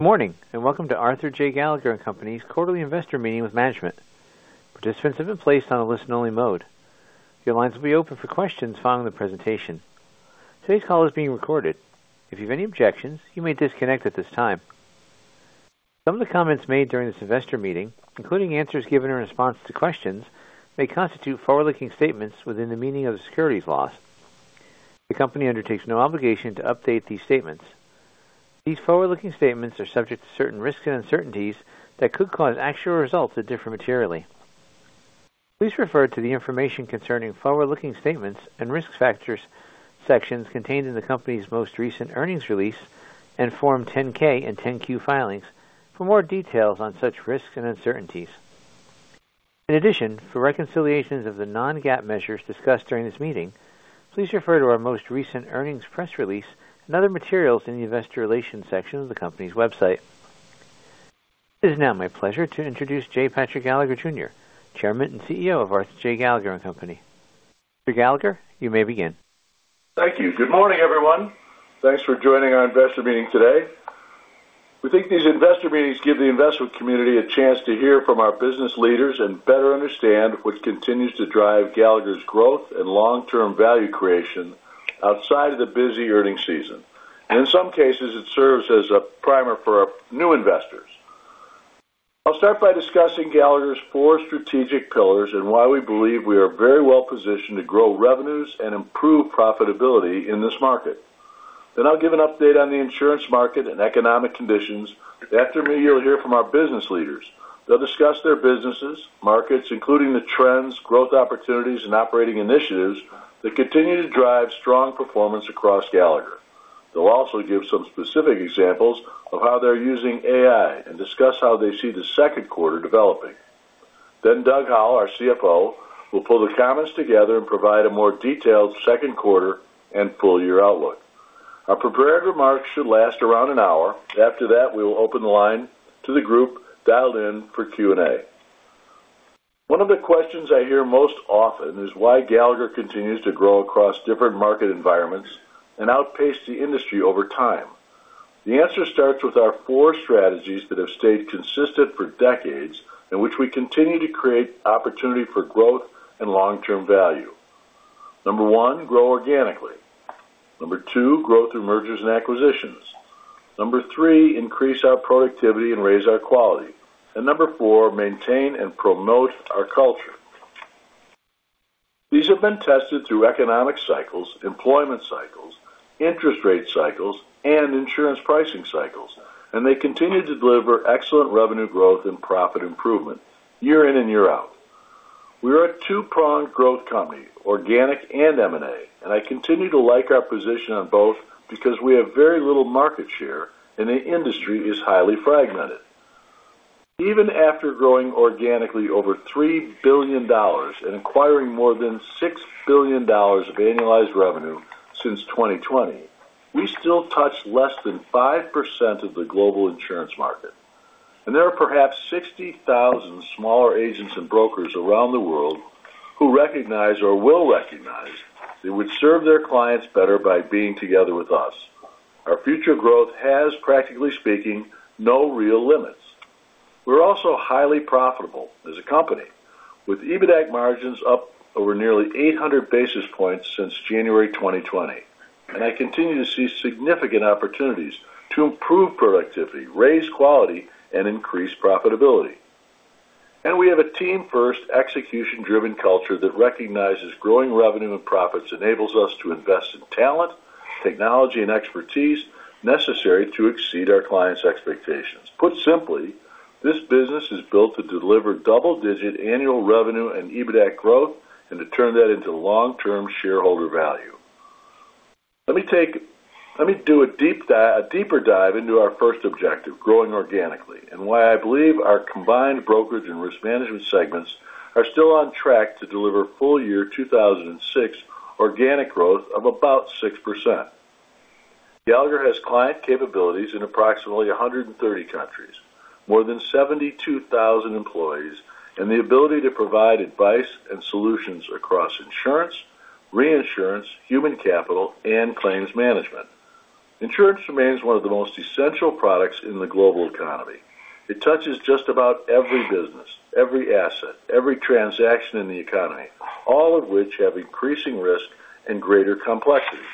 Good morning, welcome to Arthur J. Gallagher & Company's Quarterly Investor Meeting with Management. Participants have been placed on a listen-only mode. The lines will be open for questions following the presentation. Today's call is being recorded. If you have any objections, you may disconnect at this time. Some of the comments made during this investor meeting, including answers given in response to questions, may constitute forward-looking statements within the meaning of the securities laws. The company undertakes no obligation to update these statements. These forward-looking statements are subject to certain risks and uncertainties that could cause actual results to differ materially. Please refer to the information concerning forward-looking statements and risk factors sections contained in the company's most recent earnings release, Form 10-K and 10-Q filings for more details on such risks and uncertainties. For reconciliations of the non-GAAP measures discussed during this meeting, please refer to our most recent earnings press release and other materials in the Investor Relations section of the company's website. It is now my pleasure to introduce J. Patrick Gallagher Jr., Chairman and CEO of Arthur J. Gallagher & Company. Mr. Gallagher, you may begin. Thank you. Good morning, everyone. Thanks for joining our investor meeting today. We think these investor meetings give the investment community a chance to hear from our business leaders and better understand what continues to drive Gallagher's growth and long-term value creation outside of the busy earning season. In some cases, it serves as a primer for our new investors. I'll start by discussing Gallagher's four strategic pillars and why we believe we are very well positioned to grow revenues and improve profitability in this market. I'll give an update on the insurance market and economic conditions. After me, you'll hear from our business leaders. They'll discuss their businesses, markets, including the trends, growth opportunities, and operating initiatives that continue to drive strong performance across Gallagher. They'll also give some specific examples of how they're using AI and discuss how they see the second quarter developing. Doug Howell, our CFO, will pull the comments together and provide a more detailed second quarter and full-year outlook. Our prepared remarks should last around an hour. After that, we will open the line to the group dialed in for Q&A. One of the questions I hear most often is why Gallagher continues to grow across different market environments and outpace the industry over time. The answer starts with our four strategies that have stayed consistent for decades, in which we continue to create opportunity for growth and long-term value. Number 1, grow organically. Number 2, grow through mergers and acquisitions. Number 3, increase our productivity and raise our quality. Number 4, maintain and promote our culture. These have been tested through economic cycles, employment cycles, interest rate cycles, and insurance pricing cycles. They continue to deliver excellent revenue growth and profit improvement year in and year out. We are a two-pronged growth company, organic and M&A. I continue to like our position on both because we have very little market share, and the industry is highly fragmented. Even after growing organically over $3 billion and acquiring more than $6 billion of annualized revenue since 2020, we still touch less than 5% of the global insurance market. There are perhaps 60,000 smaller agents and brokers around the world who recognize or will recognize they would serve their clients better by being together with us. Our future growth has, practically speaking, no real limits. We're also highly profitable as a company, with EBITDA margins up over nearly 800 basis points since January 2020. I continue to see significant opportunities to improve productivity, raise quality, and increase profitability. We have a team-first, execution-driven culture that recognizes growing revenue and profits enables us to invest in talent, technology, and expertise necessary to exceed our clients' expectations. Put simply, this business is built to deliver double-digit annual revenue and EBITDA growth and to turn that into long-term shareholder value. Let me do a deeper dive into our first objective, growing organically, and why I believe our combined brokerage and risk management segments are still on track to deliver full-year 2026 organic growth of about 6%. Gallagher has client capabilities in approximately 130 countries, more than 72,000 employees, and the ability to provide advice and solutions across insurance, reinsurance, human capital, and claims management. Insurance remains one of the most essential products in the global economy. It touches just about every business, every asset, every transaction in the economy, all of which have increasing risk and greater complexity.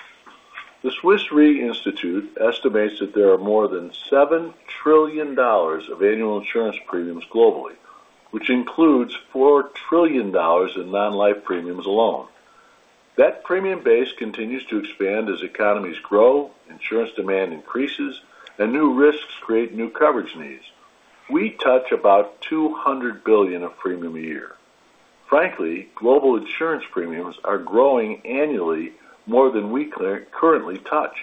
The Swiss Re Institute estimates that there are more than $7 trillion of annual insurance premiums globally, which includes $4 trillion in non-life premiums alone. That premium base continues to expand as economies grow, insurance demand increases, and new risks create new coverage needs. We touch about $200 billion of premium a year. Frankly, global insurance premiums are growing annually more than we currently touch.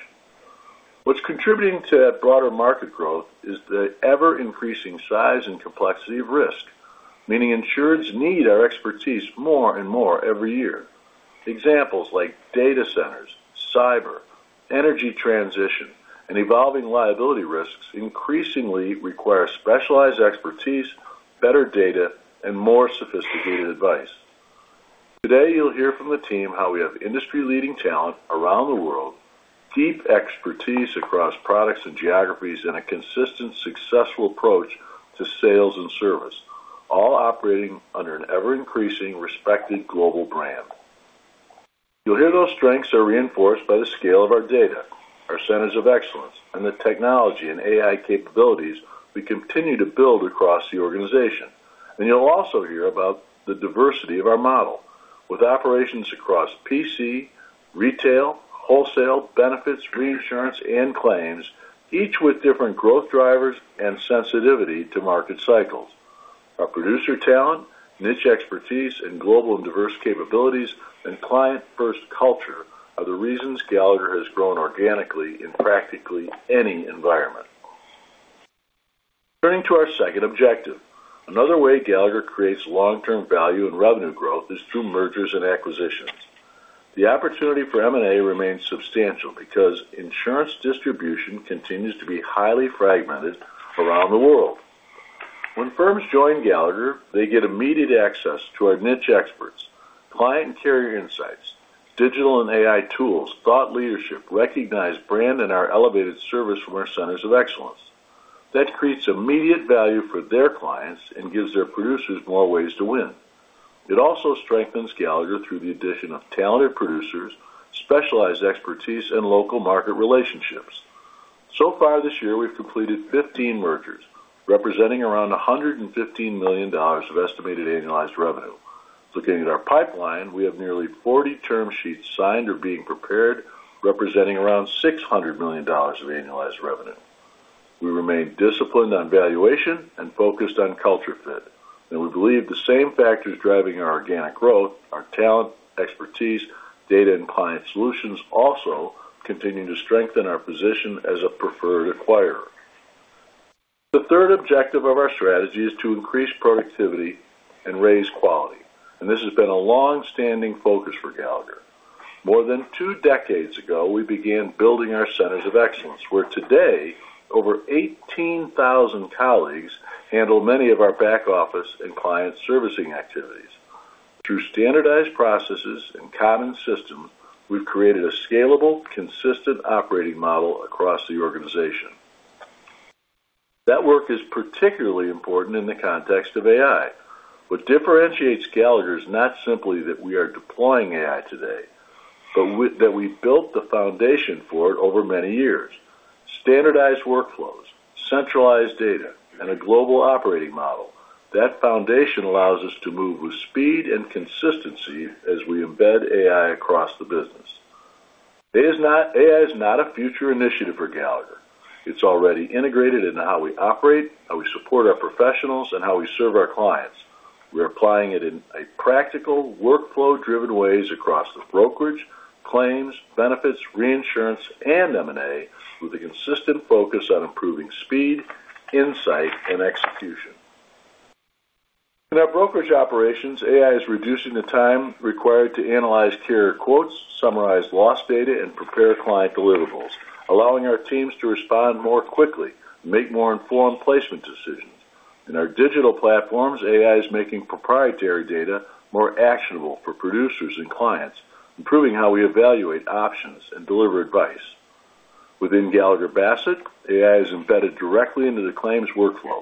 What's contributing to that broader market growth is the ever-increasing size and complexity of risk, meaning insureds need our expertise more and more every year. Examples like data centers, cyber, energy transition, and evolving liability risks increasingly require specialized expertise, better data, and more sophisticated advice. Today, you'll hear from the team how we have industry-leading talent around the world, deep expertise across products and geographies, and a consistent, successful approach to sales and service, all operating under an ever-increasing respected global brand. You'll hear those strengths are reinforced by the scale of our data, our Centers of Excellence, and the technology and AI capabilities we continue to build across the organization. You'll also hear about the diversity of our model with operations across PC, retail, wholesale, benefits, reinsurance, and claims, each with different growth drivers and sensitivity to market cycles. Our producer talent, niche expertise in global and diverse capabilities, and client-first culture are the reasons Gallagher has grown organically in practically any environment. Turning to our second objective. Another way Gallagher creates long-term value and revenue growth is through mergers and acquisitions. The opportunity for M&A remains substantial because insurance distribution continues to be highly fragmented around the world. When firms join Gallagher, they get immediate access to our niche experts, client and carrier insights, digital and AI tools, thought leadership, recognized brand, and our elevated service from our centers of excellence. That creates immediate value for their clients and gives their producers more ways to win. It also strengthens Gallagher through the addition of talented producers, specialized expertise, and local market relationships. So far this year, we've completed 15 mergers, representing around $115 million of estimated annualized revenue. Looking at our pipeline, we have nearly 40 term sheets signed or being prepared, representing around $600 million of annualized revenue. We remain disciplined on valuation and focused on culture fit. We believe the same factors driving our organic growth, our talent, expertise, data, and client solutions also continue to strengthen our position as a preferred acquirer. The third objective of our strategy is to increase productivity and raise quality. This has been a longstanding focus for Gallagher. More than two decades ago, we began building our centers of excellence, where today, over 18,000 colleagues handle many of our back office and client servicing activities. Through standardized processes and common systems, we've created a scalable, consistent operating model across the organization. That work is particularly important in the context of AI. What differentiates Gallagher is not simply that we are deploying AI today, but that we've built the foundation for it over many years. Standardized workflows, centralized data, and a global operating model. That foundation allows us to move with speed and consistency as we embed AI across the business. AI is not a future initiative for Gallagher. It's already integrated into how we operate, how we support our professionals, and how we serve our clients. We're applying it in practical, workflow-driven ways across the brokerage, claims, benefits, reinsurance, and M&A with a consistent focus on improving speed, insight, and execution. In our brokerage operations, AI is reducing the time required to analyze carrier quotes, summarize loss data, and prepare client deliverables, allowing our teams to respond more quickly, make more informed placement decisions. In our digital platforms, AI is making proprietary data more actionable for producers and clients, improving how we evaluate options and deliver advice. Within Gallagher Bassett, AI is embedded directly into the claims workflow.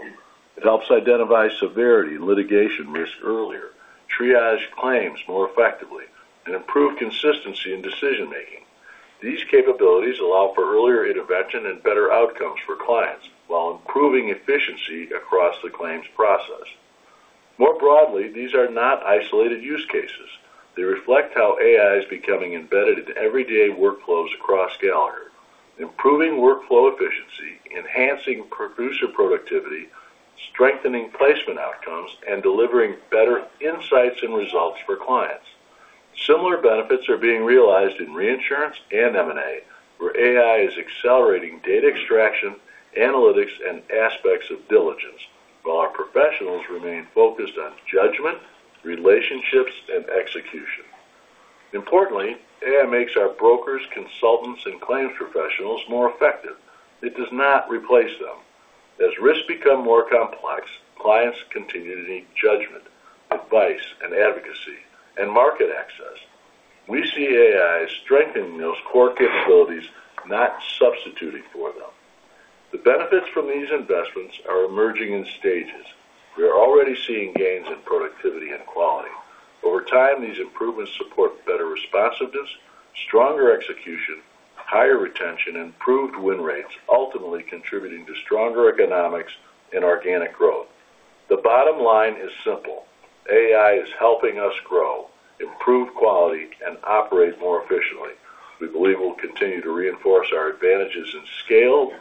It helps identify severity and litigation risk earlier, triage claims more effectively, and improve consistency in decision-making. These capabilities allow for earlier intervention and better outcomes for clients while improving efficiency across the claims process. More broadly, these are not isolated use cases. They reflect how AI is becoming embedded into everyday workflows across Gallagher, improving workflow efficiency, enhancing producer productivity, strengthening placement outcomes, and delivering better insights and results for clients. Similar benefits are being realized in reinsurance and M&A, where AI is accelerating data extraction, analytics, and aspects of diligence, while our professionals remain focused on judgment, relationships, and execution. Importantly, AI makes our brokers, consultants, and claims professionals more effective. It does not replace them. As risks become more complex, clients continue to need judgment, advice, and advocacy, and market access. We see AI as strengthening those core capabilities, not substituting for them. The benefits from these investments are emerging in stages. We are already seeing gains in productivity and quality. Over time, these improvements support better responsiveness, stronger execution, higher retention, and improved win rates, ultimately contributing to stronger economics and organic growth. The bottom line is simple: AI is helping us grow, improve quality, and operate more efficiently. We believe it will continue to reinforce our advantages in scale,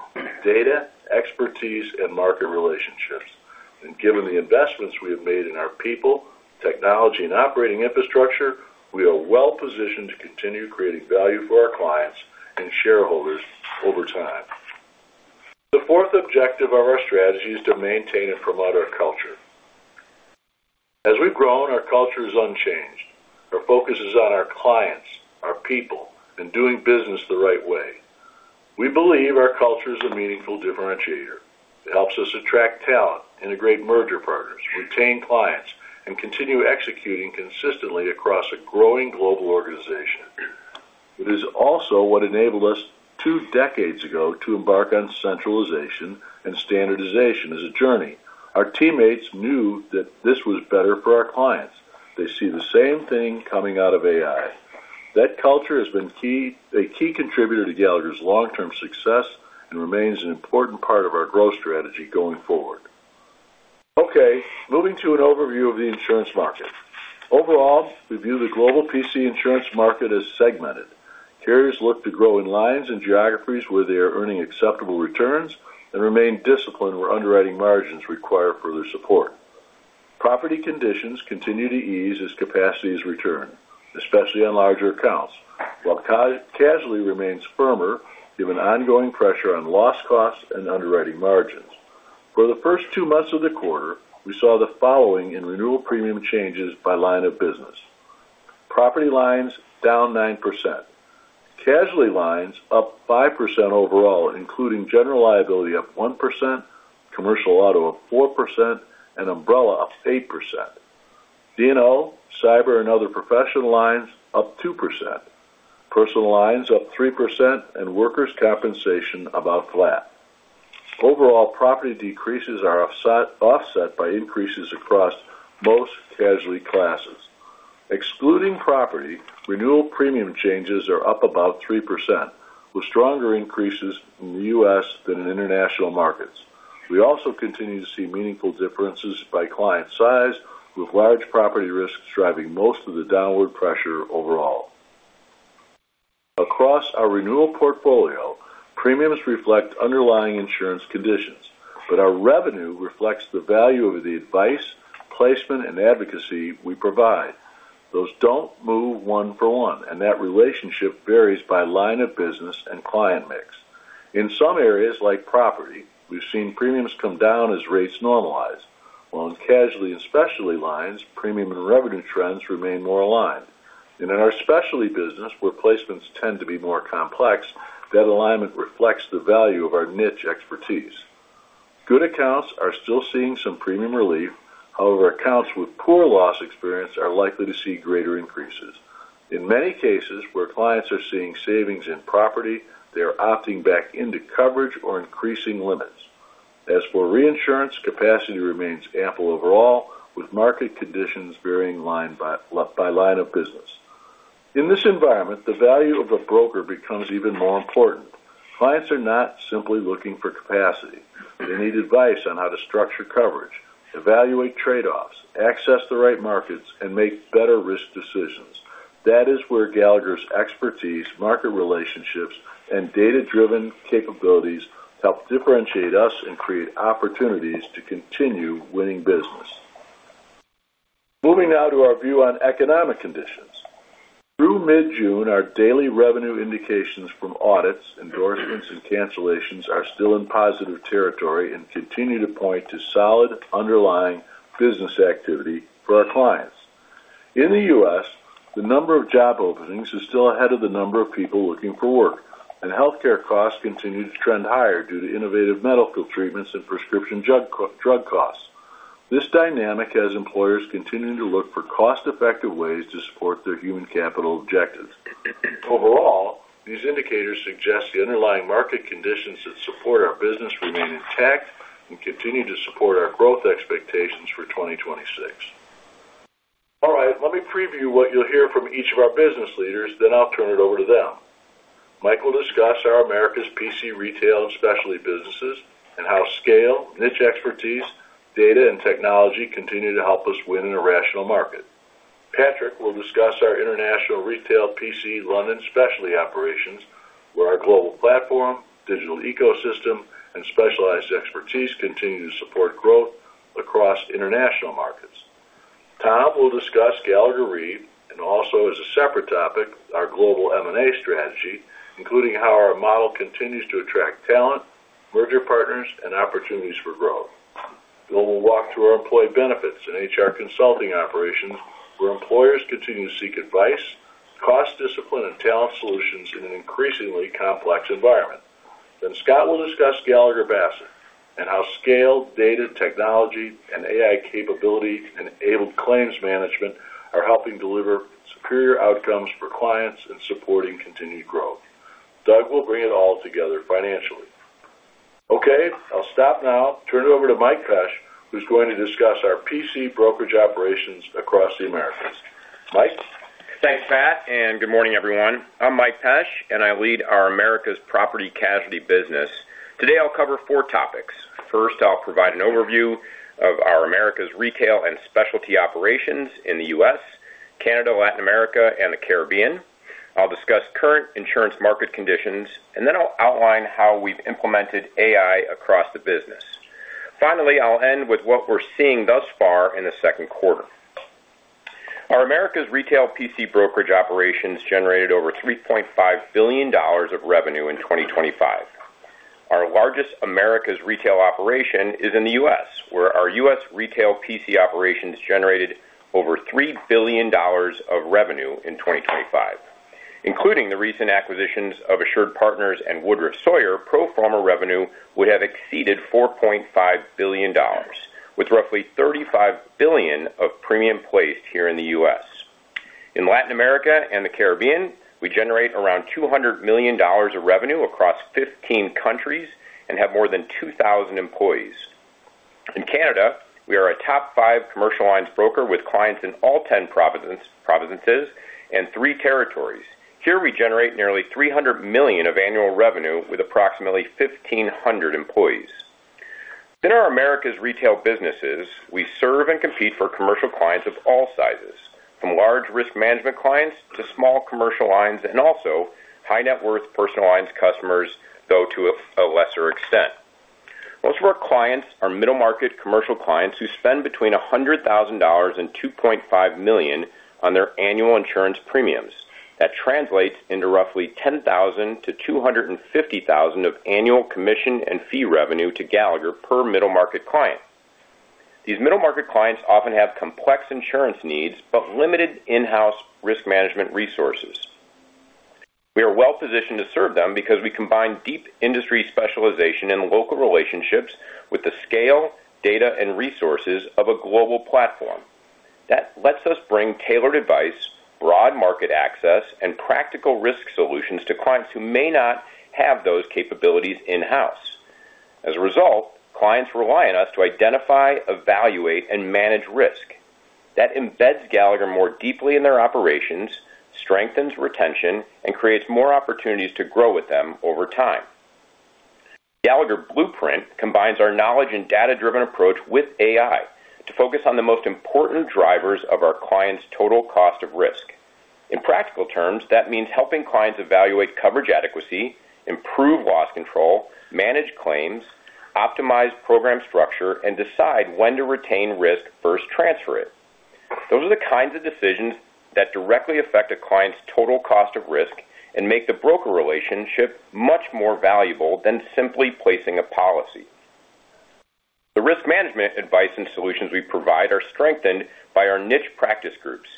data, expertise, and market relationships. Given the investments we have made in our people, technology, and operating infrastructure, we are well-positioned to continue creating value for our clients and shareholders over time. The fourth objective of our strategy is to maintain and promote our culture. As we've grown, our culture is unchanged. Our focus is on our clients, our people, and doing business the right way. We believe our culture is a meaningful differentiator. It helps us attract talent, integrate merger partners, retain clients, and continue executing consistently across a growing global organization. It is also what enabled us two decades ago to embark on centralization and standardization as a journey. Our teammates knew that this was better for our clients. They see the same thing coming out of AI. That culture has been a key contributor to Gallagher's long-term success and remains an important part of our growth strategy going forward. Moving to an overview of the insurance market. Overall, we view the global PC insurance market as segmented. Carriers look to grow in lines and geographies where they are earning acceptable returns and remain disciplined where underwriting margins require further support. Property conditions continue to ease as capacity is returned, especially on larger accounts. While casualty remains firmer, given ongoing pressure on loss costs and underwriting margins. For the first two months of the quarter, we saw the following in renewal premium changes by line of business. Property lines down 9%. Casualty lines up 5% overall, including general liability up 1%, commercial auto up 4%, and umbrella up 8%. D&O, cyber, and other professional lines up 2%. Personal lines up 3%, and workers' compensation about flat. Overall, property decreases are offset by increases across most casualty classes. Excluding property, renewal premium changes are up about 3%, with stronger increases in the U.S. than in international markets. We also continue to see meaningful differences by client size, with large property risks driving most of the downward pressure overall. Across our renewal portfolio, premiums reflect underlying insurance conditions, but our revenue reflects the value of the advice, placement, and advocacy we provide. Those don't move one for one, and that relationship varies by line of business and client mix. In some areas like property, we've seen premiums come down as rates normalize, while in casualty and specialty lines, premium and revenue trends remain more aligned. In our specialty business, where placements tend to be more complex, that alignment reflects the value of our niche expertise. Good accounts are still seeing some premium relief. However, accounts with poor loss experience are likely to see greater increases. In many cases, where clients are seeing savings in property, they are opting back into coverage or increasing limits. As for reinsurance, capacity remains ample overall, with market conditions varying by line of business. In this environment, the value of a broker becomes even more important. Clients are not simply looking for capacity. They need advice on how to structure coverage, evaluate trade-offs, access the right markets, and make better risk decisions. That is where Gallagher's expertise, market relationships, and data-driven capabilities help differentiate us and create opportunities to continue winning business. Moving now to our view on economic conditions. Through mid-June, our daily revenue indications from audits, endorsements, and cancellations are still in positive territory and continue to point to solid underlying business activity for our clients. In the U.S., the number of job openings is still ahead of the number of people looking for work. Healthcare costs continue to trend higher due to innovative medical treatments and prescription drug costs. This dynamic has employers continuing to look for cost-effective ways to support their human capital objectives. Overall, these indicators suggest the underlying market conditions that support our business remain intact and continue to support our growth expectations for 2026. All right. Let me preview what you will hear from each of our business leaders, then I will turn it over to them. Mike will discuss our Americas PC retail and specialty businesses and how scale, niche expertise, data, and technology continue to help us win in a rational market. Patrick will discuss our international retail PC London specialty operations, where our global platform, digital ecosystem, and specialized expertise continue to support growth across international markets. Tom will discuss Gallagher Re, and also as a separate topic, our global M&A strategy, including how our model continues to attract talent, merger partners, and opportunities for growth. Bill will walk through our employee benefits and HR consulting operations, where employers continue to seek advice, cost discipline, and talent solutions in an increasingly complex environment. Scott will discuss Gallagher Bassett and how scale, data, technology, and AI capability-enabled claims management are helping deliver superior outcomes for clients and supporting continued growth. Doug will bring it all together financially. Okay. I will stop now, turn it over to Mike Pesch, who is going to discuss our PC brokerage operations across the Americas. Mike? Thanks, Pat, and good morning, everyone. I am Mike Pesch, and I lead our Americas Property Casualty business. Today, I will cover four topics. First, I will provide an overview of our Americas retail and specialty operations in the U.S., Canada, Latin America, and the Caribbean. I will discuss current insurance market conditions, then I will outline how we have implemented AI across the business. Finally, I will end with what we are seeing thus far in the second quarter. Our Americas retail PC brokerage operations generated over $3.5 billion of revenue in 2025. Our largest Americas retail operation is in the U.S., where our U.S. retail PC operations generated over $3 billion of revenue in 2025. Including the recent acquisitions of AssuredPartners and Woodruff Sawyer, pro forma revenue would have exceeded $4.5 billion, with roughly $35 billion of premium placed here in the U.S. In Latin America and the Caribbean, we generate around $200 million of revenue across 15 countries and have more than 2,000 employees. In Canada, we are a top five commercial lines broker with clients in all 10 provinces and three territories. Here, we generate nearly $300 million of annual revenue with approximately 1,500 employees. In our Americas retail businesses, we serve and compete for commercial clients of all sizes, from large risk management clients to small commercial lines, and also high-net-worth personal lines customers, though to a lesser extent. Most of our clients are middle-market commercial clients who spend between $100,000 and $2.5 million on their annual insurance premiums. That translates into roughly $10,000-$250,000 of annual commission and fee revenue to Gallagher per middle-market client. These middle-market clients often have complex insurance needs, but limited in-house risk management resources. We are well-positioned to serve them because we combine deep industry specialization and local relationships with the scale, data, and resources of a global platform. That lets us bring tailored advice, broad market access, and practical risk solutions to clients who may not have those capabilities in-house. As a result, clients rely on us to identify, evaluate, and manage risk. That embeds Gallagher more deeply in their operations, strengthens retention, and creates more opportunities to grow with them over time. Gallagher Blueprint combines our knowledge and data-driven approach with AI to focus on the most important drivers of our clients' total cost of risk. In practical terms, that means helping clients evaluate coverage adequacy, improve loss control, manage claims, optimize program structure, and decide when to retain risk versus transfer it. Those are the kinds of decisions that directly affect a client's total cost of risk and make the broker relationship much more valuable than simply placing a policy. The risk management advice and solutions we provide are strengthened by our niche practice groups.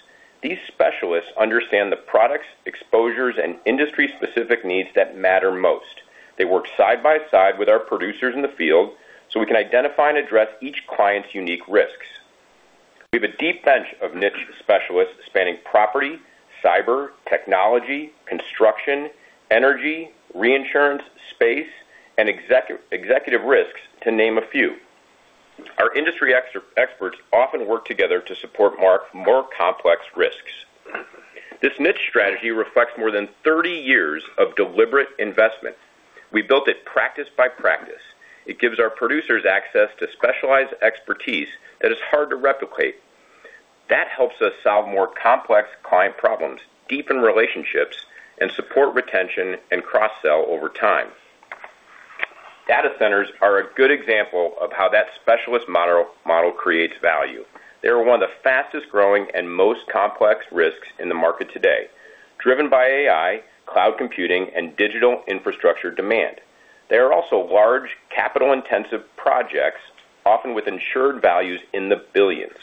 These specialists understand the products, exposures, and industry-specific needs that matter most. They work side by side with our producers in the field so we can identify and address each client's unique risks. We have a deep bench of niche specialists spanning property, cyber, technology, construction, energy, reinsurance, space, and executive risks, to name a few. Our industry experts often work together to support more complex risks. This niche strategy reflects more than 30 years of deliberate investment. We built it practice by practice. It gives our producers access to specialized expertise that is hard to replicate. That helps us solve more complex client problems, deepen relationships, and support retention and cross-sell over time. Data centers are a good example of how that specialist model creates value. They are one of the fastest-growing and most complex risks in the market today, driven by AI, cloud computing, and digital infrastructure demand. They are also large, capital-intensive projects, often with insured values in the $ billions.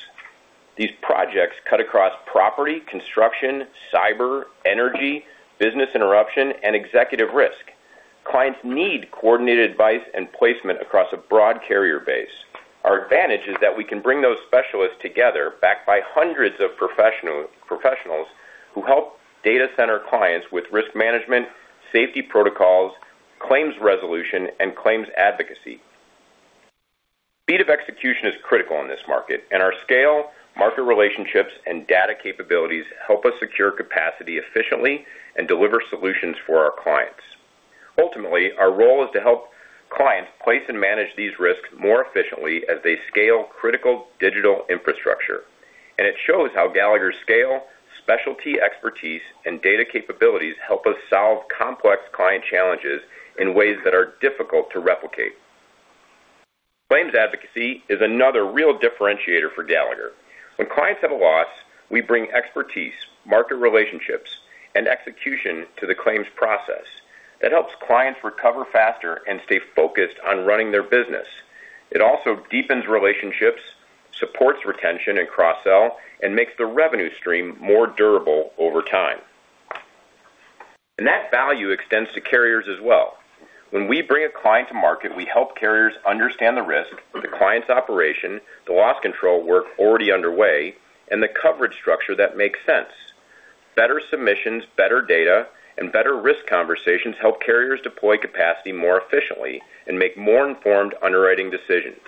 These projects cut across property, construction, cyber, energy, business interruption, and executive risk. Clients need coordinated advice and placement across a broad carrier base. Our advantage is that we can bring those specialists together, backed by hundreds of professionals who help data center clients with risk management, safety protocols, claims resolution, and claims advocacy. Speed of execution is critical in this market, and our scale, market relationships, and data capabilities help us secure capacity efficiently and deliver solutions for our clients. Ultimately, our role is to help clients place and manage these risks more efficiently as they scale critical digital infrastructure. It shows how Gallagher's scale, specialty expertise, and data capabilities help us solve complex client challenges in ways that are difficult to replicate. Claims advocacy is another real differentiator for Gallagher. When clients have a loss, we bring expertise, market relationships, and execution to the claims process. That helps clients recover faster and stay focused on running their business. It also deepens relationships, supports retention and cross-sell, and makes the revenue stream more durable over time. That value extends to carriers as well. When we bring a client to market, we help carriers understand the risk, the client's operation, the loss control work already underway, and the coverage structure that makes sense. Better submissions, better data, and better risk conversations help carriers deploy capacity more efficiently and make more informed underwriting decisions.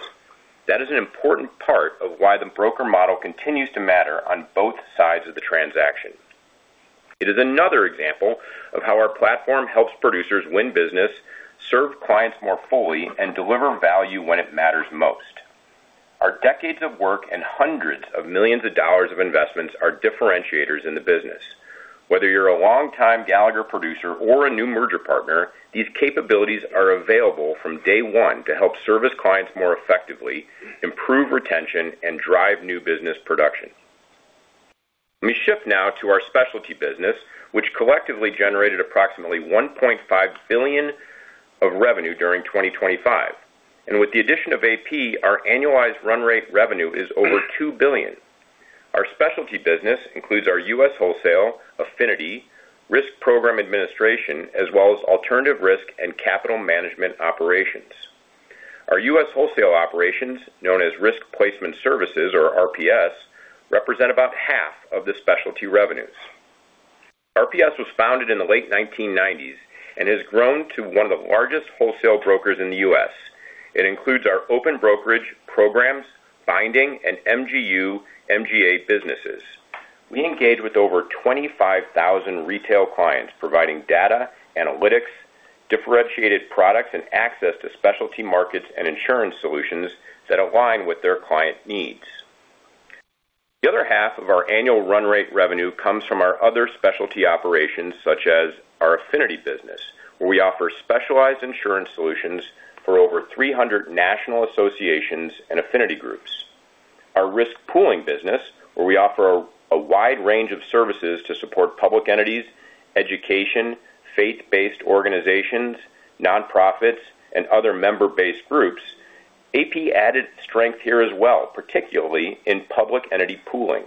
That is an important part of why the broker model continues to matter on both sides of the transaction. It is another example of how our platform helps producers win business, serve clients more fully, and deliver value when it matters most. Our decades of work and hundreds of millions of dollars of investments are differentiators in the business. Whether you're a longtime Gallagher producer or a new merger partner, these capabilities are available from day one to help service clients more effectively, improve retention, and drive new business production. Let me shift now to our specialty business, which collectively generated approximately $1.5 billion of revenue during 2025. With the addition of AP, our annualized run rate revenue is over $2 billion. Our specialty business includes our U.S. wholesale, affinity, risk program administration, as well as alternative risk and capital management operations. Our U.S. wholesale operations, known as Risk Placement Services or RPS, represent about half of the specialty revenues. RPS was founded in the late 1990s and has grown to one of the largest wholesale brokers in the U.S. It includes our open brokerage programs, binding, and MGU, MGA businesses. We engage with over 25,000 retail clients, providing data, analytics, differentiated products, and access to specialty markets and insurance solutions that align with their client needs. The other half of our annual run rate revenue comes from our other specialty operations, such as our affinity business, where we offer specialized insurance solutions for over 300 national associations and affinity groups. Our risk pooling business, where we offer a wide range of services to support public entities, education, faith-based organizations, nonprofits, and other member-based groups. AP added strength here as well, particularly in public entity pooling.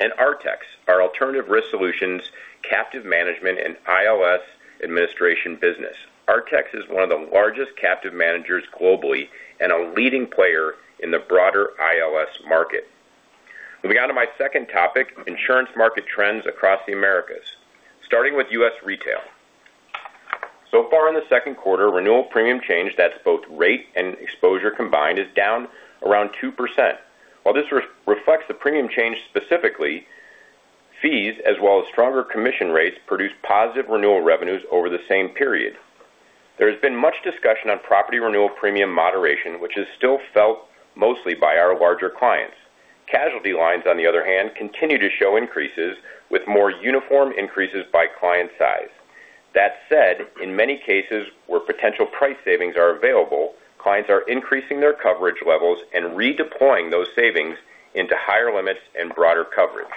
Artex, our alternative risk solutions, captive management, and ILS administration business. Artex is one of the largest captive managers globally and a leading player in the broader ILS market. Moving on to my second topic, insurance market trends across the Americas, starting with U.S. retail. So far in the second quarter, renewal premium change, that's both rate and exposure combined, is down around 2%. While this reflects the premium change, specifically fees as well as stronger commission rates produce positive renewal revenues over the same period. There has been much discussion on property renewal premium moderation, which is still felt mostly by our larger clients. Casualty lines, on the other hand, continue to show increases with more uniform increases by client size. That said, in many cases where potential price savings are available, clients are increasing their coverage levels and redeploying those savings into higher limits and broader coverage.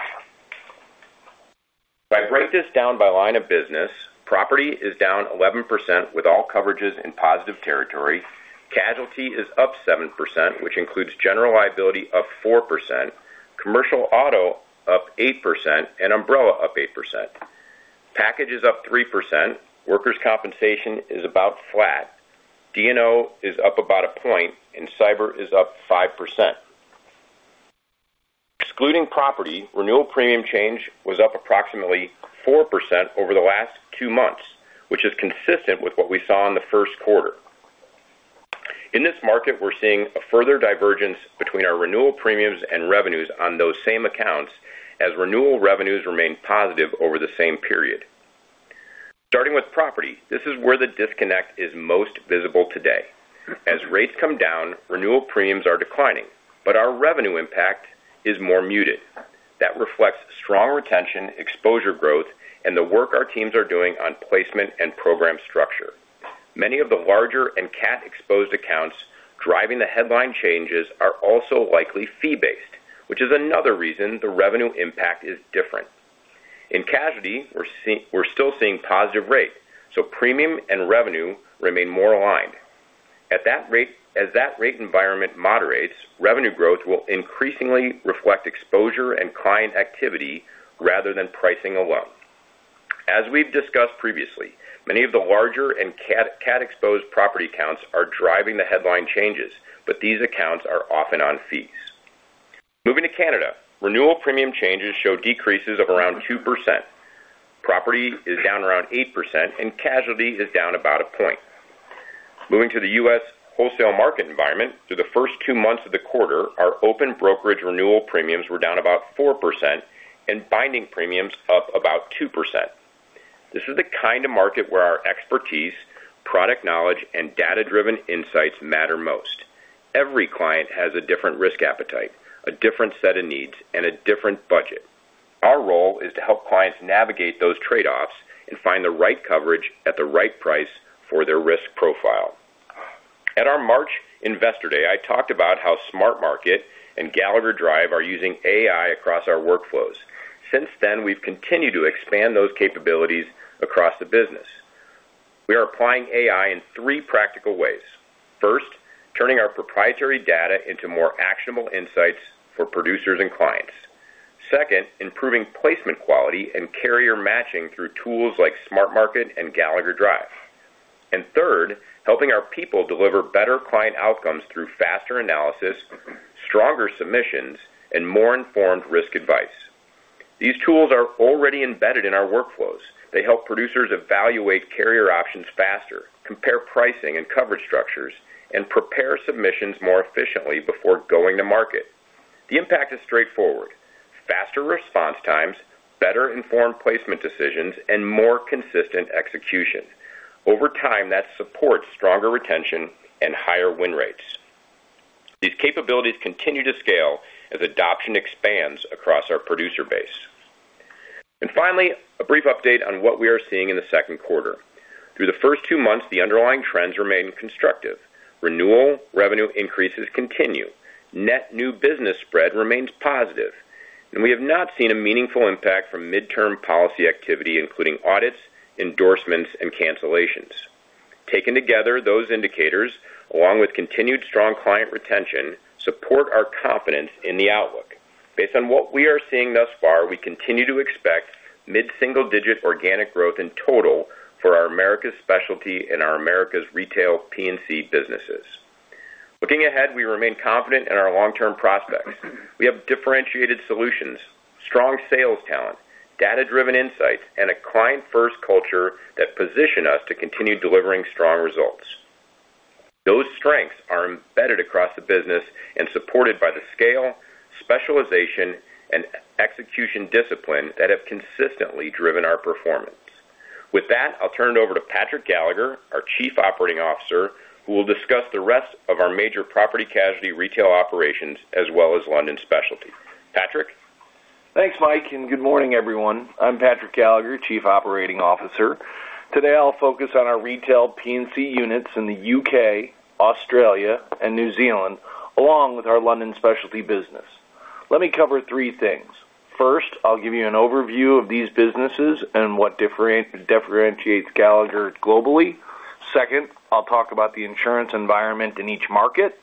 If I break this down by line of business, property is down 11% with all coverages in positive territory. Casualty is up 7%, which includes general liability up 4%, commercial auto up 8%, and umbrella up 8%. Package is up 3%. Workers' compensation is about flat. D&O is up about a point, and cyber is up 5%. Excluding property, renewal premium change was up approximately 4% over the last two months, which is consistent with what we saw in the first quarter. In this market, we're seeing a further divergence between our renewal premiums and revenues on those same accounts as renewal revenues remain positive over the same period. Starting with property, this is where the disconnect is most visible today. As rates come down, renewal premiums are declining, but our revenue impact is more muted. That reflects strong retention, exposure growth, and the work our teams are doing on placement and program structure. Many of the larger and CAT-exposed accounts driving the headline changes are also likely fee-based, which is another reason the revenue impact is different. In casualty, we're still seeing positive rates, so premium and revenue remain more aligned. As that rate environment moderates, revenue growth will increasingly reflect exposure and client activity rather than pricing alone. As we've discussed previously, many of the larger and CAT-exposed property accounts are driving the headline changes, but these accounts are often on fees. Moving to Canada, renewal premium changes show decreases of around 2%. Property is down around 8%, and casualty is down about a point. Moving to the U.S. wholesale market environment, through the first two months of the quarter, our open brokerage renewal premiums were down about 4% and binding premiums up about 2%. This is the kind of market where our expertise, product knowledge, and data-driven insights matter most. Every client has a different risk appetite, a different set of needs, and a different budget. Our role is to help clients navigate those trade-offs and find the right coverage at the right price for their risk profile. At our March Investor Day, I talked about how SmartMarket and Gallagher Drive are using AI across our workflows. Since then, we've continued to expand those capabilities across the business. We are applying AI in three practical ways. First, turning our proprietary data into more actionable insights for producers and clients. Second, improving placement quality and carrier matching through tools like SmartMarket and Gallagher Drive. Third, helping our people deliver better client outcomes through faster analysis, stronger submissions, and more informed risk advice. These tools are already embedded in our workflows. They help producers evaluate carrier options faster, compare pricing and coverage structures, and prepare submissions more efficiently before going to market. The impact is straightforward. Faster response times, better-informed placement decisions, and more consistent execution. Over time, that supports stronger retention and higher win rates. These capabilities continue to scale as adoption expands across our producer base. Finally, a brief update on what we are seeing in the second quarter. Through the first two months, the underlying trends remain constructive. Renewal revenue increases continue. Net new business spread remains positive, and we have not seen a meaningful impact from midterm policy activity, including audits, endorsements, and cancellations. Taken together, those indicators, along with continued strong client retention, support our confidence in the outlook. Based on what we are seeing thus far, we continue to expect mid-single-digit organic growth in total for our Americas Specialty and our Americas Retail P&C businesses. Looking ahead, we remain confident in our long-term prospects. We have differentiated solutions, strong sales talent, data-driven insights, and a client-first culture that position us to continue delivering strong results. Those strengths are embedded across the business and supported by the scale, specialization, and execution discipline that have consistently driven our performance. With that, I'll turn it over to Patrick Gallagher, our Chief Operating Officer, who will discuss the rest of our major property casualty retail operations as well as London specialty. Patrick? Thanks, Mike, and good morning, everyone. I'm Patrick Gallagher, Chief Operating Officer. Today, I'll focus on our retail P&C units in the U.K., Australia, and New Zealand, along with our London specialty business. Let me cover three things. First, I'll give you an overview of these businesses and what differentiates Gallagher globally. Second, I'll talk about the insurance environment in each market.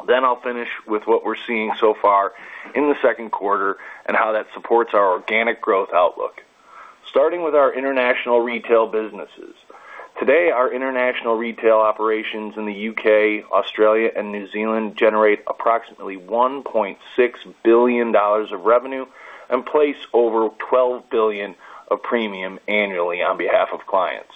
I'll finish with what we're seeing so far in the second quarter and how that supports our organic growth outlook. Starting with our international retail businesses. Today, our international retail operations in the U.K., Australia, and New Zealand generate approximately $1.6 billion of revenue and place over $12 billion of premium annually on behalf of clients.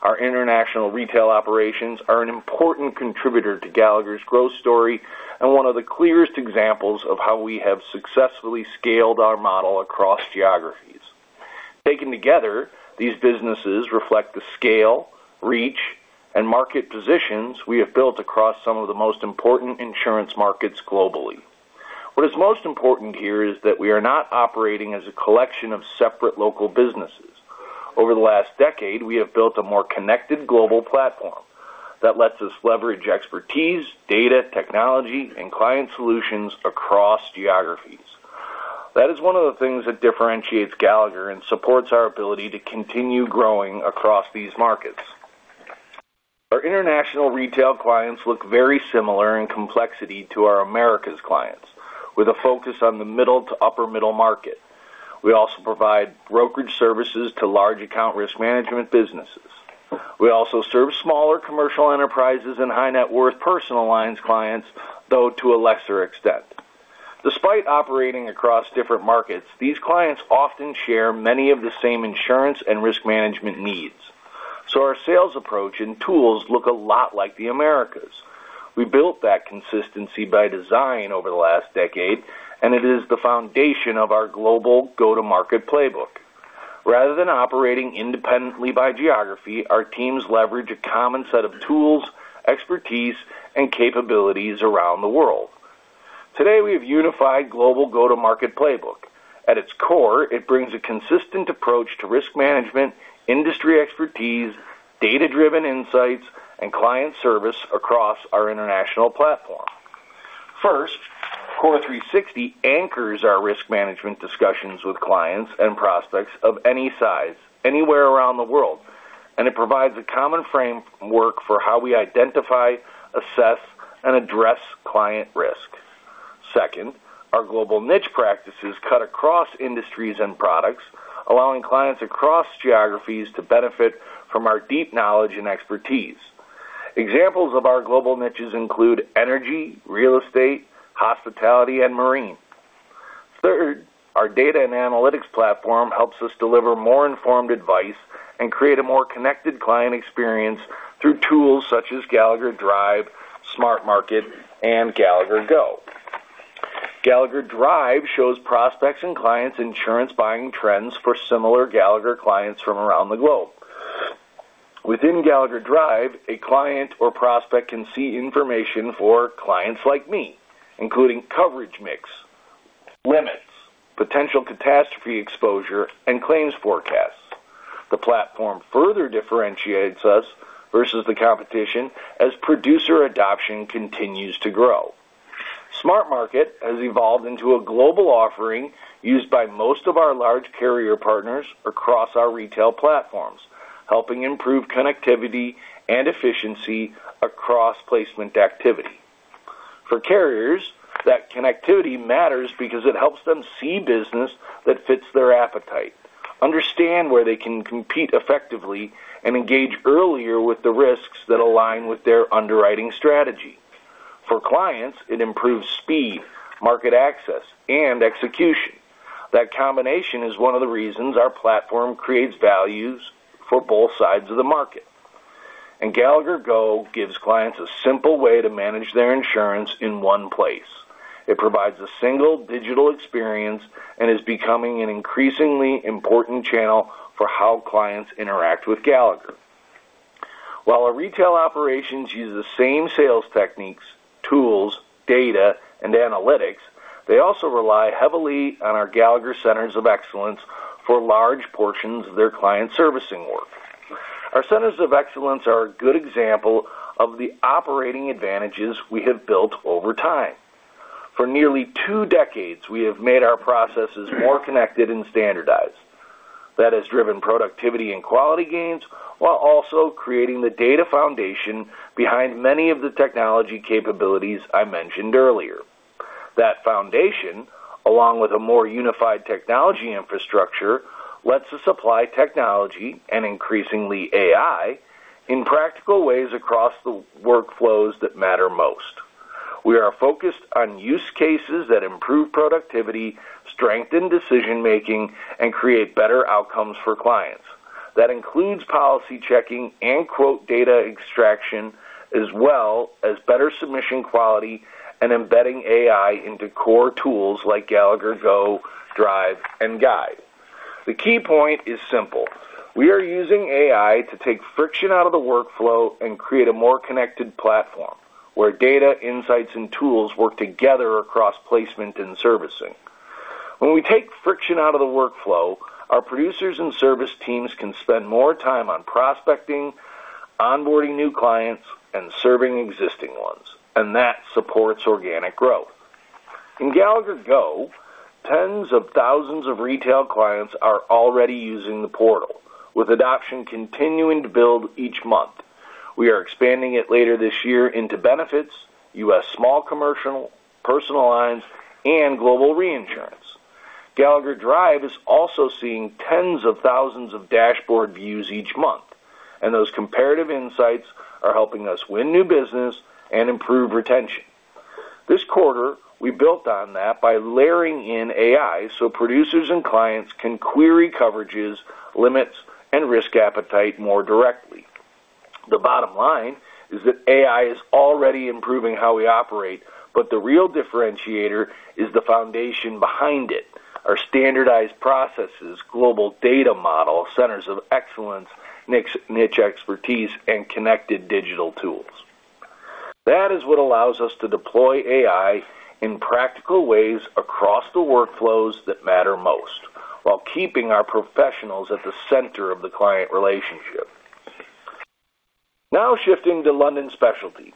Our international retail operations are an important contributor to Gallagher's growth story and one of the clearest examples of how we have successfully scaled our model across geographies. Taken together, these businesses reflect the scale, reach, and market positions we have built across some of the most important insurance markets globally. What is most important here is that we are not operating as a collection of separate local businesses. Over the last decade, we have built a more connected global platform that lets us leverage expertise, data, technology, and client solutions across geographies. That is one of the things that differentiates Gallagher and supports our ability to continue growing across these markets. Our international retail clients look very similar in complexity to our Americas clients, with a focus on the middle to upper middle market. We also provide brokerage services to large account risk management businesses. We also serve smaller commercial enterprises and high-net-worth personal lines clients, though to a lesser extent. Despite operating across different markets, these clients often share many of the same insurance and risk management needs. Our sales approach and tools look a lot like the Americas. We built that consistency by design over the last decade, and it is the foundation of our global go-to-market playbook. Rather than operating independently by geography, our teams leverage a common set of tools, expertise, and capabilities around the world. Today, we have unified global go-to-market playbook. At its core, it brings a consistent approach to risk management, industry expertise, data-driven insights, and client service across our international platform. First, CORE360 anchors our risk management discussions with clients and prospects of any size anywhere around the world, and it provides a common framework for how we identify, assess, and address client risk. Second, our global niche practices cut across industries and products, allowing clients across geographies to benefit from our deep knowledge and expertise. Examples of our global niches include energy, real estate, hospitality, and marine. Third, our data and analytics platform helps us deliver more informed advice and create a more connected client experience through tools such as Gallagher Drive, SmartMarket, and Gallagher Go. Gallagher Drive shows prospects and clients insurance buying trends for similar Gallagher clients from around the globe. Within Gallagher Drive, a client or prospect can see information for clients like me, including coverage mix, limits, potential catastrophe exposure, and claims forecasts. The platform further differentiates us versus the competition as producer adoption continues to grow. SmartMarket has evolved into a global offering used by most of our large carrier partners across our retail platforms, helping improve connectivity and efficiency across placement activity. For carriers, that connectivity matters because it helps them see business that fits their appetite, understand where they can compete effectively, and engage earlier with the risks that align with their underwriting strategy. For clients, it improves speed, market access, and execution. That combination is one of the reasons our platform creates values for both sides of the market. Gallagher Go gives clients a simple way to manage their insurance in one place. It provides a single digital experience and is becoming an increasingly important channel for how clients interact with Gallagher. While our retail operations use the same sales techniques, tools, data, and analytics, they also rely heavily on our Gallagher Centers of Excellence for large portions of their client servicing work. Our Centers of Excellence are a good example of the operating advantages we have built over time. For nearly two decades, we have made our processes more connected and standardized. That has driven productivity and quality gains while also creating the data foundation behind many of the technology capabilities I mentioned earlier. That foundation, along with a more unified technology infrastructure, lets us apply technology and increasingly AI in practical ways across the workflows that matter most. We are focused on use cases that improve productivity, strengthen decision-making, and create better outcomes for clients. That includes policy checking and quote data extraction as well as better submission quality and embedding AI into core tools like Gallagher Go, Drive, and Guide. The key point is simple. We are using AI to take friction out of the workflow and create a more connected platform where data insights and tools work together across placement and servicing. When we take friction out of the workflow, our producers and service teams can spend more time on prospecting, onboarding new clients, and serving existing ones. That supports organic growth. In Gallagher Go, tens of thousands of retail clients are already using the portal, with adoption continuing to build each month. We are expanding it later this year into benefits, U.S. small commercial, personal lines, and global reinsurance. Gallagher Drive is also seeing tens of thousands of dashboard views each month. Those comparative insights are helping us win new business and improve retention. This quarter, we built on that by layering in AI so producers and clients can query coverages, limits, and risk appetite more directly. The bottom line is that AI is already improving how we operate. The real differentiator is the foundation behind it, our standardized processes, global data model, centers of excellence, niche expertise, and connected digital tools. That is what allows us to deploy AI in practical ways across the workflows that matter most while keeping our professionals at the center of the client relationship. Now shifting to London Specialty.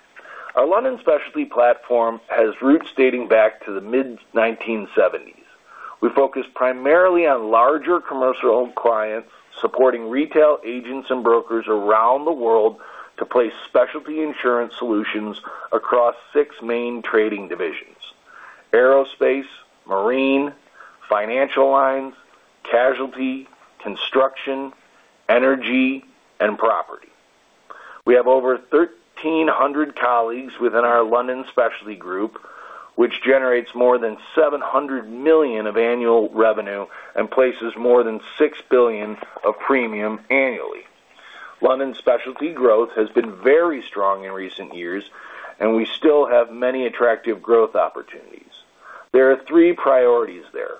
Our London Specialty platform has roots dating back to the mid-1970s. We focus primarily on larger commercial home clients, supporting retail agents and brokers around the world to place specialty insurance solutions across six main trading divisions: aerospace, marine, financial lines, casualty, construction, energy, and property. We have over 1,300 colleagues within our London Specialty Group, which generates more than $700 million of annual revenue and places more than $6 billion of premium annually. London Specialty growth has been very strong in recent years. We still have many attractive growth opportunities. There are three priorities there.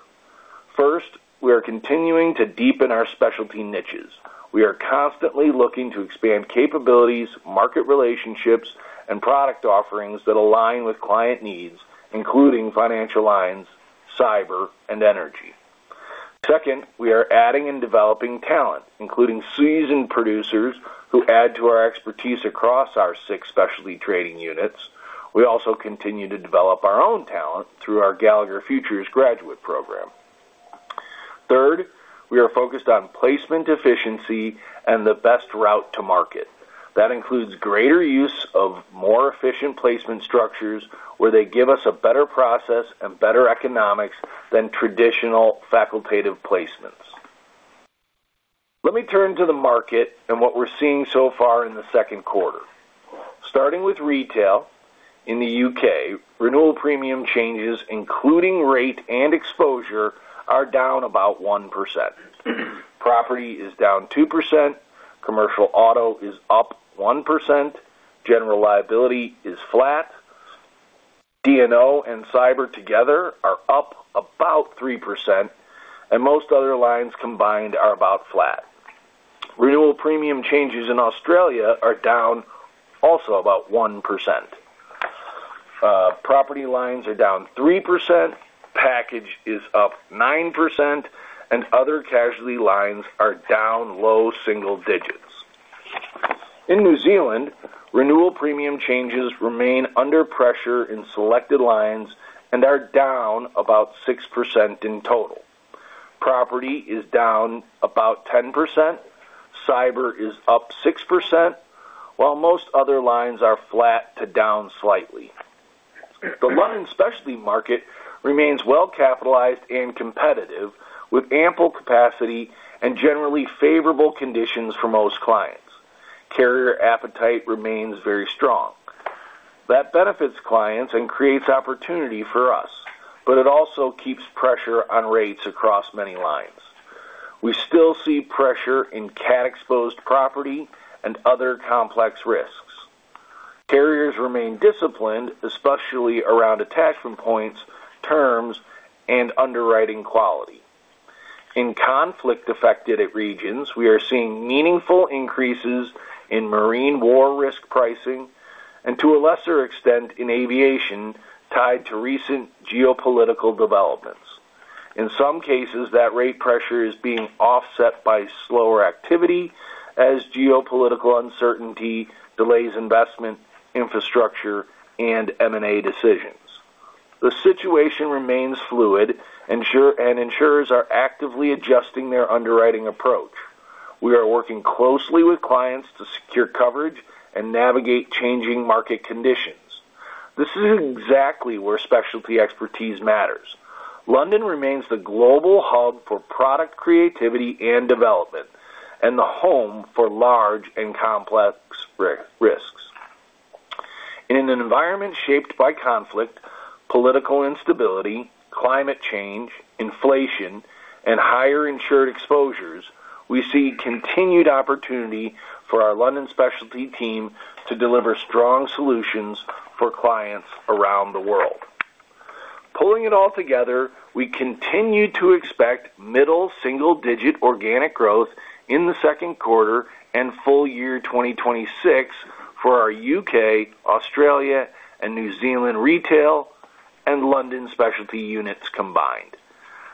First, we are continuing to deepen our specialty niches. We are constantly looking to expand capabilities, market relationships, and product offerings that align with client needs, including financial lines, cyber, and energy. Second, we are adding and developing talent, including seasoned producers who add to our expertise across our six specialty trading units. We also continue to develop our own talent through our Gallagher Futures graduate program. Third, we are focused on placement efficiency and the best route to market. That includes greater use of more efficient placement structures where they give us a better process and better economics than traditional facultative placements. Let me turn to the market and what we're seeing so far in the second quarter. Starting with retail in the U.K., renewal premium changes, including rate and exposure, are down about 1%. Property is down 2%, commercial auto is up 1%, general liability is flat, D&O and cyber together are up about 3%. Most other lines combined are about flat. Renewal premium changes in Australia are down also about 1%. Property lines are down 3%, package is up 9%. Other casualty lines are down low single digits. In New Zealand, renewal premium changes remain under pressure in selected lines and are down about 6% in total. Property is down about 10%, cyber is up 6%, while most other lines are flat to down slightly. The London Specialty market remains well-capitalized and competitive, with ample capacity and generally favorable conditions for most clients. Carrier appetite remains very strong. That benefits clients and creates opportunity for us, but it also keeps pressure on rates across many lines. We still see pressure in CAT-exposed property and other complex risks. Carriers remain disciplined, especially around attachment points, terms, and underwriting quality. In conflict-affected regions, we are seeing meaningful increases in marine war risk pricing and, to a lesser extent, in aviation tied to recent geopolitical developments. In some cases, that rate pressure is being offset by slower activity as geopolitical uncertainty delays investment, infrastructure, and M&A decisions. The situation remains fluid and insurers are actively adjusting their underwriting approach. We are working closely with clients to secure coverage and navigate changing market conditions. This is exactly where specialty expertise matters. London remains the global hub for product creativity and development and the home for large and complex risks. In an environment shaped by conflict, political instability, climate change, inflation, and higher insured exposures, we see continued opportunity for our London specialty team to deliver strong solutions for clients around the world. Pulling it all together, we continue to expect middle single-digit organic growth in the second quarter and full year 2026 for our U.K., Australia, and New Zealand retail and London specialty units combined.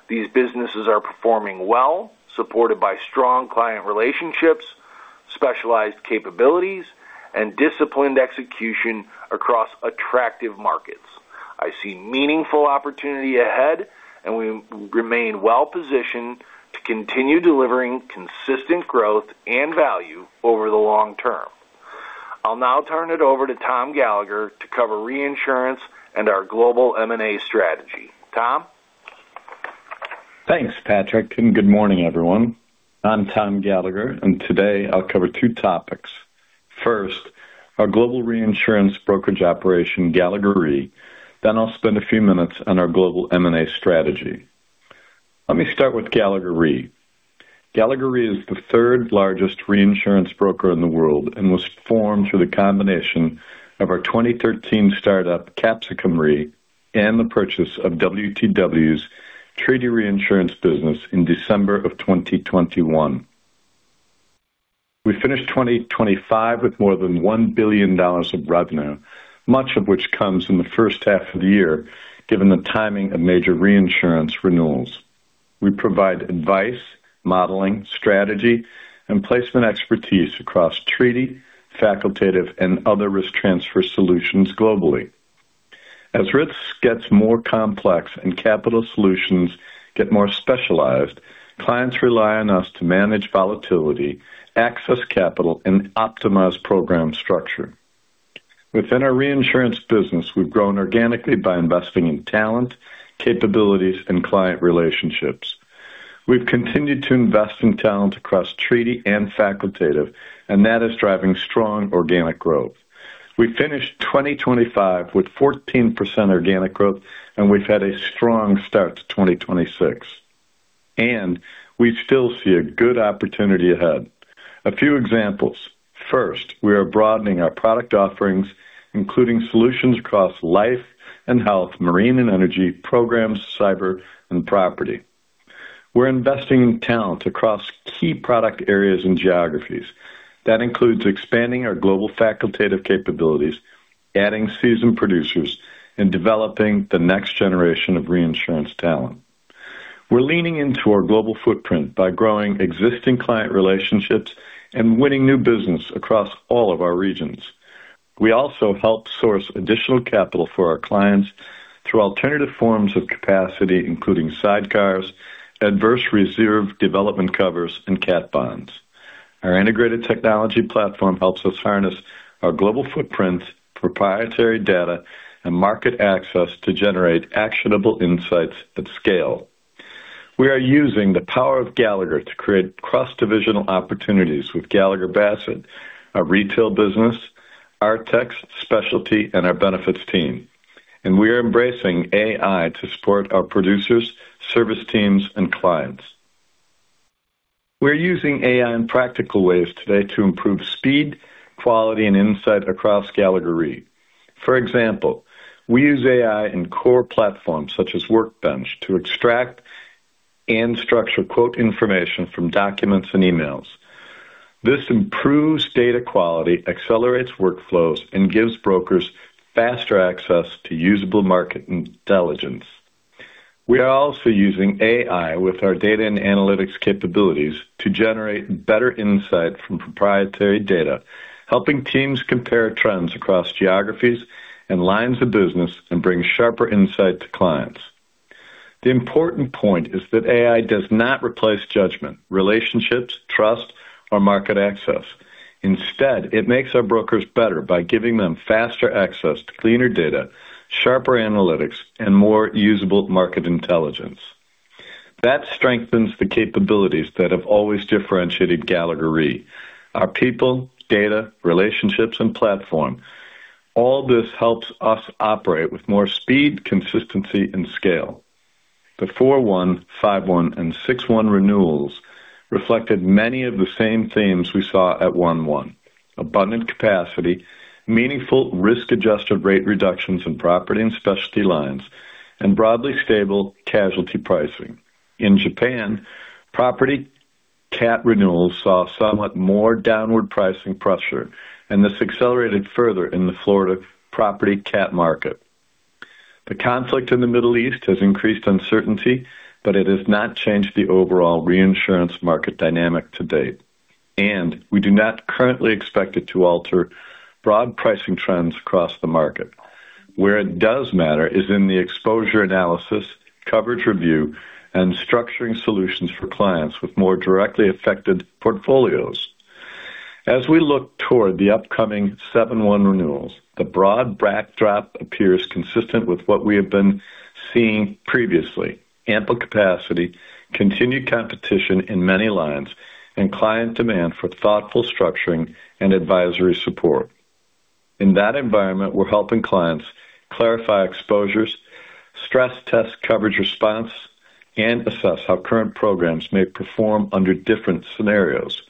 These businesses are performing well, supported by strong client relationships, specialized capabilities, and disciplined execution across attractive markets. I see meaningful opportunity ahead, and we remain well-positioned to continue delivering consistent growth and value over the long term. I'll now turn it over to Tom Gallagher to cover reinsurance and our global M&A strategy. Tom? Thanks, Patrick, and good morning, everyone. I'm Tom Gallagher, and today I'll cover two topics. First, our global reinsurance brokerage operation, Gallagher Re. I'll spend a few minutes on our global M&A strategy. Let me start with Gallagher Re. Gallagher Re is the third-largest reinsurance broker in the world and was formed through the combination of our 2013 startup, Capsicum Re, and the purchase of WTW's treaty reinsurance business in December of 2021. We finished 2025 with more than $1 billion of revenue, much of which comes in the first half of the year, given the timing of major reinsurance renewals. We provide advice, modeling, strategy, and placement expertise across treaty, facultative, and other risk transfer solutions globally. As risks get more complex and capital solutions get more specialized, clients rely on us to manage volatility, access capital, and optimize program structure. Within our reinsurance business, we've grown organically by investing in talent, capabilities, and client relationships. We've continued to invest in talent across treaty and facultative, and that is driving strong organic growth. We finished 2025 with 14% organic growth, and we've had a strong start to 2026, and we still see a good opportunity ahead. A few examples. First, we are broadening our product offerings, including solutions across life and health, marine and energy, programs, cyber, and property. We're investing in talent across key product areas and geographies. That includes expanding our global facultative capabilities, adding seasoned producers, and developing the next generation of reinsurance talent. We're leaning into our global footprint by growing existing client relationships and winning new business across all of our regions. We also help source additional capital for our clients through alternative forms of capacity, including sidecars, adverse reserve development covers, and CAT bonds. Our integrated technology platform helps us harness our global footprint, proprietary data, and market access to generate actionable insights at scale. We are using the power of Gallagher to create cross-divisional opportunities with Gallagher Bassett, our retail business, our tech specialty, and our benefits team. We are embracing AI to support our producers, service teams, and clients. We're using AI in practical ways today to improve speed, quality, and insight across Gallagher Re. For example, we use AI in core platforms such as Workbench to extract and structure quote information from documents and emails. This improves data quality, accelerates workflows, and gives brokers faster access to usable market intelligence. We are also using AI with our data and analytics capabilities to generate better insight from proprietary data, helping teams compare trends across geographies and lines of business and bring sharper insight to clients. The important point is that AI does not replace judgment, relationships, trust, or market access. Instead, it makes our brokers better by giving them faster access to cleaner data, sharper analytics, and more usable market intelligence. That strengthens the capabilities that have always differentiated Gallagher Re: our people, data, relationships, and platform. All this helps us operate with more speed, consistency, and scale. The 4.1, 5.1, and 6.1 renewals reflected many of the same themes we saw at 1.1. Abundant capacity, meaningful risk-adjusted rate reductions in property and specialty lines, and broadly stable casualty pricing. In Japan, property CAT renewals saw somewhat more downward pricing pressure, and this accelerated further in the Florida property CAT market. The conflict in the Middle East has increased uncertainty, it has not changed the overall reinsurance market dynamic to date, we do not currently expect it to alter broad pricing trends across the market. Where it does matter is in the exposure analysis, coverage review, and structuring solutions for clients with more directly affected portfolios. As we look toward the upcoming 7.1 renewals, the broad backdrop appears consistent with what we have been seeing previously. Ample capacity, continued competition in many lines, and client demand for thoughtful structuring and advisory support. In that environment, we're helping clients clarify exposures, stress test coverage response, and assess how current programs may perform under different scenarios.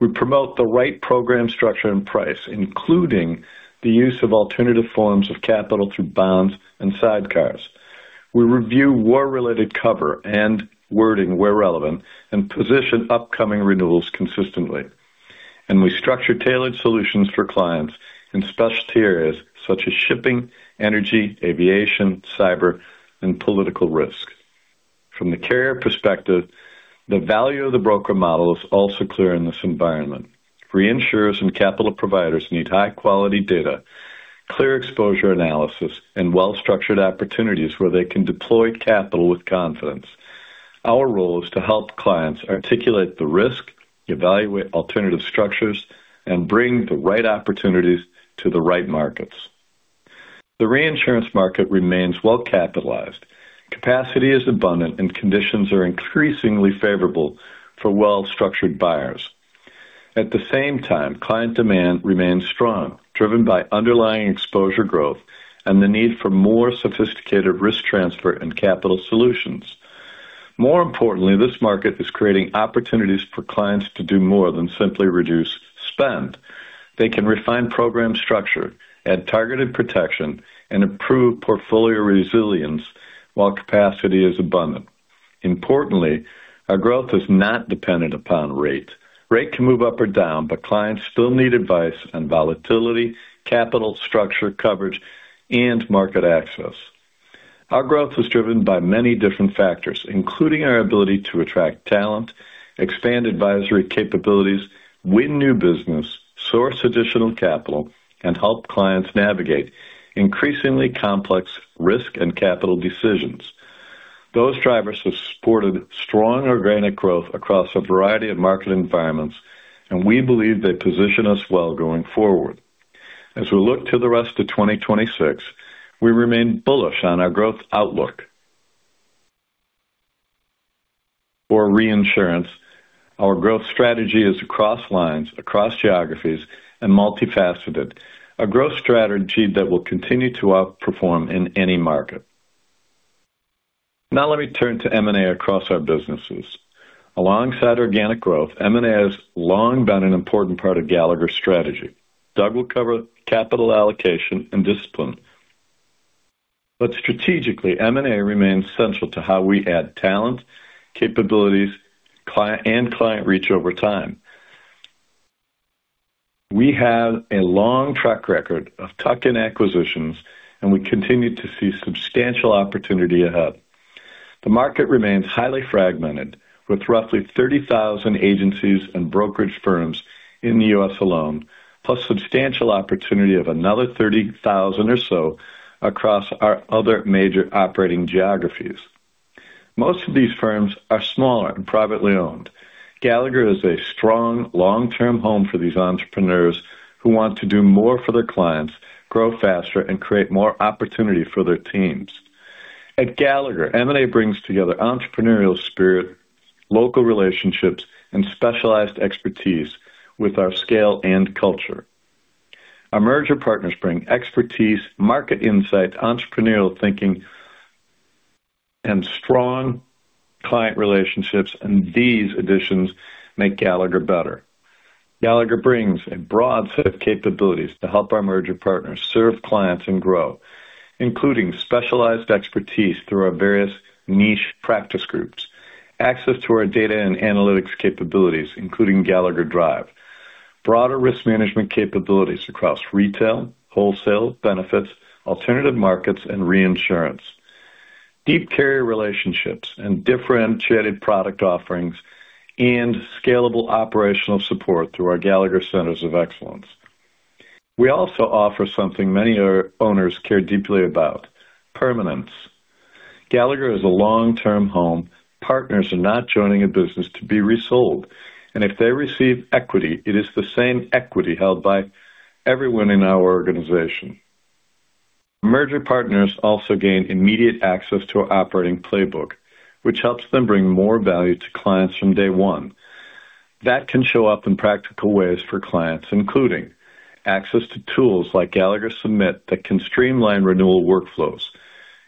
We promote the right program structure and price, including the use of alternative forms of capital through bonds and sidecars. We review war-related cover and wording where relevant and position upcoming renewals consistently. We structure tailored solutions for clients in specialist areas such as shipping, energy, aviation, cyber, and political risk. From the carrier perspective, the value of the broker model is also clear in this environment. Reinsurers and capital providers need high-quality data, clear exposure analysis, and well-structured opportunities where they can deploy capital with confidence. Our role is to help clients articulate the risk, evaluate alternative structures, and bring the right opportunities to the right markets. The reinsurance market remains well-capitalized. Capacity is abundant, and conditions are increasingly favorable for well-structured buyers. At the same time, client demand remains strong, driven by underlying exposure growth and the need for more sophisticated risk transfer and capital solutions. More importantly, this market is creating opportunities for clients to do more than simply reduce spend. They can refine program structure, add targeted protection, and improve portfolio resilience while capacity is abundant. Importantly, our growth is not dependent upon rate. Rate can move up or down, but clients still need advice on volatility, capital structure coverage, and market access. Our growth is driven by many different factors, including our ability to attract talent, expand advisory capabilities, win new business, source additional capital, and help clients navigate increasingly complex risk and capital decisions. Those drivers have supported strong organic growth across a variety of market environments, and we believe they position us well going forward. As we look to the rest of 2026, we remain bullish on our growth outlook. For reinsurance, our growth strategy is across lines, across geographies, and multifaceted. A growth strategy that will continue to outperform in any market. Let me turn to M&A across our businesses. Alongside organic growth, M&A has long been an important part of Gallagher's strategy. Doug will cover capital allocation and discipline. Strategically, M&A remains central to how we add talent, capabilities, and client reach over time. We have a long track record of tuck-in acquisitions, and we continue to see substantial opportunity ahead. The market remains highly fragmented, with roughly 30,000 agencies and brokerage firms in the U.S. alone, plus substantial opportunity of another 30,000 or so across our other major operating geographies. Most of these firms are smaller and privately owned. Gallagher is a strong long-term home for these entrepreneurs who want to do more for their clients, grow faster, and create more opportunity for their teams. At Gallagher, M&A brings together entrepreneurial spirit, local relationships, and specialized expertise with our scale and culture. Our merger partners bring expertise, market insight, entrepreneurial thinking, and strong client relationships, and these additions make Gallagher better. Gallagher brings a broad set of capabilities to help our merger partners serve clients and grow, including specialized expertise through our various niche practice groups, access to our data and analytics capabilities, including Gallagher Drive, broader risk management capabilities across retail, wholesale benefits, alternative markets, and reinsurance. Deep carrier relationships and differentiated product offerings and scalable operational support through our Gallagher Centers of Excellence. We also offer something many owners care deeply about, permanence. Gallagher is a long-term home. Partners are not joining a business to be resold, and if they receive equity, it is the same equity held by everyone in our organization. Merger partners also gain immediate access to our operating playbook, which helps them bring more value to clients from day one. That can show up in practical ways for clients, including access to tools like Gallagher Submit that can streamline renewal workflows,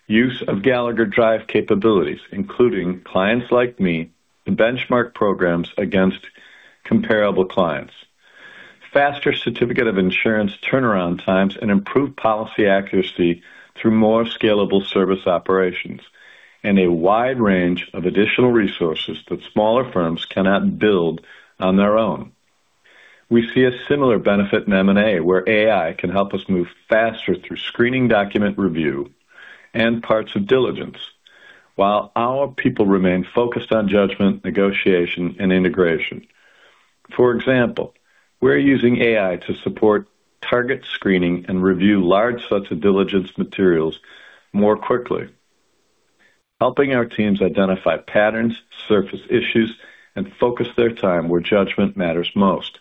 use of Gallagher Drive capabilities, including clients like me to benchmark programs against comparable clients, faster certificate of insurance turnaround times, and improved policy accuracy through more scalable service operations, and a wide range of additional resources that smaller firms cannot build on their own. We see a similar benefit in M&A, where AI can help us move faster through screening document review and parts of diligence, while our people remain focused on judgment, negotiation, and integration. For example, we're using AI to support target screening and review large sets of diligence materials more quickly, helping our teams identify patterns, surface issues, and focus their time where judgment matters most.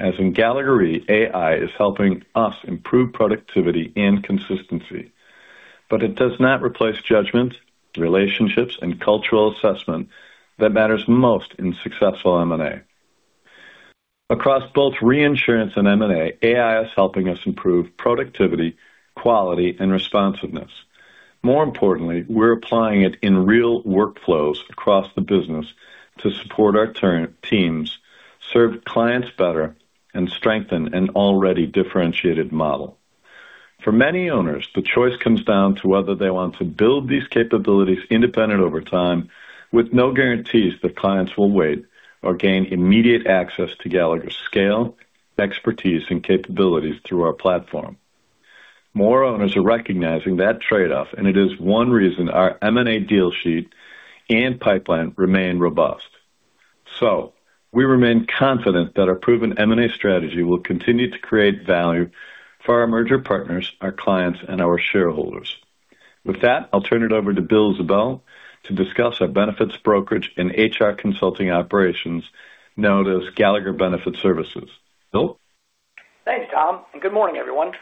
As in Gallagher Re, AI is helping us improve productivity and consistency, but it does not replace judgment, relationships, and cultural assessment that matters most in successful M&A. Across both reinsurance and M&A, AI is helping us improve productivity, quality, and responsiveness. More importantly, we're applying it in real workflows across the business to support our teams, serve clients better, and strengthen an already differentiated model. For many owners, the choice comes down to whether they want to build these capabilities independent over time, with no guarantees that clients will wait or gain immediate access to Gallagher's scale, expertise, and capabilities through our platform. More owners are recognizing that trade-off. It is one reason our M&A deal sheet and pipeline remain robust. We remain confident that our proven M&A strategy will continue to create value for our merger partners, our clients, and our shareholders. With that, I'll turn it over to Bill Ziebell to discuss our benefits brokerage and HR consulting operations, known as Gallagher Benefit Services. Bill? Thanks, Tom, and good morning, everyone.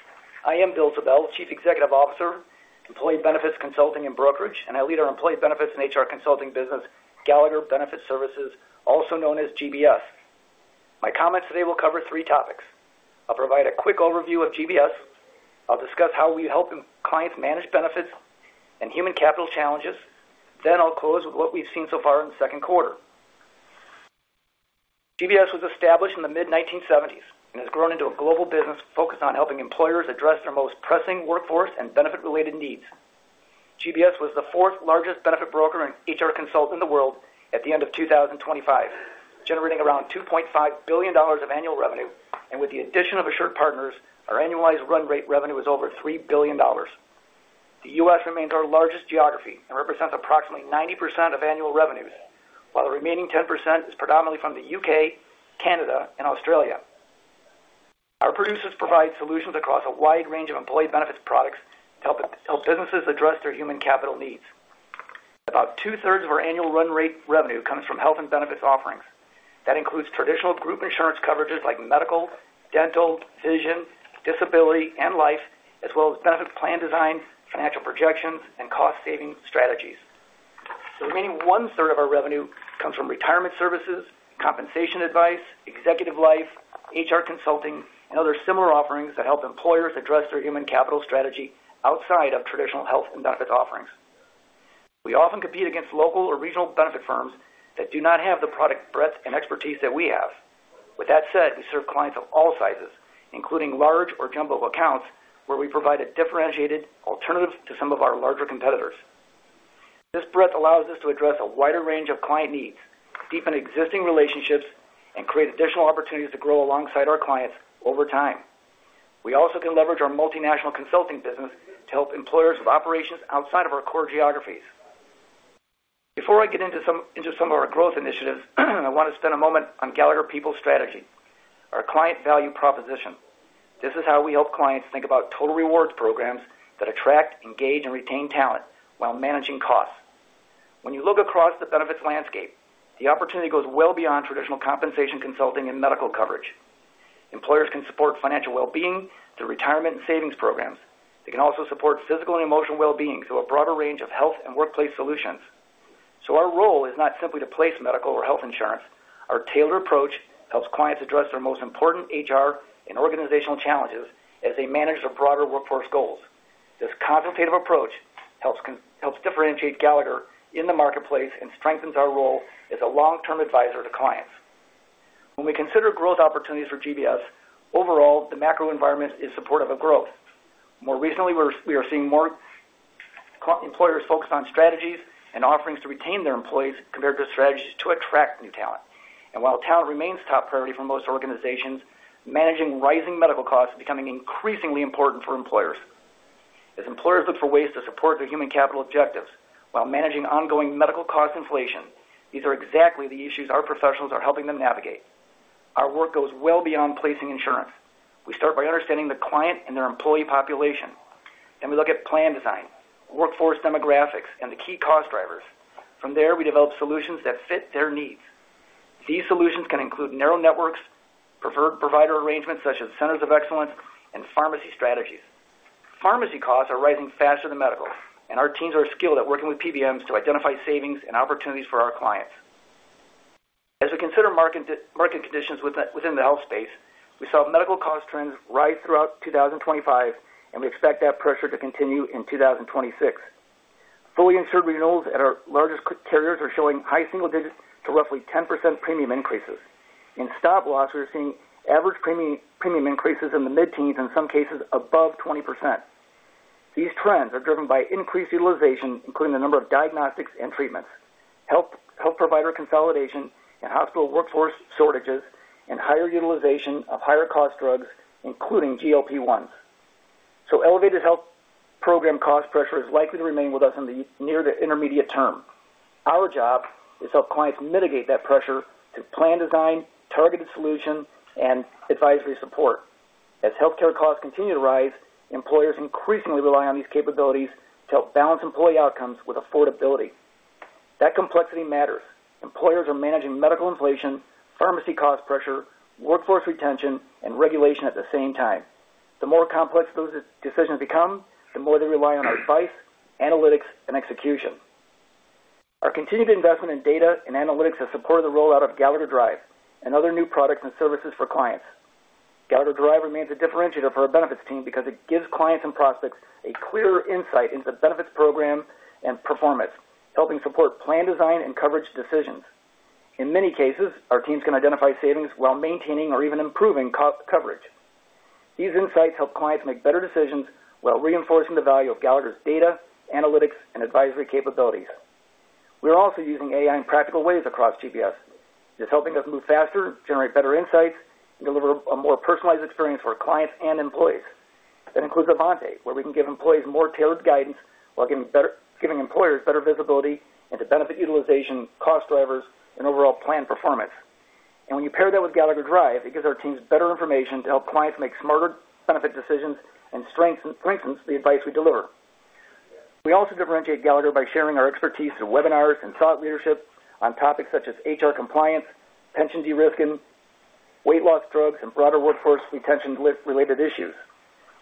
I am Bill Ziebell, Chief Executive Officer, Employee Benefits Consulting and Brokerage, and I lead our employee benefits and HR consulting business, Gallagher Benefit Services, also known as GBS. My comments today will cover three topics. I'll provide a quick overview of GBS. I'll discuss how we help clients manage benefits and human capital challenges. I'll close with what we've seen so far in the second quarter. GBS was established in the mid-1970s and has grown into a global business focused on helping employers address their most pressing workforce and benefit-related needs. GBS was the fourth largest benefit broker and HR consult in the world at the end of 2025, generating around $2.5 billion of annual revenue. With the addition of AssuredPartners, our annualized run rate revenue is over $3 billion. The U.S. remains our largest geography and represents approximately 90% of annual revenues, while the remaining 10% is predominantly from the U.K., Canada, and Australia. Our producers provide solutions across a wide range of employee benefits products to help businesses address their human capital needs. About two-thirds of our annual run rate revenue comes from health and benefits offerings. That includes traditional group insurance coverages like medical, dental, vision, disability, and life, as well as benefits plan design, financial projections, and cost-saving strategies. The remaining one-third of our revenue comes from retirement services, compensation advice, executive life, HR consulting, and other similar offerings that help employers address their human capital strategy outside of traditional health and benefits offerings. We often compete against local or regional benefit firms that do not have the product breadth and expertise that we have. With that said, we serve clients of all sizes, including large or jumbo accounts where we provide a differentiated alternative to some of our larger competitors. This breadth allows us to address a wider range of client needs, deepen existing relationships, and create additional opportunities to grow alongside our clients over time. We also can leverage our multinational consulting business to help employers with operations outside of our core geographies. Before I get into some of our growth initiatives, I want to spend a moment on Gallagher People Strategy, our client value proposition. This is how we help clients think about total reward programs that attract, engage, and retain talent while managing costs. When you look across the benefits landscape, the opportunity goes well beyond traditional compensation consulting and medical coverage. Employers can support financial well-being through retirement and savings programs. They can also support physical and emotional well-being through a broader range of health and workplace solutions. Our role is not simply to place medical or health insurance. Our tailored approach helps clients address their most important HR and organizational challenges as they manage their broader workforce goals. This consultative approach helps differentiate Gallagher in the marketplace and strengthens our role as a long-term advisor to clients. When we consider growth opportunities for GBS, overall, the macro environment is supportive of growth. More recently, we are seeing more employers focused on strategies and offerings to retain their employees compared to strategies to attract new talent. While talent remains top priority for most organizations, managing rising medical costs is becoming increasingly important for employers. As employers look for ways to support their human capital objectives while managing ongoing medical cost inflation, these are exactly the issues our professionals are helping them navigate. Our work goes well beyond placing insurance. We start by understanding the client and their employee population. We look at plan design, workforce demographics, and the key cost drivers. From there, we develop solutions that fit their needs. These solutions can include narrow networks, preferred provider arrangements such as centers of excellence, pharmacy strategies. Pharmacy costs are rising faster than medical. Our teams are skilled at working with PBMs to identify savings and opportunities for our clients. As we consider market conditions within the health space, we saw medical cost trends rise throughout 2025. We expect that pressure to continue in 2026. Fully insured renewals at our largest carriers are showing high single digits to roughly 10% premium increases. In stop loss, we are seeing average premium increases in the mid-teens, in some cases above 20%. These trends are driven by increased utilization, including the number of diagnostics and treatments, health provider consolidation and hospital workforce shortages, and higher utilization of higher cost drugs, including GLP-1s. Elevated health program cost pressure is likely to remain with us in the near to intermediate term. Our job is to help clients mitigate that pressure through plan design, targeted solution, and advisory support. As healthcare costs continue to rise, employers increasingly rely on these capabilities to help balance employee outcomes with affordability. That complexity matters. Employers are managing medical inflation, pharmacy cost pressure, workforce retention, and regulation at the same time. The more complex those decisions become, the more they rely on our advice, analytics, and execution. Our continued investment in data and analytics has supported the rollout of Gallagher Drive and other new products and services for clients. Gallagher Drive remains a differentiator for our benefits team because it gives clients and prospects a clearer insight into benefits program and performance, helping support plan design and coverage decisions. In many cases, our teams can identify savings while maintaining or even improving cost coverage. These insights help clients make better decisions while reinforcing the value of Gallagher's data, analytics, and advisory capabilities. We are also using AI in practical ways across GBS. It's helping us move faster, generate better insights, and deliver a more personalized experience for our clients and employees. That includes Avante, where we can give employees more tailored guidance while giving employers better visibility into benefit utilization, cost drivers, and overall plan performance. When you pair that with Gallagher Drive, it gives our teams better information to help clients make smarter benefit decisions and strengthens the advice we deliver. We also differentiate Gallagher by sharing our expertise through webinars and thought leadership on topics such as HR compliance, pension de-risking, weight loss drugs, and broader workforce retention-related issues.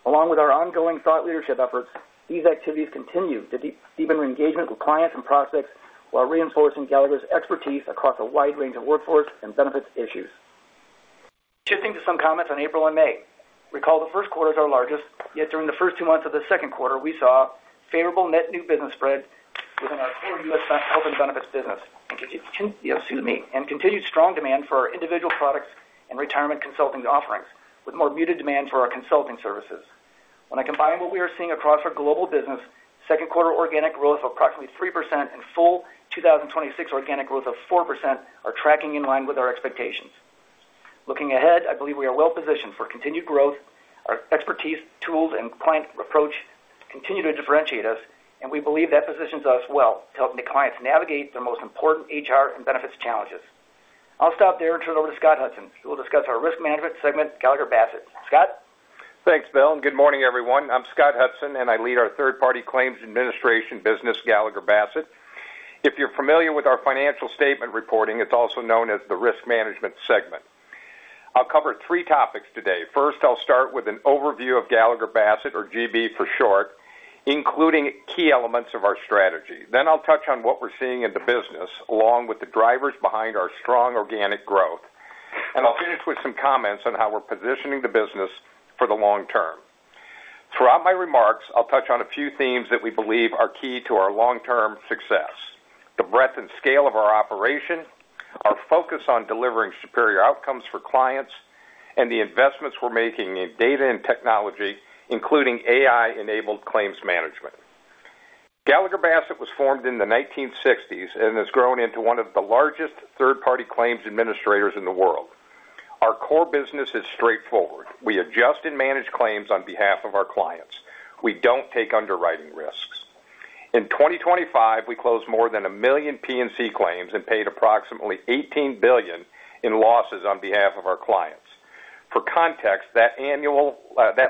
Along with our ongoing thought leadership efforts, these activities continue to deepen engagement with clients and prospects while reinforcing Gallagher's expertise across a wide range of workforce and benefits issues. Shifting to some comments on April and May. Recall the first quarter is our largest, yet during the first two months of the second quarter, we saw favorable net new business spread within our core U.S. health and benefits business, and continued strong demand for our individual products and retirement consulting offerings, with more muted demand for our consulting services. When I combine what we are seeing across our global business, second quarter organic growth of approximately 3% and full 2026 organic growth of 4% are tracking in line with our expectations. Looking ahead, I believe we are well-positioned for continued growth. Our expertise, tools, and client approach continue to differentiate us, and we believe that positions us well to help the clients navigate their most important HR and benefits challenges. I'll stop there and turn it over to Scott Hudson, who will discuss our risk management segment, Gallagher Bassett. Scott? Thanks, Bill. Good morning, everyone. I'm Scott Hudson, and I lead our third-party claims administration business, Gallagher Bassett. If you're familiar with our financial statement reporting, it's also known as the risk management segment. I'll cover three topics today. First, I'll start with an overview of Gallagher Bassett, or GB for short, including key elements of our strategy. I'll touch on what we're seeing in the business, along with the drivers behind our strong organic growth. I'll finish with some comments on how we're positioning the business for the long term. Throughout my remarks, I'll touch on a few themes that we believe are key to our long-term success, the breadth and scale of our operation, our focus on delivering superior outcomes for clients, and the investments we're making in data and technology, including AI-enabled claims management. Gallagher Bassett was formed in the 1960s and has grown into one of the largest third-party claims administrators in the world. Our core business is straightforward. We adjust and manage claims on behalf of our clients. We don't take underwriting risks. In 2025, we closed more than 1 million P&C claims and paid approximately $18 billion in losses on behalf of our clients. For context, that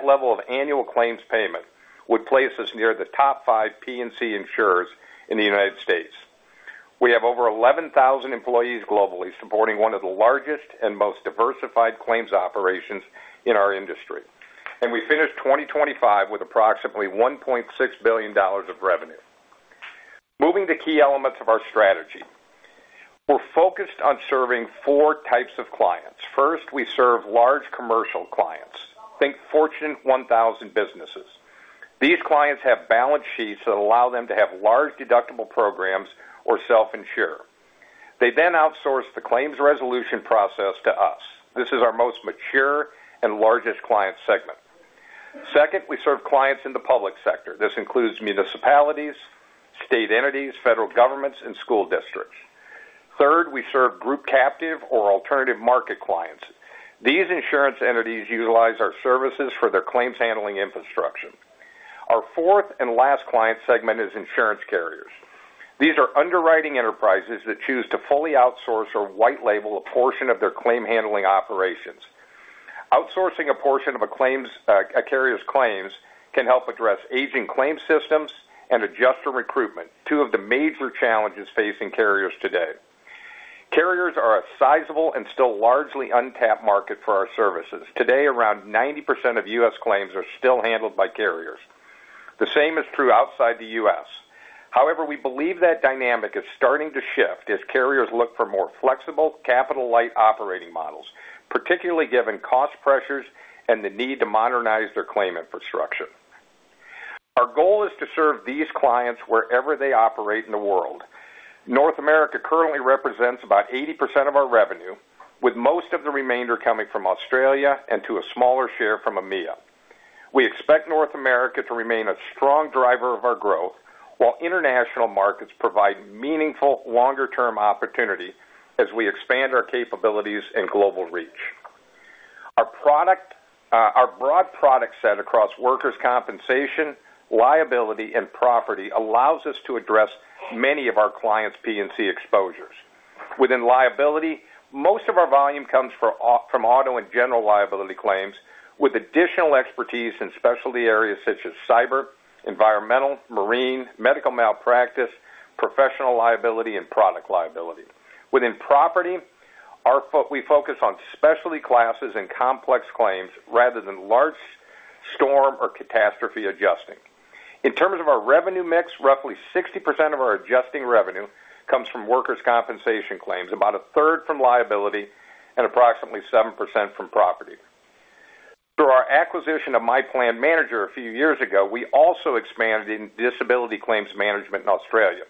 level of annual claims payment would place us near the top five P&C insurers in the U.S. We have over 11,000 employees globally, supporting one of the largest and most diversified claims operations in our industry. We finished 2025 with approximately $1.6 billion of revenue. Moving to key elements of our strategy. We're focused on serving four types of clients. First, we serve large commercial clients. Think Fortune 1000 businesses. These clients have balance sheets that allow them to have large deductible programs or self-insure. They then outsource the claims resolution process to us. This is our most mature and largest client segment. Second, we serve clients in the public sector. This includes municipalities, state entities, federal governments, and school districts. Third, we serve group captive or alternative market clients. These insurance entities utilize our services for their claims handling infrastructure. Our fourth and last client segment is insurance carriers. These are underwriting enterprises that choose to fully outsource or white label a portion of their claim handling operations. Outsourcing a portion of a carrier's claims can help address aging claim systems and adjuster recruitment, two of the major challenges facing carriers today. Carriers are a sizable and still largely untapped market for our services. Today, around 90% of U.S. claims are still handled by carriers. The same is true outside the U.S. We believe that dynamic is starting to shift as carriers look for more flexible, capital-light operating models, particularly given cost pressures and the need to modernize their claim infrastructure. Our goal is to serve these clients wherever they operate in the world. North America currently represents about 80% of our revenue, with most of the remainder coming from Australia and to a smaller share from EMEA. We expect North America to remain a strong driver of our growth, while international markets provide meaningful longer-term opportunity as we expand our capabilities and global reach. Our broad product set across workers' compensation, liability, and property allows us to address many of our clients' P&C exposures. Within liability, most of our volume comes from auto and general liability claims, with additional expertise in specialty areas such as cyber, environmental, marine, medical malpractice, professional liability, and product liability. Within property, we focus on specialty classes and complex claims rather than large storm or catastrophe adjusting. In terms of our revenue mix, roughly 60% of our adjusting revenue comes from workers' compensation claims, about a third from liability, and approximately 7% from property. Through our acquisition of My Plan Manager a few years ago, we also expanded in disability claims management in Australia.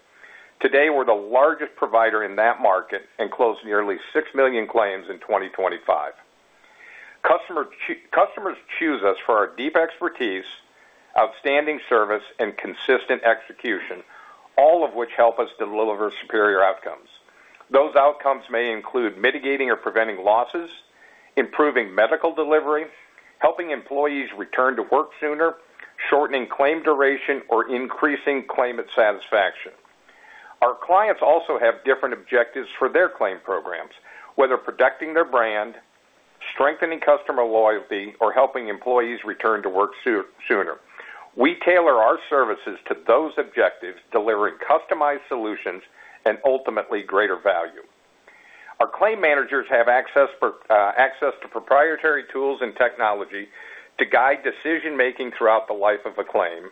Today, we're the largest provider in that market and closed nearly 6 million claims in 2025. Customers choose us for our deep expertise, outstanding service, and consistent execution, all of which help us deliver superior outcomes. Those outcomes may include mitigating or preventing losses, improving medical delivery, helping employees return to work sooner, shortening claim duration, or increasing claimant satisfaction. Our clients also have different objectives for their claim programs, whether protecting their brand, strengthening customer loyalty, or helping employees return to work sooner. We tailor our services to those objectives, delivering customized solutions and ultimately greater value. Our claim managers have access to proprietary tools and technology to guide decision-making throughout the life of a claim,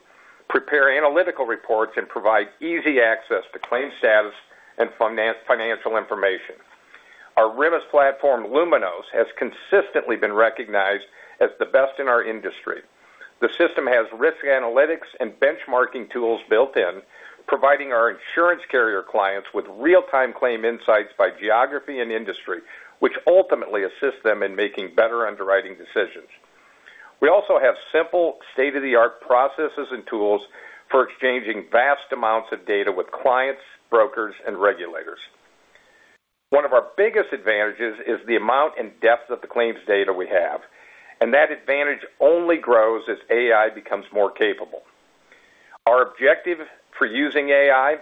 prepare analytical reports, and provide easy access to claim status and financial information. Our RIMS platform, Luminos, has consistently been recognized as the best in our industry. The system has risk analytics and benchmarking tools built in, providing our insurance carrier clients with real-time claim insights by geography and industry, which ultimately assist them in making better underwriting decisions. We also have simple state-of-the-art processes and tools for exchanging vast amounts of data with clients, brokers, and regulators. One of our biggest advantages is the amount and depth of the claims data we have, and that advantage only grows as AI becomes more capable. Our objective for using AI,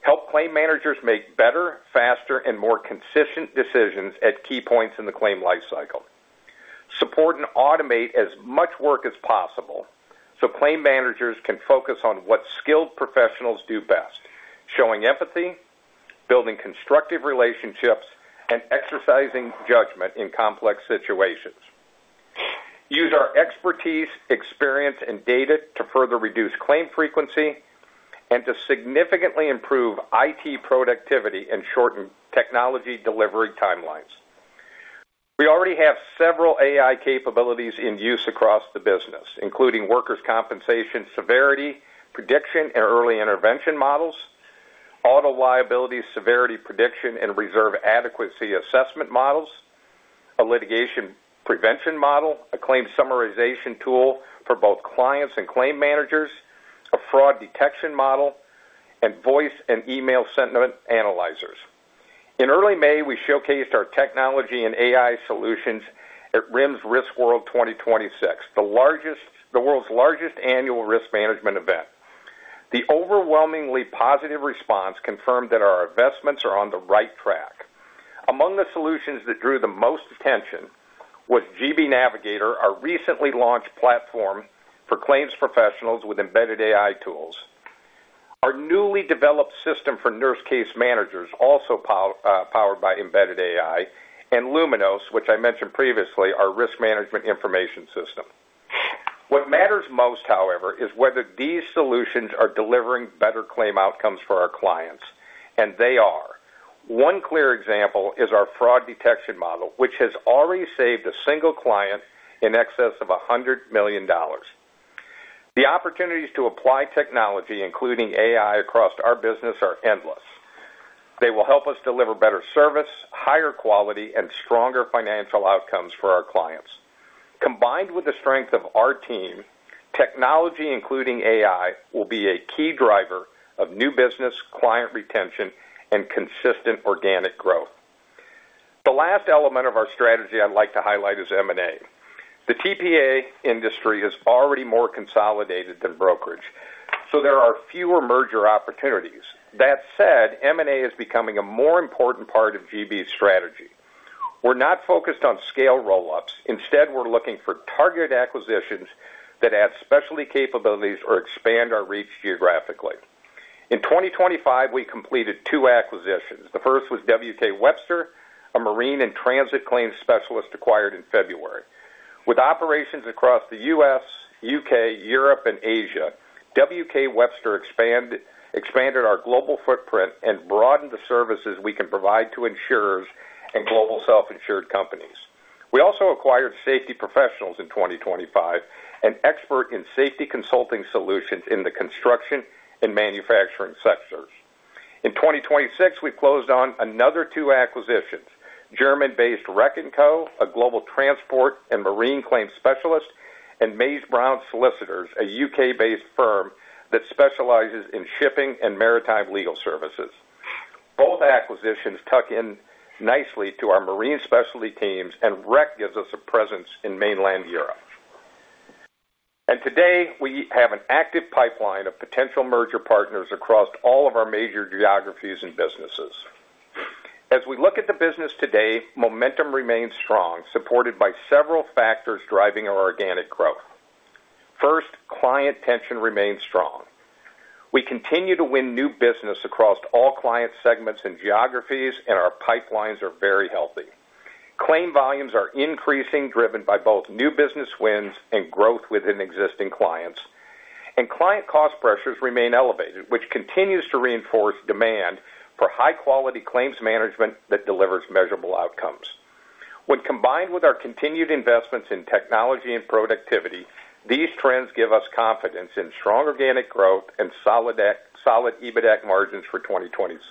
help claim managers make better, faster, and more consistent decisions at key points in the claim lifecycle. Support and automate as much work as possible so claim managers can focus on what skilled professionals do best, showing empathy, building constructive relationships, and exercising judgment in complex situations. Use our expertise, experience, and data to further reduce claim frequency and to significantly improve IT productivity and shorten technology delivery timelines. We already have several AI capabilities in use across the business, including workers' compensation severity, prediction, and early intervention models, auto liability severity prediction and reserve adequacy assessment models, a litigation prevention model, a claim summarization tool for both clients and claim managers, a fraud detection model, and voice and email sentiment analyzers. In early May, we showcased our technology and AI solutions at RIMS RISKWORLD 2026, the world's largest annual risk management event. The overwhelmingly positive response confirmed that our investments are on the right track. Among the solutions that drew the most attention was GB Navigator, our recently launched platform for claims professionals with embedded AI tools. Our newly developed system for nurse case managers, also powered by embedded AI, and Luminos, which I mentioned previously, our risk management information system. What matters most, however, is whether these solutions are delivering better claim outcomes for our clients, and they are. One clear example is our fraud detection model, which has already saved a single client in excess of $100 million. The opportunities to apply technology, including AI, across our business are endless. They will help us deliver better service, higher quality, and stronger financial outcomes for our clients. Combined with the strength of our team, technology, including AI, will be a key driver of new business, client retention, and consistent organic growth. The last element of our strategy I'd like to highlight is M&A. The TPA industry is already more consolidated than brokerage, so there are fewer merger opportunities. That said, M&A is becoming a more important part of GB's strategy. We're not focused on scale roll-ups. Instead, we're looking for targeted acquisitions that add specialty capabilities or expand our reach geographically. In 2025, we completed two acquisitions. The first was W.K. Webster, a marine and transit claims specialist acquired in February. With operations across the U.S., U.K., Europe, and Asia, W.K. Webster expanded our global footprint and broadened the services we can provide to insurers and global self-insured companies. We also acquired Safe T Professionals LLC in 2025, an expert in safety consulting solutions in the construction and manufacturing sectors. In 2026, we closed on another two acquisitions, German-based Reck & Co., a global transport and marine claims specialist, and Mays Brown Solicitors, a U.K.-based firm that specializes in shipping and maritime legal services. Both acquisitions tuck in nicely to our marine specialty teams, and Reck gives us a presence in mainland Europe. Today, we have an active pipeline of potential merger partners across all of our major geographies and businesses. As we look at the business today, momentum remains strong, supported by several factors driving our organic growth. First, client retention remains strong. We continue to win new business across all client segments and geographies, and our pipelines are very healthy. Claim volumes are increasing, driven by both new business wins and growth within existing clients. Client cost pressures remain elevated, which continues to reinforce demand for high-quality claims management that delivers measurable outcomes. When combined with our continued investments in technology and productivity, these trends give us confidence in strong organic growth and solid EBITDA margins for 2026.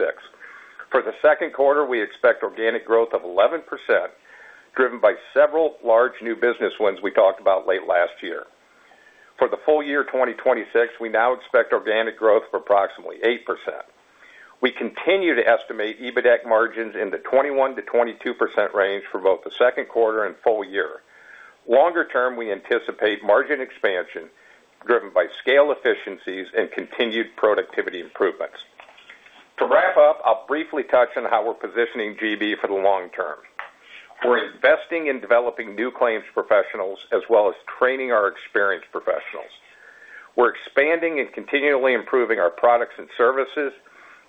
For the second quarter, we expect organic growth of 11%, driven by several large new business wins we talked about late last year. For the full year 2026, we now expect organic growth of approximately 8%. We continue to estimate EBITDA margins in the 21%-22% range for both the second quarter and full year. Longer term, we anticipate margin expansion driven by scale efficiencies and continued productivity improvements. To wrap up, I'll briefly touch on how we're positioning GB for the long term. We're investing in developing new claims professionals as well as training our experienced professionals. We're expanding and continually improving our products and services.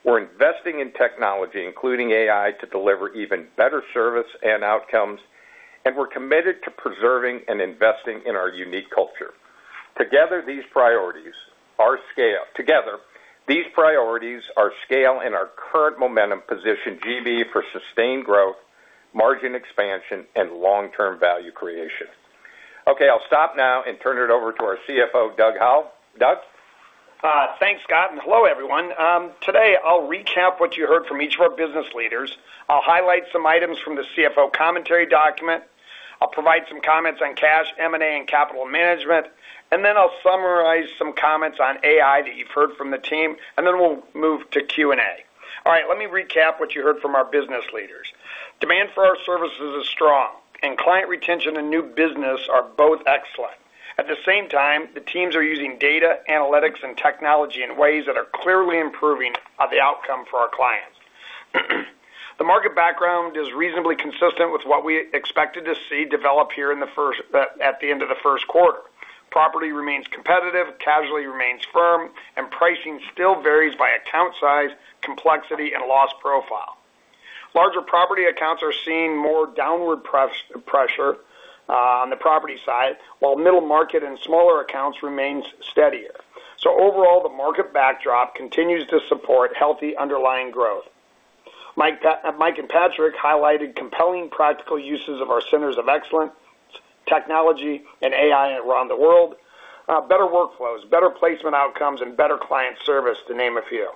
We're investing in technology, including AI, to deliver even better service and outcomes, and we're committed to preserving and investing in our unique culture. Together, these priorities are scale and our current momentum position GB for sustained growth, margin expansion, and long-term value creation. Okay, I'll stop now and turn it over to our CFO, Doug Howell. Doug? Thanks, Scott, and hello, everyone. Today, I'll recap what you heard from each of our business leaders. I'll highlight some items from the CFO commentary document. I'll provide some comments on cash, M&A, and capital management. Then I'll summarize some comments on AI that you've heard from the team. Then we'll move to Q&A. All right. Let me recap what you heard from our business leaders. Demand for our services is strong. Client retention and new business are both excellent. At the same time, the teams are using data, analytics, and technology in ways that are clearly improving the outcome for our clients. The market background is reasonably consistent with what we expected to see develop here at the end of the first quarter. Property remains competitive. Casualty remains firm. Pricing still varies by account size, complexity, and loss profile. Larger property accounts are seeing more downward pressure on the property side, while middle market and smaller accounts remains steadier. Overall, the market backdrop continues to support healthy underlying growth. Mike and Patrick highlighted compelling practical uses of our Gallagher Centers of Excellence, technology, and AI around the world. Better workflows, better placement outcomes, and better client service, to name a few.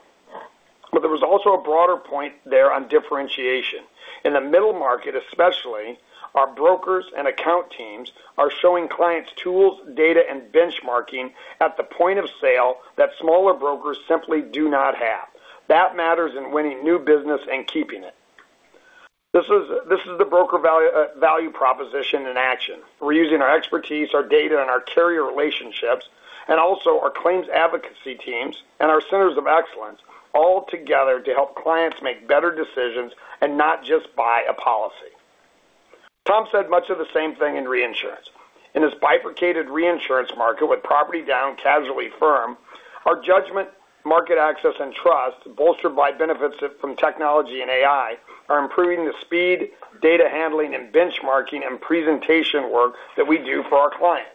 There was also a broader point there on differentiation. In the middle market, especially, our brokers and account teams are showing clients tools, data, and benchmarking at the point of sale that smaller brokers simply do not have. That matters in winning new business and keeping it. This is the broker value proposition in action. We're using our expertise, our data, and our carrier relationships, and also our claims advocacy teams and our Gallagher Centers of Excellence all together to help clients make better decisions and not just buy a policy. Tom said much of the same thing in reinsurance. In this bifurcated reinsurance market with property down casualty firm, our judgment, market access, and trust, bolstered by benefits from technology and AI, are improving the speed, data handling, and benchmarking, and presentation work that we do for our clients.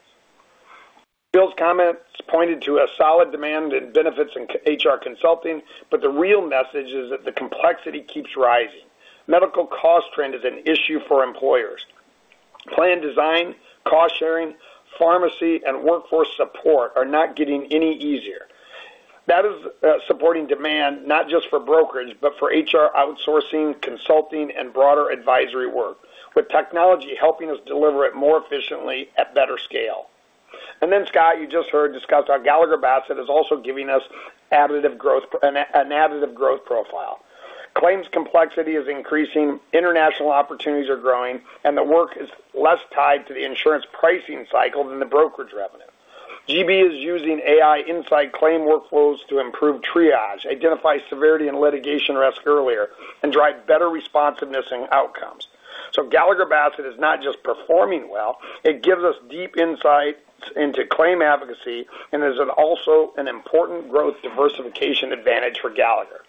Bill's comments pointed to a solid demand in benefits in HR consulting, the real message is that the complexity keeps rising. Medical cost trend is an issue for employers. Plan design, cost-sharing, pharmacy, and workforce support are not getting any easier. That is supporting demand, not just for brokerage, but for HR outsourcing, consulting, and broader advisory work, with technology helping us deliver it more efficiently at better scale. Scott, you just heard, discussed how Gallagher Bassett is also giving us an additive growth profile. Claims complexity is increasing, international opportunities are growing, and the work is less tied to the insurance pricing cycle than the brokerage revenue. GB is using AI inside claim workflows to improve triage, identify severity and litigation risk earlier, and drive better responsiveness and outcomes. Gallagher Bassett is not just performing well, it gives us deep insights into claim advocacy and is also an important growth diversification advantage for Gallagher.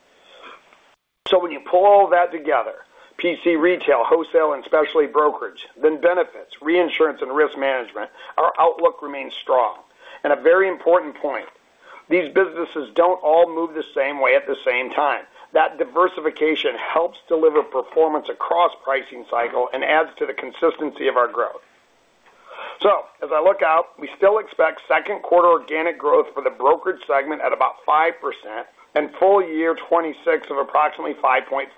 When you pull all that together, PC, retail, wholesale, and specialty brokerage, benefits, reinsurance, and risk management, our outlook remains strong. A very important point, these businesses don't all move the same way at the same time. That diversification helps deliver performance across pricing cycle and adds to the consistency of our growth. As I look out, I still expect second quarter organic growth for the brokerage segment at about 5% and full year 2026 of approximately 5.5%.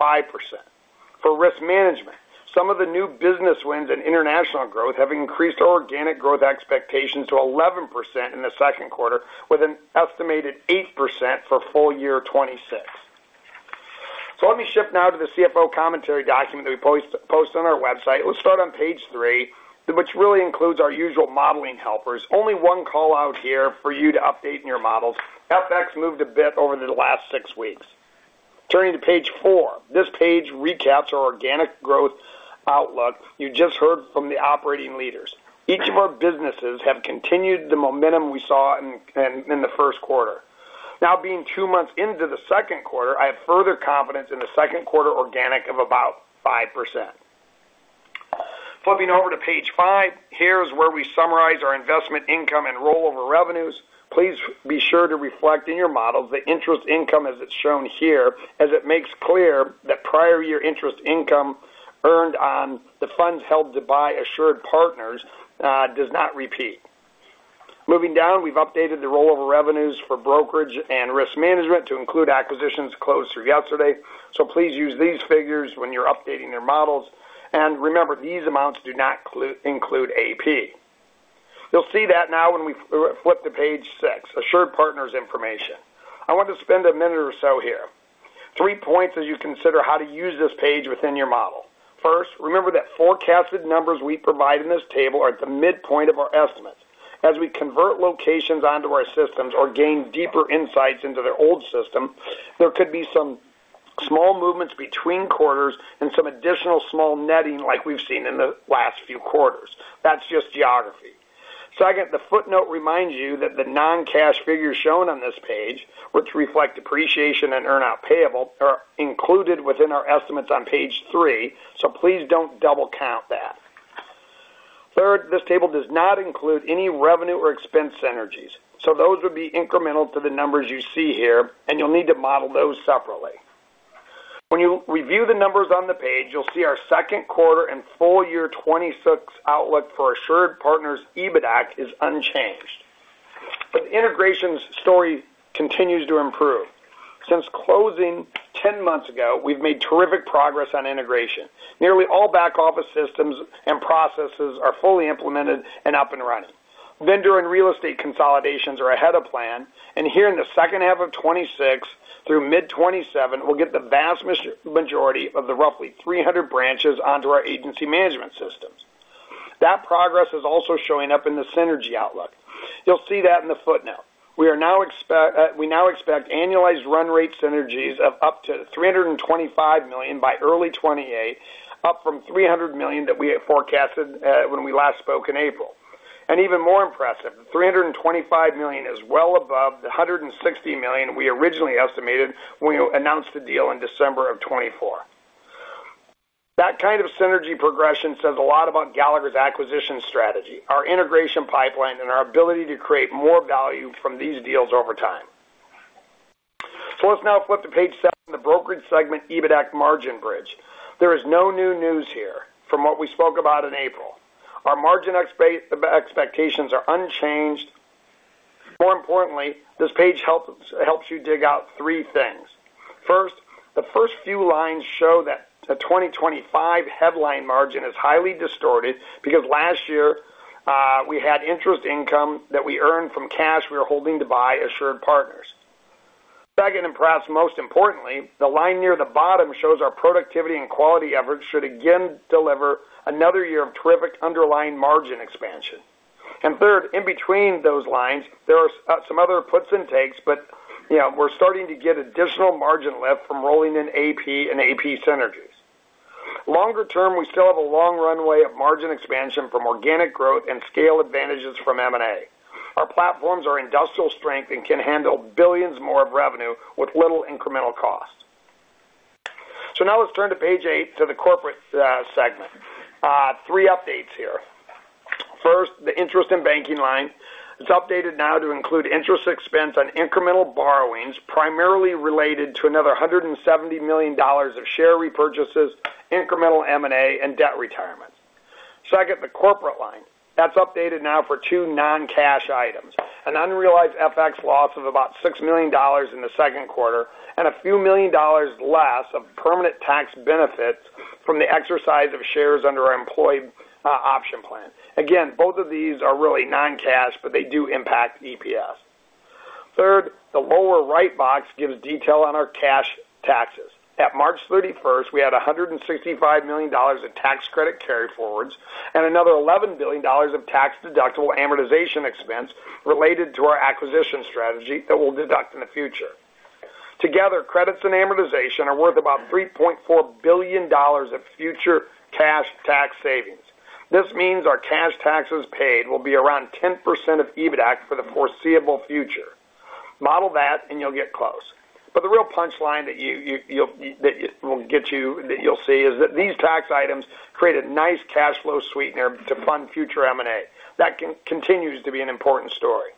For risk management, some of the new business wins and international growth have increased our organic growth expectations to 11% in the second quarter with an estimated 8% for full year 2026. Let me shift now to the CFO commentary document that we post on our website. Let's start on page three, which really includes our usual modeling helpers. Only one call-out here for you to update in your models. FX moved a bit over the last six weeks. Turning to page four, this page recaps our organic growth outlook you just heard from the operating leaders. Each of our businesses have continued the momentum we saw in the first quarter. Now being two months into the second quarter, I have further confidence in the second quarter organic of about 5%. Flipping over to page five, here is where we summarize our investment income and rollover revenues. Please be sure to reflect in your models the interest income as it's shown here, as it makes clear that prior year interest income earned on the funds held to buy AssuredPartners does not repeat. Moving down, we've updated the rollover revenues for brokerage and risk management to include acquisitions closed through yesterday. Please use these figures when you're updating your models. Remember, these amounts do not include AP. You'll see that now when we flip to page six, AssuredPartners information. I want to spend a minute or so here. Three points as you consider how to use this page within your model. First, remember that forecasted numbers we provide in this table are at the midpoint of our estimates. As we convert locations onto our systems or gain deeper insights into their old system, there could be some small movements between quarters and some additional small netting like we've seen in the last few quarters. That's just geography. Second, the footnote reminds you that the non-cash figures shown on this page, which reflect depreciation and earn-out payable, are included within our estimates on page three, so please don't double count that. Third, this table does not include any revenue or expense synergies. Those would be incremental to the numbers you see here, and you'll need to model those separately. When you review the numbers on the page, you'll see our second quarter and full year 2026 outlook for AssuredPartners' EBITAC is unchanged. The integrations story continues to improve. Since closing 10 months ago, we've made terrific progress on integration. Nearly all back office systems and processes are fully implemented and up and running. Vendor and real estate consolidations are ahead of plan, and here in the second half of 2026 through mid-2027, we'll get the vast majority of the roughly 300 branches onto our agency management systems. That progress is also showing up in the synergy outlook. You'll see that in the footnote. We now expect annualized run rate synergies of up to $325 million by early 2028, up from $300 million that we had forecasted when we last spoke in April. Even more impressive, $325 million is well above the $160 million we originally estimated when we announced the deal in December of 2024. That kind of synergy progression says a lot about Gallagher's acquisition strategy, our integration pipeline, and our ability to create more value from these deals over time. Let's now flip to page seven, the brokerage segment EBITDA margin bridge. There is no new news here from what we spoke about in April. Our margin expectations are unchanged. More importantly, this page helps you dig out three things. First, the first few lines show that the 2025 headline margin is highly distorted because last year, we had interest income that we earned from cash we were holding to buy AssuredPartners. Second, and perhaps most importantly, the line near the bottom shows our productivity and quality efforts should again deliver another year of terrific underlying margin expansion. Third, in between those lines, there are some other puts and takes, but we're starting to get additional margin lift from rolling in AP and AP synergies. Longer term, we still have a long runway of margin expansion from organic growth and scale advantages from M&A. Our platforms are industrial strength and can handle billions more of revenue with little incremental cost. Now let's turn to page eight to the corporate segment. Three updates here. First, the interest in banking line is updated now to include interest expense on incremental borrowings, primarily related to another $170 million of share repurchases, incremental M&A, and debt retirement. Second, the corporate line. That's updated now for two non-cash items, an unrealized FX loss of about $6 million in the second quarter, and a few million dollars less of permanent tax benefits from the exercise of shares under our employee option plan. Again, both of these are really non-cash, but they do impact EPS. Third, the lower right box gives detail on our cash taxes. At March 31st, we had $165 million of tax credit carry-forwards and another $11 billion of tax-deductible amortization expense related to our acquisition strategy that we'll deduct in the future. Together, credits and amortization are worth about $3.4 billion of future cash tax savings. This means our cash taxes paid will be around 10% of EBITA for the foreseeable future. Model that. You'll get close. The real punchline that you'll see is that these tax items create a nice cash flow sweetener to fund future M&A. That continues to be an important story.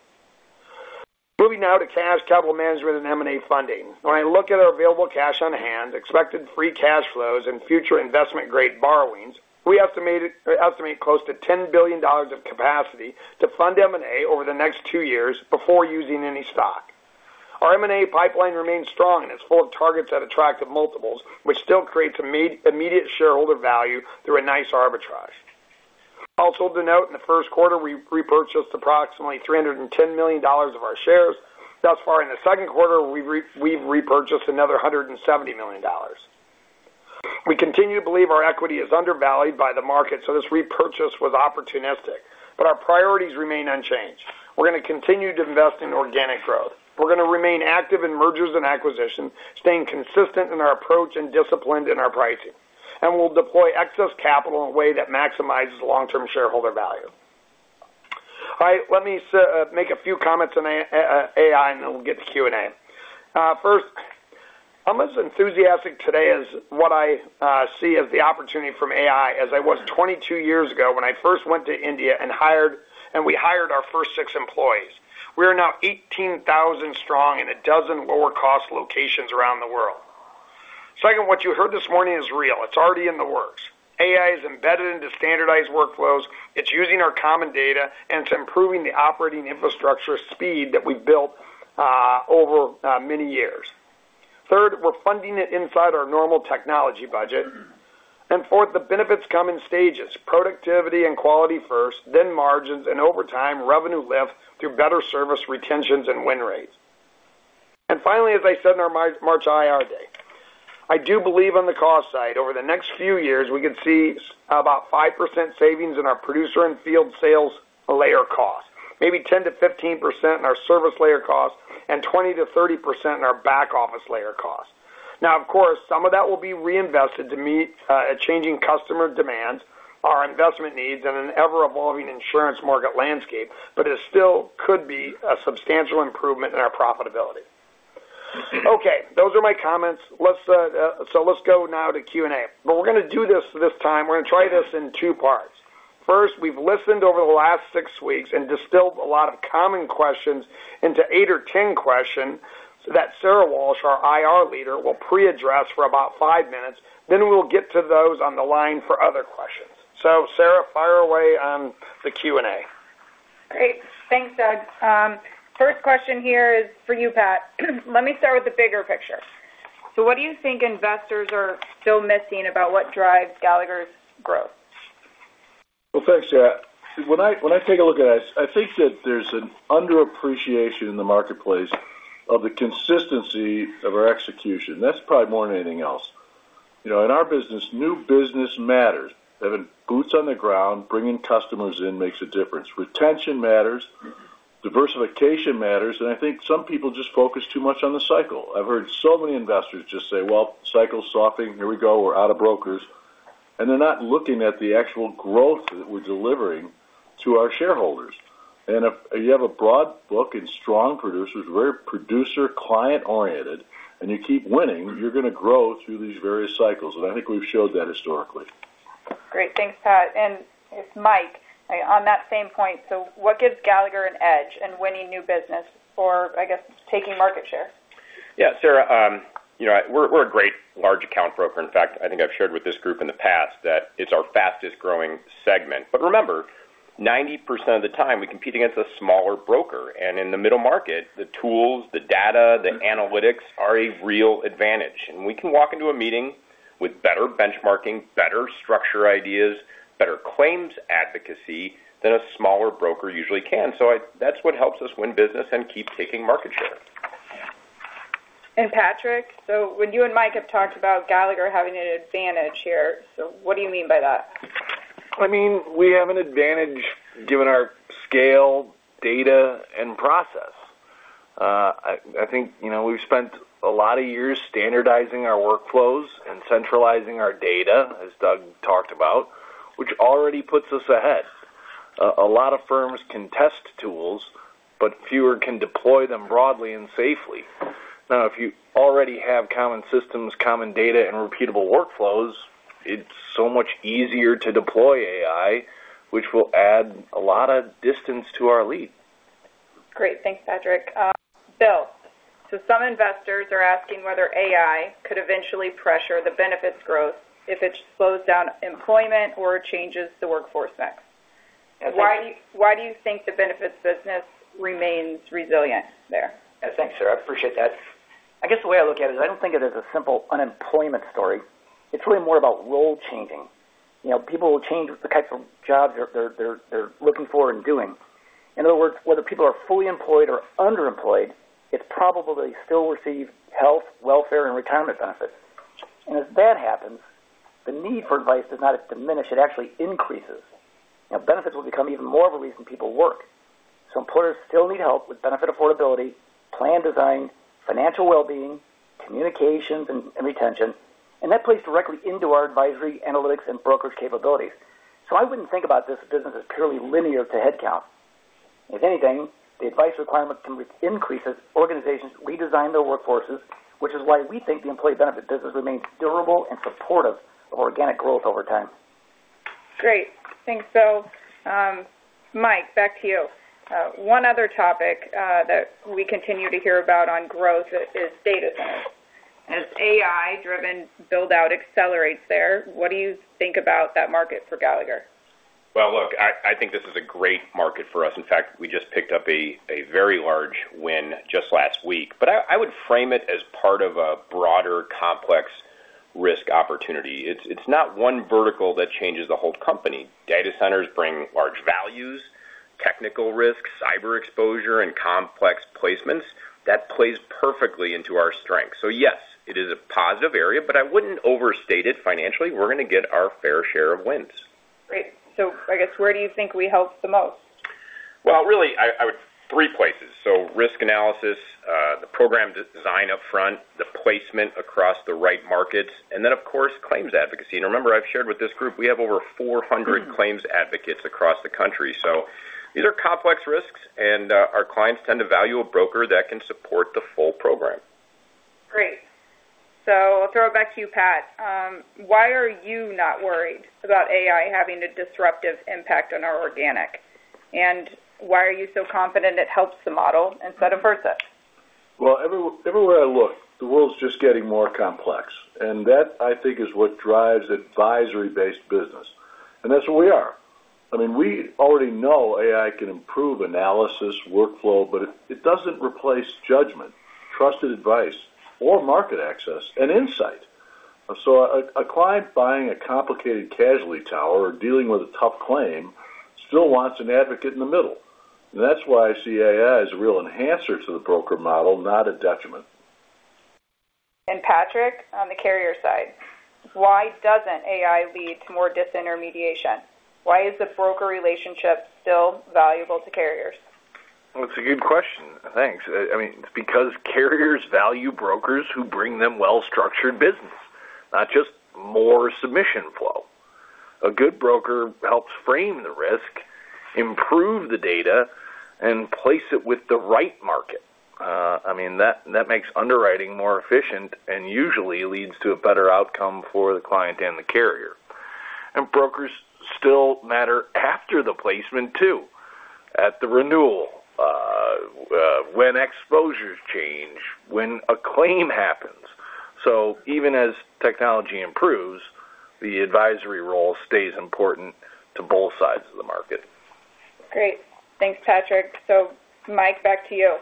Moving now to cash capital management and M&A funding. When I look at our available cash on hand, expected free cash flows, and future investment-grade borrowings, we estimate close to $10 billion of capacity to fund M&A over the next two years before using any stock. Our M&A pipeline remains strong, and it's full of targets at attractive multiples, which still creates immediate shareholder value through a nice arbitrage. Also to note, in the first quarter, we repurchased approximately $310 million of our shares. Thus far in the second quarter, we've repurchased another $170 million. We continue to believe our equity is undervalued by the market. This repurchase was opportunistic. Our priorities remain unchanged. We're going to continue to invest in organic growth. We're going to remain active in mergers and acquisitions, staying consistent in our approach and disciplined in our pricing. We'll deploy excess capital in a way that maximizes long-term shareholder value. All right. Let me make a few comments on AI, and then we'll get to Q&A. First, I'm as enthusiastic today as what I see as the opportunity from AI as I was 22 years ago when I first went to India and we hired our first six employees. We are now 18,000 strong in a dozen lower-cost locations around the world. Second, what you heard this morning is real. It's already in the works. AI is embedded into standardized workflows. It's using our common data, it's improving the operating infrastructure speed that we've built over many years. Third, we're funding it inside our normal technology budget. Fourth, the benefits come in stages, productivity and quality first, then margins, and over time, revenue lift through better service retentions and win rates. Finally, as I said in our March IR day, I do believe on the cost side, over the next few years, we could see about 5% savings in our producer and field sales layer cost, maybe 10%-15% in our service layer cost, and 20%-30% in our back-office layer cost. Of course, some of that will be reinvested to meet changing customer demands, our investment needs, and an ever-evolving insurance market landscape, but it still could be a substantial improvement in our profitability. Those are my comments. Let's go now to Q&A. We're going to do this time, we're going to try this in two parts. First, we've listened over the last six weeks and distilled a lot of common questions into eight or 10 questions that Sara Walsh, our IR leader, will pre-address for about five minutes. We'll get to those on the line for other questions. Sara, fire away on the Q&A. Great. Thanks, Doug. First question here is for you, Pat. Let me start with the bigger picture. What do you think investors are still missing about what drives Gallagher's growth? Thanks, Sara. When I take a look at it, I think that there's an underappreciation in the marketplace of the consistency of our execution. That's probably more than anything else. In our business, new business matters. Having boots on the ground, bringing customers in makes a difference. Retention matters, diversification matters, I think some people just focus too much on the cycle. I've heard so many investors just say, "Well, cycle's softening. Here we go. We're out of brokers." They're not looking at the actual growth that we're delivering to our shareholders. If you have a broad book and strong producers, we're producer client-oriented, and you keep winning, you're going to grow through these various cycles, I think we've showed that historically. Great. Thanks, Pat. Mike, on that same point, what gives Gallagher an edge in winning new business or I guess taking market share? Yeah, Sara. We're a great large account broker. In fact, I think I've shared with this group in the past that it's our fastest-growing segment. Remember, 90% of the time, we compete against a smaller broker, and in the middle market, the tools, the data, the analytics are a real advantage. We can walk into a meeting with better benchmarking, better structure ideas, better claims advocacy than a smaller broker usually can. That's what helps us win business and keep taking market share. Patrick, so when you and Mike have talked about Gallagher having an advantage here, so what do you mean by that? I mean, we have an advantage given our scale, data, and process. I think we've spent a lot of years standardizing our workflows and centralizing our data, as Doug talked about, which already puts us ahead. A lot of firms can test tools, but fewer can deploy them broadly and safely. If you already have common systems, common data, and repeatable workflows, it's so much easier to deploy AI, which will add a lot of distance to our lead. Great. Thanks, Patrick. Bill, some investors are asking whether AI could eventually pressure the benefits growth if it slows down employment or changes the workforce mix. Why do you think the benefits business remains resilient there? Thanks, Sara. Appreciate that. I guess the way I look at it is I don't think it as a simple unemployment story. It's really more about role changing. People change the types of jobs they're looking for and doing. In other words, whether people are fully employed or underemployed, it's probable they still receive health, welfare, and retirement benefits. As that happens, the need for advice does not diminish, it actually increases. Benefits will become even more of a reason people work. Employers still need help with benefit affordability, plan design, financial well-being, communications, and retention, and that plays directly into our advisory analytics and brokers capabilities. I wouldn't think about this business as purely linear to headcount. If anything, the advice requirement increases, organizations redesign their workforces, which is why we think the employee benefit business remains durable and supportive of organic growth over time. Great. Thanks, Bill. Mike, back to you. One other topic that we continue to hear about on growth is data centers. As AI driven build out accelerates there, what do you think about that market for Gallagher? Well, look, I think this is a great market for us. In fact, we just picked up a very large win just last week. I would frame it as part of a broader, complex risk opportunity. It's not one vertical that changes the whole company. Data centers bring large values, technical risk, cyber exposure, and complex placements. That plays perfectly into our strength. Yes, it is a positive area, but I wouldn't overstate it financially. We're going to get our fair share of wins. Great. I guess, where do you think we help the most? Well, really, three places. Risk analysis, the program design upfront, the placement across the right markets, and then of course, claims advocacy. Remember, I've shared with this group, we have over 400 claims advocates across the country. These are complex risks, and our clients tend to value a broker that can support the full program. Great. I'll throw it back to you, Pat. Why are you not worried about AI having a disruptive impact on our organic, and why are you so confident it helps the model instead of hurts it? Well, everywhere I look, the world's just getting more complex, that, I think, is what drives advisory based business. That's what we are. It doesn't replace judgment, trusted advice or market access and insight. A client buying a complicated casualty tower or dealing with a tough claim still wants an advocate in the middle. That's why I see AI as a real enhancer to the broker model, not a detriment. And Patrick, on the carrier side, why doesn't AI lead to more disintermediation? Why is the broker relationship still valuable to carriers? Well, it's a good question, thanks. Carriers value brokers who bring them well-structured business, not just more submission flow. A good broker helps frame the risk, improve the data, and place it with the right market. That makes underwriting more efficient and usually leads to a better outcome for the client and the carrier. Brokers still matter after the placement, too, at the renewal, when exposures change, when a claim happens. Even as technology improves, the advisory role stays important to both sides of the market. Great. Thanks, Patrick. Mike, back to you.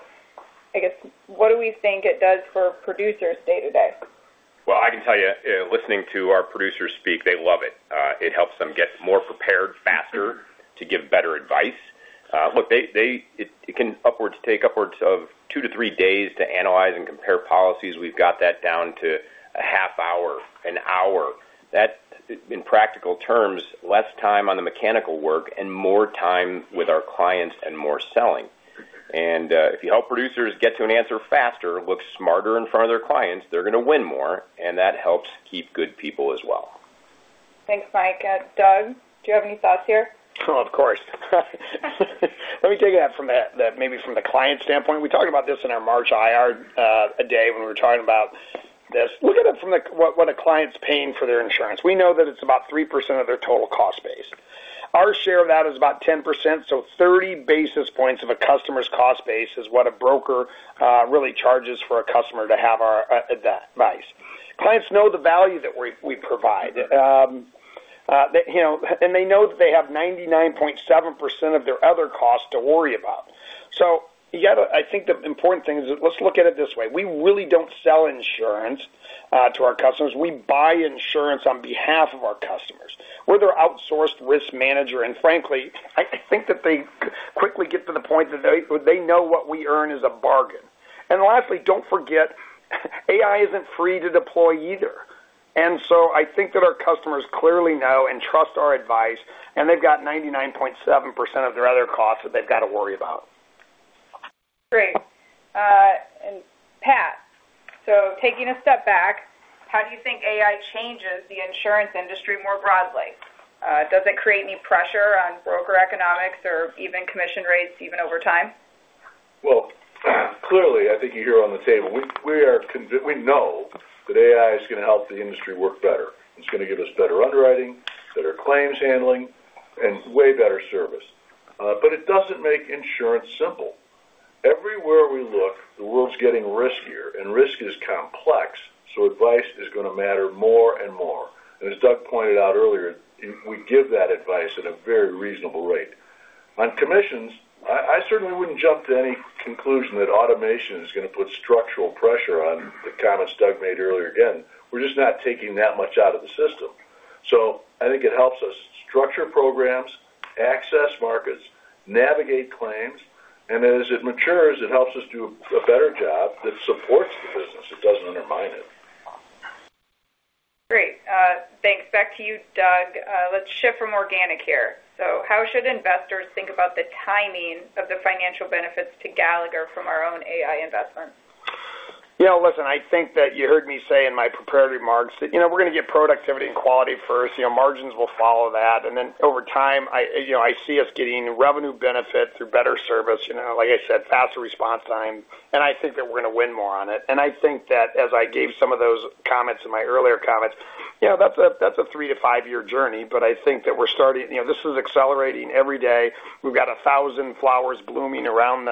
I guess, what do we think it does for producers day-to-day? Well, I can tell you, listening to our producers speak, they love it. It helps them get more prepared faster to give better advice. Look, it can take upwards of two to three days to analyze and compare policies. We've got that down to a half hour, an hour. That, in practical terms, less time on the mechanical work and more time with our clients and more selling. If you help producers get to an answer faster, look smarter in front of their clients, they're going to win more, and that helps keep good people as well. Thanks, Mike. Doug, do you have any thoughts here? Of course. Let me take it maybe from the client standpoint. We talked about this in our March IR day when we were talking about this. Look at it from what a client's paying for their insurance. We know that it's about 3% of their total cost base. Our share of that is about 10%, so 30 basis points of a customer's cost base is what a broker really charges for a customer to have our advice. Clients know the value that we provide. They know that they have 99.7% of their other costs to worry about. I think the important thing is, let's look at it this way. We really don't sell insurance to our customers. We buy insurance on behalf of our customers. We're their outsourced risk manager, and frankly, I think that they quickly get to the point that they know what we earn is a bargain. Lastly, don't forget, AI isn't free to deploy either. I think that our customers clearly know and trust our advice, and they've got 99.7% of their other costs that they've got to worry about. Great. Pat, taking a step back, how do you think AI changes the insurance industry more broadly? Does it create any pressure on broker economics or even commission rates even over time? Clearly, I think you hear on the table, we know that AI is going to help the industry work better. It's going to give us better underwriting, better claims handling, and way better service. It doesn't make insurance simple. Everywhere we look, the world's getting riskier, and risk is complex, advice is going to matter more and more. As Doug pointed out earlier, we give that advice at a very reasonable rate. On commissions, I certainly wouldn't jump to any conclusion that automation is going to put structural pressure on the comment Doug made earlier. Again, we're just not taking that much out of the system. I think it helps us structure programs, access markets, navigate claims, and then as it matures, it helps us do a better job that supports the business. It doesn't undermine it. Great. Thanks. Back to you, Doug. Let's shift from organic here. How should investors think about the timing of the financial benefits to Gallagher from our own AI investment? I think that you heard me say in my prepared remarks that we're going to get productivity and quality first, margins will follow that. Then over time, I see us getting revenue benefit through better service. Like I said, faster response time, I think that we're going to win more on it. I think that as I gave some of those comments in my earlier comments, that's a three to five year journey, I think that this is accelerating every day. We've got 1,000 flowers blooming around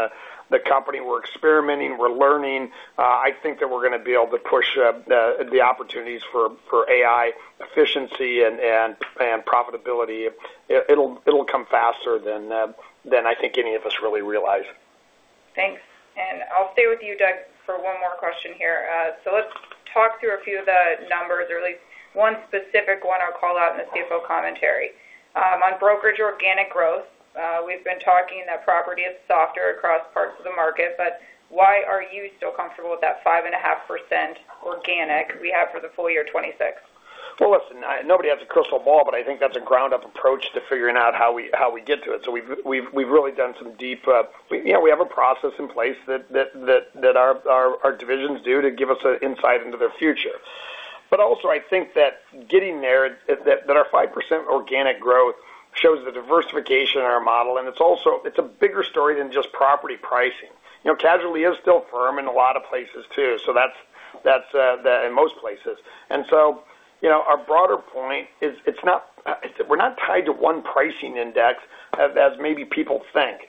the company. We're experimenting, we're learning. I think that we're going to be able to push the opportunities for AI efficiency and profitability. It'll come faster than I think any of us really realize. Thanks. I'll stay with you, Doug, for one more question here. Let's talk through a few of the numbers, or at least one specific one I'll call out in the CFO commentary. On brokerage organic growth, we've been talking that property is softer across parts of the market. Why are you still comfortable with that 5.5% organic we have for the full year 2026? Listen, nobody has a crystal ball. I think that's a ground-up approach to figuring out how we get to it. We have a process in place that our divisions do to give us an insight into the future. I think that getting there, that our 5% organic growth shows the diversification in our model. It's a bigger story than just property pricing. Casualty is still firm in a lot of places, too, in most places. Our broader point is we're not tied to one pricing index as maybe people think.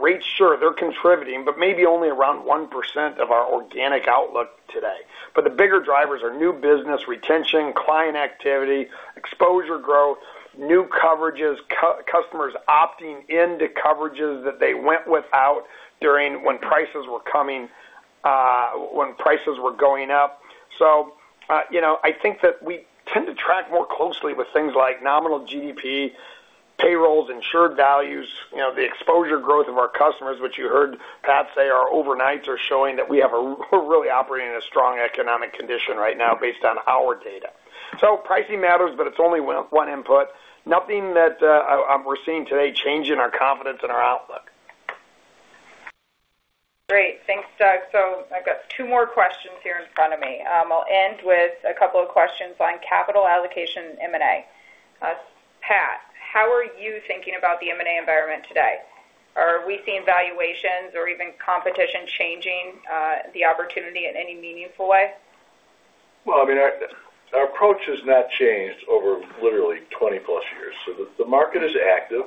Rates, sure, they're contributing. Maybe only around 1% of our organic outlook today. The bigger drivers are new business retention, client activity, exposure growth, new coverages, customers opting into coverages that they went without when prices were going up. I think that we tend to track more closely with things like nominal GDP, payrolls, insured values, the exposure growth of our customers, which you heard Pat say our overnights are showing that we're really operating in a strong economic condition right now based on our data. Pricing matters. It's only one input. Nothing that we're seeing today changing our confidence and our outlook. Great. Thanks, Doug. I've got two more questions here in front of me. I'll end with a couple of questions on capital allocation and M&A. Pat, how are you thinking about the M&A environment today? Are we seeing valuations or even competition changing the opportunity in any meaningful way? Well, our approach has not changed over literally 20 plus years. The market is active.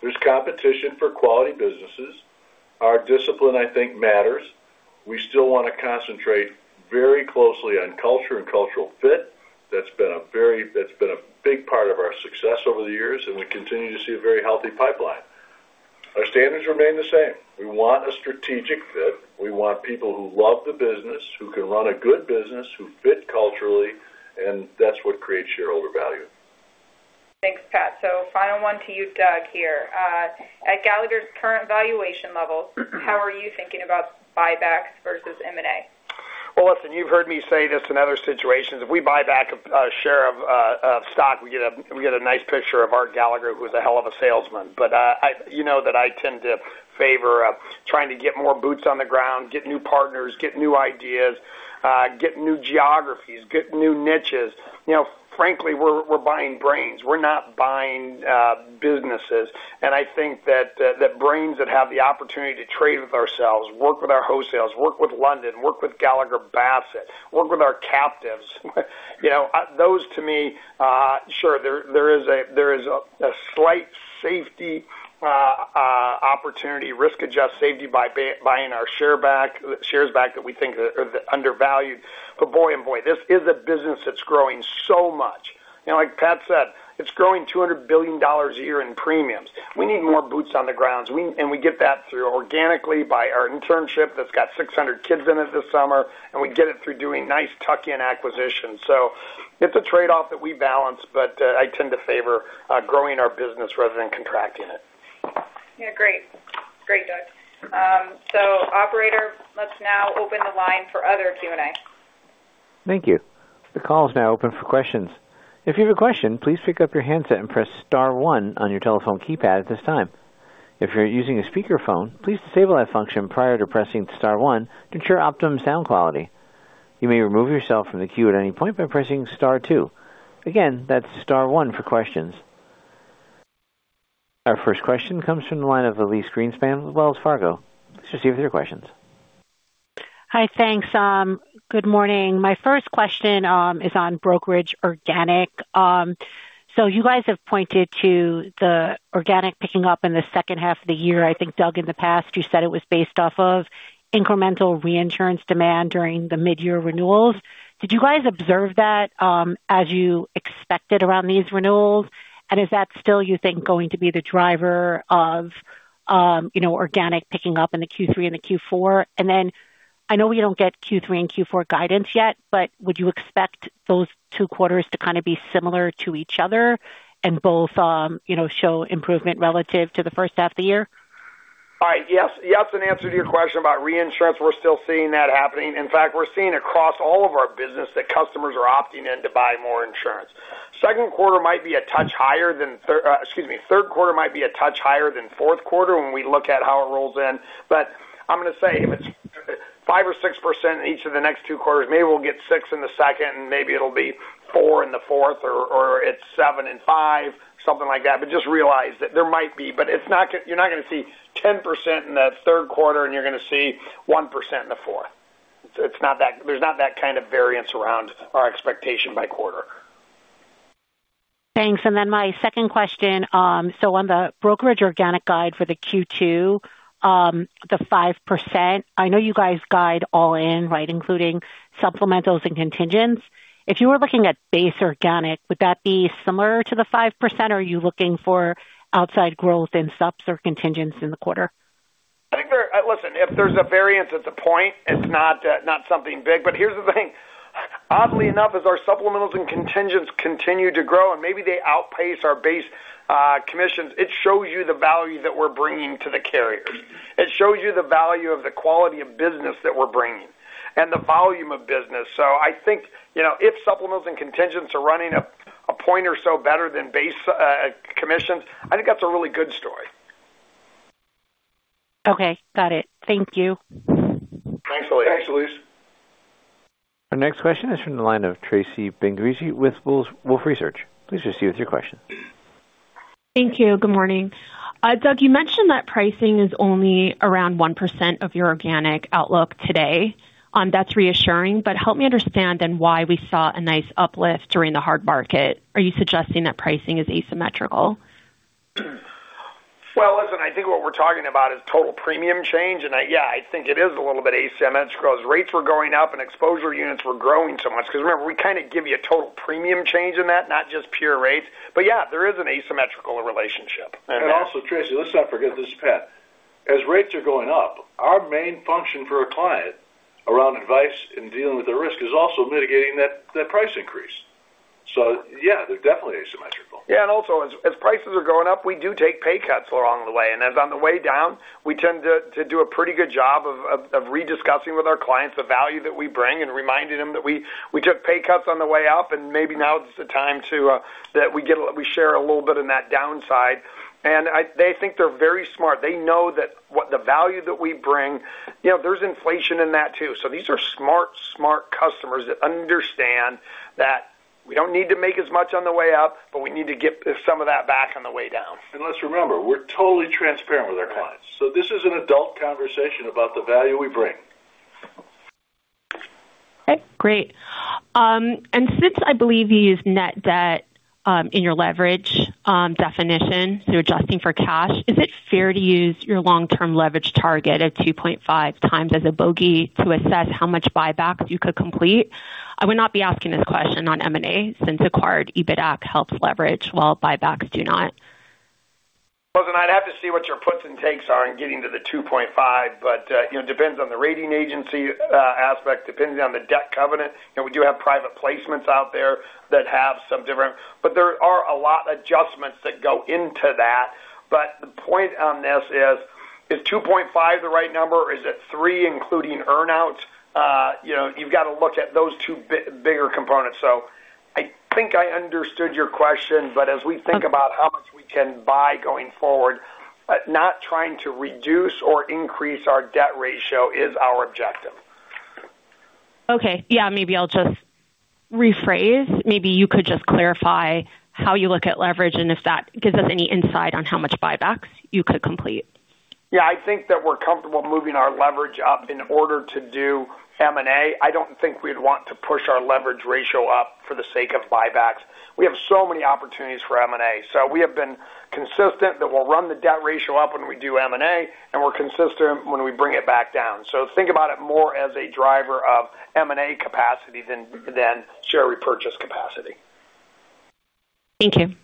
There's competition for quality businesses. Our discipline, I think, matters. We still want to concentrate very closely on culture and cultural fit. That's been a big part of our success over the years, and we continue to see a very healthy pipeline. Our standards remain the same. We want a strategic fit. We want people who love the business, who can run a good business, who fit culturally, and that's what creates shareholder value. Thanks, Pat. Final one to you, Doug, here. At Gallagher's current valuation level, how are you thinking about buybacks versus M&A? Well, listen, you've heard me say this in other situations. If we buy back a share of stock, we get a nice picture of Art Gallagher, who was a hell of a salesman. You know that I tend to favor trying to get more boots on the ground, get new partners, get new ideas, get new geographies, get new niches. Frankly, we're buying brains. We're not buying businesses. I think that brains that have the opportunity to trade with ourselves, work with our wholesales, work with London, work with Gallagher Bassett, work with our captives. Those to me, sure, there is a slight safety opportunity, risk-adjusted safety by buying our shares back that we think are undervalued. Boy, this is a business that's growing so much. Like Pat said, it's growing $200 billion a year in premiums. We need more boots on the ground, and we get that through organically by our internship that's got 600 kids in it this summer, and we get it through doing nice tuck-in acquisitions. It's a trade-off that we balance, but I tend to favor growing our business rather than contracting it. Yeah, great. Great, Doug. Operator, let's now open the line for other Q&A. Thank you. The call is now open for questions. If you have a question, please pick up your handset and press *1 on your telephone keypad at this time. If you're using a speakerphone, please disable that function prior to pressing star one to ensure optimum sound quality. You may remove yourself from the queue at any point by pressing star two. Again, that's star one for questions. Our first question comes from the line of Elyse Greenspan with Wells Fargo. Let's just see with your questions. Hi, thanks. Good morning. My first question is on brokerage organic. You guys have pointed to the organic picking up in the second half of the year. I think, Doug, in the past, you said it was based off of incremental reinsurance demand during the mid-year renewals. Did you guys observe that as you expected around these renewals? Is that still, you think, going to be the driver of organic picking up in the Q3 and the Q4? I know we don't get Q3 and Q4 guidance yet, but would you expect those two quarters to be similar to each other and both show improvement relative to the first half of the year? All right. Yes. In answer to your question about reinsurance, we're still seeing that happening. In fact, we're seeing across all of our business that customers are opting in to buy more insurance. Third quarter might be a touch higher than fourth quarter when we look at how it rolls in. I'm going to say, if it's 5% or 6% each of the next two quarters, maybe we'll get 6% in the second, and maybe it'll be 4% in the fourth, or it's 7% and 5%, something like that. Just realize that there might be. You're not going to see 10% in the third quarter and you're going to see 1% in the fourth. There's not that kind of variance around our expectation by quarter. Thanks. My second question, on the brokerage organic guide for the Q2, the 5%, I know you guys guide all in, including supplementals and contingents. If you were looking at base organic, would that be similar to the 5%, or are you looking for outside growth in supplementals or contingents in the quarter? Listen, if there's a variance, it's a point. It's not something big. Here's the thing. Oddly enough, as our supplementals and contingents continue to grow, and maybe they outpace our base commissions, it shows you the value that we're bringing to the carriers. It shows you the value of the quality of business that we're bringing and the volume of business. I think, if supplementals and contingents are running a point or so better than base commissions, I think that's a really good story. Okay, got it. Thank you. Thanks, Elyse. Our next question is from the line of Tracy Benguigui with Wolfe Research. Please proceed with your question. Thank you. Good morning. Doug, you mentioned that pricing is only around 1% of your organic outlook today. That's reassuring, but help me understand why we saw a nice uplift during the hard market. Are you suggesting that pricing is asymmetrical? Well, listen, I think what we're talking about is total premium change, yeah, I think it is a little bit asymmetrical as rates were going up and exposure units were growing so much. Remember, we give you a total premium change in that, not just pure rates. Yeah, there is an asymmetrical relationship. Also, Tracy, let's not forget this, Pat. As rates are going up, our main function for a client around advice in dealing with the risk is also mitigating that price increase. Yeah, they're definitely asymmetrical. As prices are going up, we do take pay cuts along the way. As on the way down, we tend to do a pretty good job of re-discussing with our clients the value that we bring and reminding them that we took pay cuts on the way up and maybe now is the time that we share a little bit in that downside. They think they're very smart. They know the value that we bring. There's inflation in that too. These are smart customers that understand that we don't need to make as much on the way up, but we need to get some of that back on the way down. Let's remember, we're totally transparent with our clients. This is an adult conversation about the value we bring. Okay, great. Since I believe you use net debt in your leverage definition, so you're adjusting for cash, is it fair to use your long-term leverage target of 2.5x as a bogey to assess how much buyback you could complete? I would not be asking this question on M&A, since acquired EBITA helps leverage while buybacks do not. I'd have to see what your puts and takes are in getting to the 2.5, it depends on the rating agency aspect, depending on the debt covenant. We do have private placements out there that have some different. There are a lot of adjustments that go into that. The point on this is 2.5 the right number? Is it three including earn-out? You've got to look at those two bigger components. I think I understood your question, as we think about how much we can buy going forward, not trying to reduce or increase our debt ratio is our objective. Okay. Yeah, maybe I'll just rephrase. Maybe you could just clarify how you look at leverage and if that gives us any insight on how much buybacks you could complete. Yeah, I think that we're comfortable moving our leverage up in order to do M&A. I don't think we'd want to push our leverage ratio up for the sake of buybacks. We have so many opportunities for M&A. We have been consistent that we'll run the debt ratio up when we do M&A, and we're consistent when we bring it back down. Think about it more as a driver of M&A capacity than share repurchase capacity. Thank you.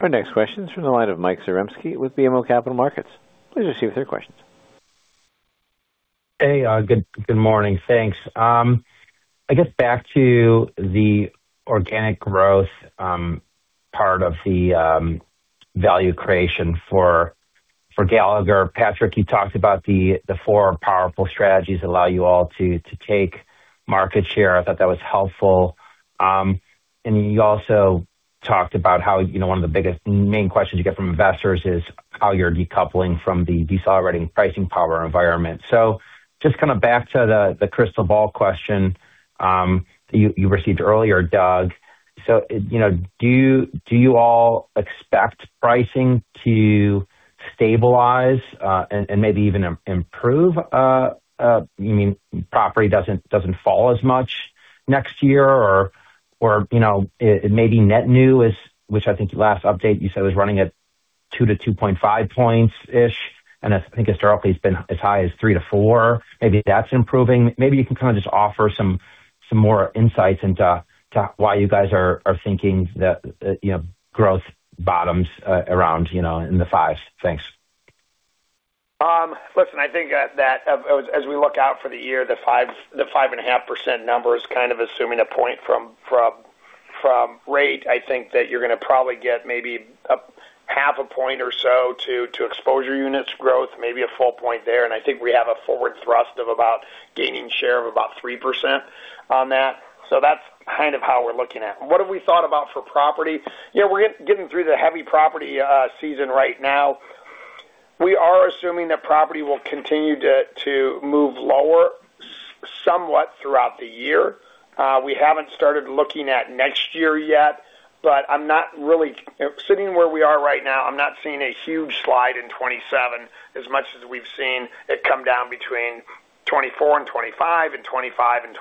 Our next question is from the line of Michael Zaremski with BMO Capital Markets. Please proceed with your questions. Hey. Good morning. Thanks. I guess back to the organic growth part of the value creation for Gallagher. Patrick, you talked about the four powerful strategies allow you all to take market share. I thought that was helpful. You also talked about how one of the biggest main questions you get from investors is how you're decoupling from the decelerating pricing power environment. Just back to the crystal ball question you received earlier, Doug. Do you all expect pricing to stabilize and maybe even improve? Property doesn't fall as much next year or it may be net new, which I think last update you said was running at 2-2.5 points-ish, and I think historically it's been as high as three to four. Maybe that's improving. Maybe you can kind of just offer some more insights into why you guys are thinking that growth bottoms around in the fives. Thanks. Listen, I think that as we look out for the year, the 5.5% number is kind of assuming 1 point from rate. I think that you're going to probably get maybe 0.5 points or so to exposure units growth, maybe 1 point there. We have a forward thrust of about gaining share of about 3% on that. That's kind of how we're looking at. What have we thought about for property? We're getting through the heavy property season right now. We are assuming that property will continue to move lower somewhat throughout the year. We haven't started looking at next year yet, but sitting where we are right now, I'm not seeing a huge slide in 2027 as much as we've seen it come down between 2024-2025, and 2025-2026.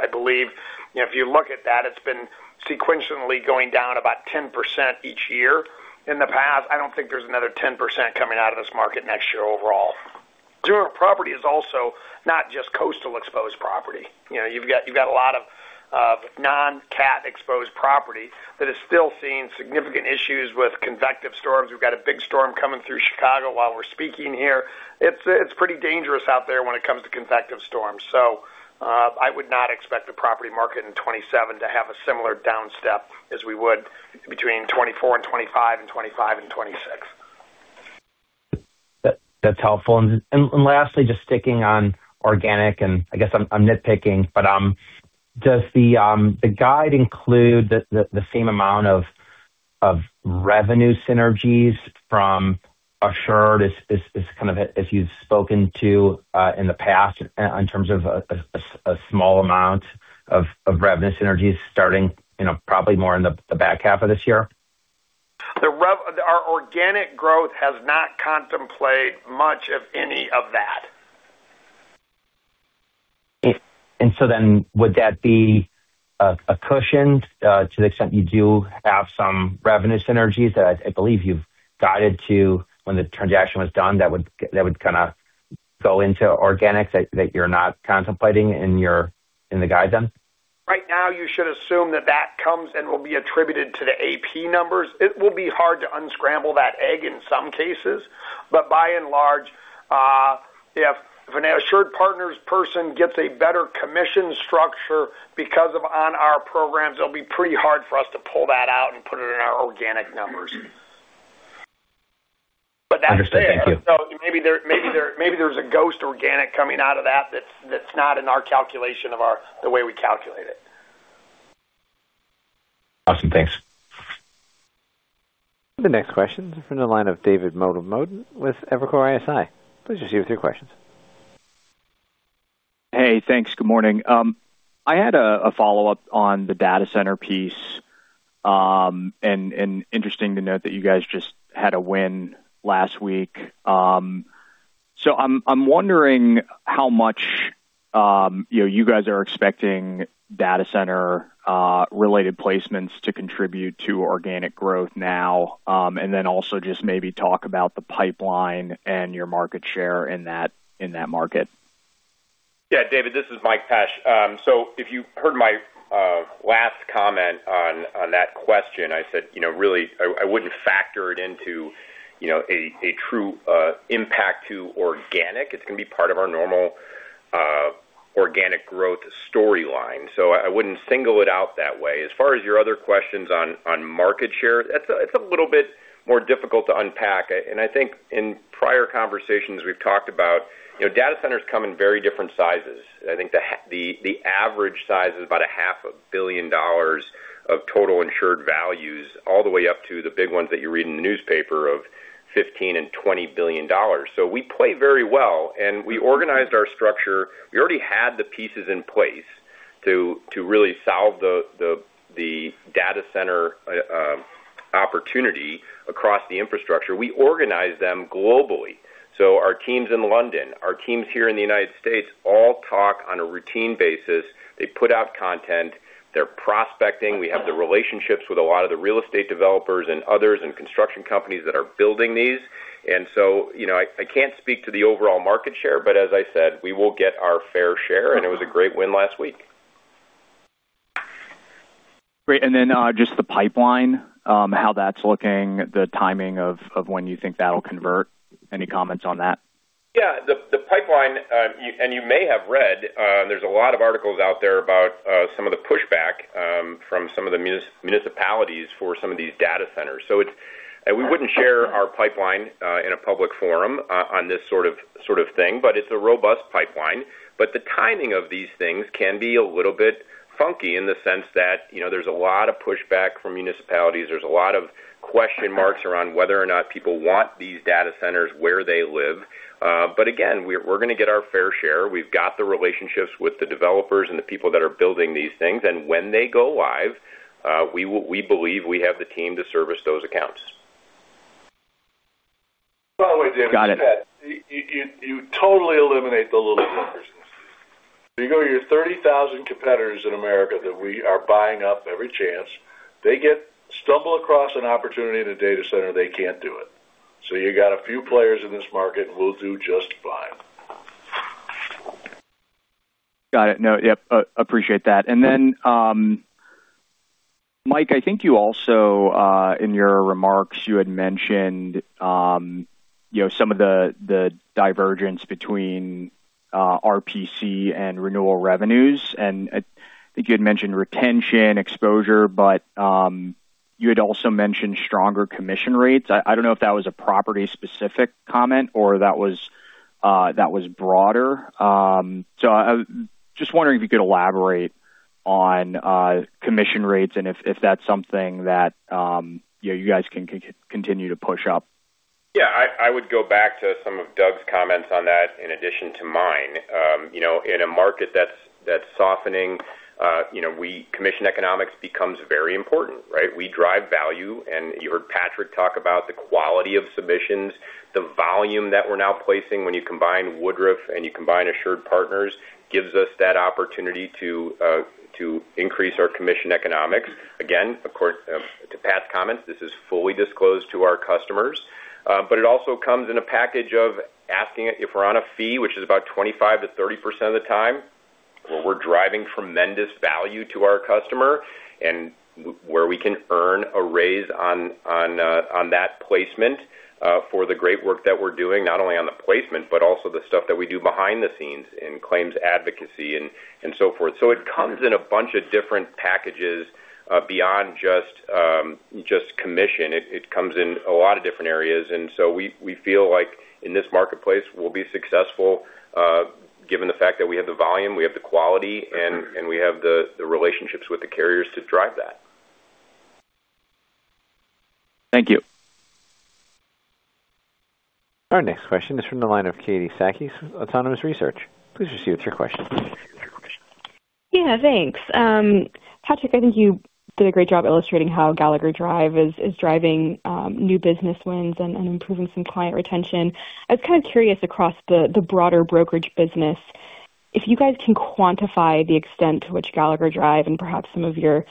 I believe if you look at that, it's been sequentially going down about 10% each year in the past. I don't think there's another 10% coming out of this market next year overall. Dura property is also not just coastal exposed property. You've got a lot of non-CAT exposed property that is still seeing significant issues with convective storms. We've got a big storm coming through Chicago while we're speaking here. It's pretty dangerous out there when it comes to convective storms. I would not expect the property market in 2027 to have a similar downstep as we would between 2024-2025, and 2025-2026. That's helpful. Lastly, just sticking on organic, I guess I'm nitpicking, does the guide include the same amount of revenue synergies from Assured as you've spoken to in the past in terms of a small amount of revenue synergies starting probably more in the back half of this year? Our organic growth has not contemplated much of any of that. Would that be a cushion to the extent you do have some revenue synergies that I believe you've guided to when the transaction was done that would go into organic that you're not contemplating in the guide then? Right now you should assume that that comes and will be attributed to the AP numbers. It will be hard to unscramble that egg in some cases. By and large, if an AssuredPartners person gets a better commission structure because of on our programs, it'll be pretty hard for us to pull that out and put it in our organic numbers. Understood. Thank you. Maybe there's a ghost organic coming out of that's not in our calculation of the way we calculate it. Awesome. Thanks. The next question is from the line of David Motemaden with Evercore ISI. Please proceed with your questions. Hey, thanks. Good morning. I had a follow-up on the data center piece. Interesting to note that you guys just had a win last week. I'm wondering how much you guys are expecting data center related placements to contribute to organic growth now. Also just maybe talk about the pipeline and your market share in that market. Yeah. David, this is Mike Pesch. If you heard my last comment on that question, I said really I wouldn't factor it into a true impact to organic. It's going to be part of our normal organic growth storyline. I wouldn't single it out that way. As far as your other questions on market share, it's a little bit more difficult to unpack. I think in prior conversations we've talked about data centers come in very different sizes. I think the average size is about a half a billion dollars of total insured values all the way up to the big ones that you read in the newspaper of $15 and $20 billion. We play very well, and we organized our structure. We already had the pieces in place to really solve the data center opportunity across the infrastructure. We organize them globally. Our teams in London, our teams here in the United States all talk on a routine basis. They put out content. They're prospecting. We have the relationships with a lot of the real estate developers and others and construction companies that are building these. I can't speak to the overall market share, but as I said, we will get our fair share, and it was a great win last week. Great. Just the pipeline, how that's looking, the timing of when you think that'll convert. Any comments on that? Yeah. The pipeline. You may have read, there's a lot of articles out there about some of the pushback from some of the municipalities for some of these data centers. We wouldn't share our pipeline in a public forum on this sort of thing, but it's a robust pipeline. The timing of these things can be a little bit funky in the sense that there's a lot of pushback from municipalities. There's a lot of question marks around whether or not people want these data centers where they live. Again, we're going to get our fair share. We've got the relationships with the developers and the people that are building these things, and when they go live, we believe we have the team to service those accounts. Got it. You totally eliminate the little guys. You go to your 30,000 competitors in the U.S. that we are buying up every chance. They stumble across an opportunity in a data center, they can't do it. You got a few players in this market, and we'll do just fine. Got it. No, yep, appreciate that. Mike, I think you also, in your remarks, you had mentioned some of the divergence between RPC and renewal revenues. I think you had mentioned retention, exposure, but you had also mentioned stronger commission rates. I don't know if that was a property specific comment or that was broader. Just wondering if you could elaborate on commission rates and if that's something that you guys can continue to push up. Yeah. I would go back to some of Doug's comments on that in addition to mine. In a market that's softening, commission economics becomes very important, right? We drive value, and you heard Patrick talk about the quality of submissions. The volume that we're now placing when you combine Woodruff and you combine AssuredPartners gives us that opportunity to increase our commission economics. Again, of course, to Pat's comments, this is fully disclosed to our customers. It also comes in a package of asking if we're on a fee, which is about 25%-30% of the time, where we're driving tremendous value to our customer, and where we can earn a raise on that placement for the great work that we're doing, not only on the placement, but also the stuff that we do behind the scenes in claims advocacy and so forth. It comes in a bunch of different packages, beyond just commission. It comes in a lot of different areas, and so we feel like in this marketplace, we'll be successful, given the fact that we have the volume, we have the quality, and we have the relationships with the carriers to drive that. Thank you. Our next question is from the line of Katie Sakys, Autonomous Research. Please proceed with your question. Yeah, thanks. Patrick, I think you did a great job illustrating how Gallagher Drive is driving new business wins and improving some client retention. I was kind of curious across the broader brokerage business, if you guys can quantify the extent to which Gallagher Drive and perhaps some of your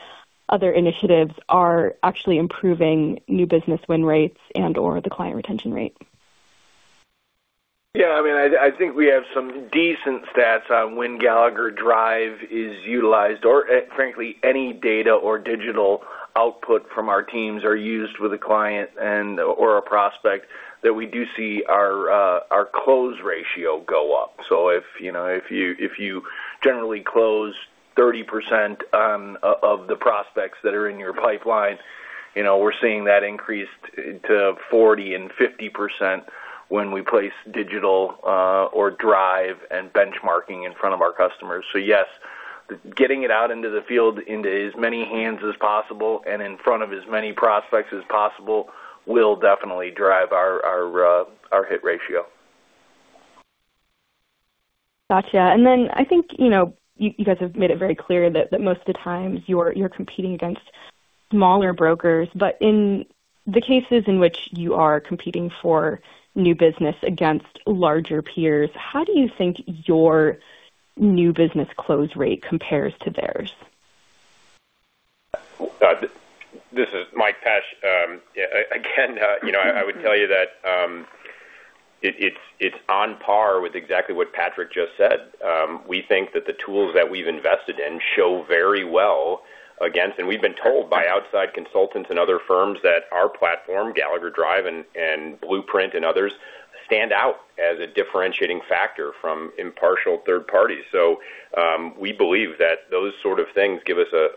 other initiatives are actually improving new business win rates and/or the client retention rate. Yeah, I think we have some decent stats on when Gallagher Drive is utilized or frankly, any data or digital output from our teams are used with a client and/or a prospect that we do see our close ratio go up. If you generally close 30% of the prospects that are in your pipeline, we're seeing that increase to 40% and 50% when we place digital or Drive and benchmarking in front of our customers. Yes, getting it out into the field into as many hands as possible and in front of as many prospects as possible will definitely drive our hit ratio. Got you. I think you guys have made it very clear that most of the times you're competing against smaller brokers, but in the cases in which you are competing for new business against larger peers, how do you think your new business close rate compares to theirs? This is Mike Pesch. I would tell you that it's on par with exactly what Patrick just said. We think that the tools that we've invested in show very well against We've been told by outside consultants and other firms that our platform, Gallagher Drive and Blueprint and others, stand out as a differentiating factor from impartial third parties. We believe that those sort of things give us a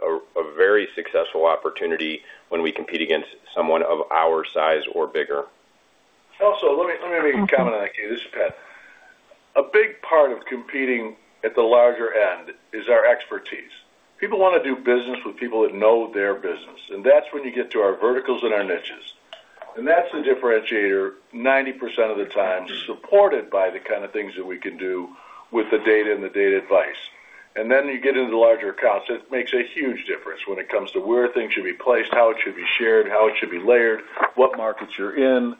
very successful opportunity when we compete against someone of our size or bigger. Let me make a comment on that too. This is Pat. A big part of competing at the larger end is our expertise. People want to do business with people that know their business, that's when you get to our verticals and our niches. That's the differentiator 90% of the time, supported by the kind of things that we can do with the data and the data advice. You get into the larger accounts. It makes a huge difference when it comes to where things should be placed, how it should be shared, how it should be layered, what markets you're in.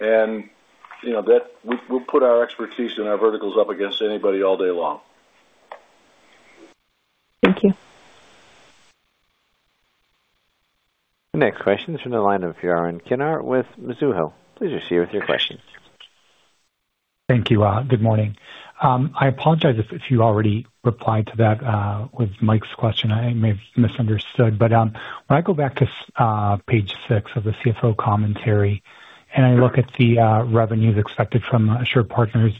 We'll put our expertise and our verticals up against anybody all day long. Thank you. The next question is from the line of Yaron Kinar with Mizuho. Please proceed with your question. Thank you. Good morning. I apologize if you already replied to that, with Mike's question, I may have misunderstood. When I go back to page six of the CFO commentary, I look at the revenues expected from AssuredPartners,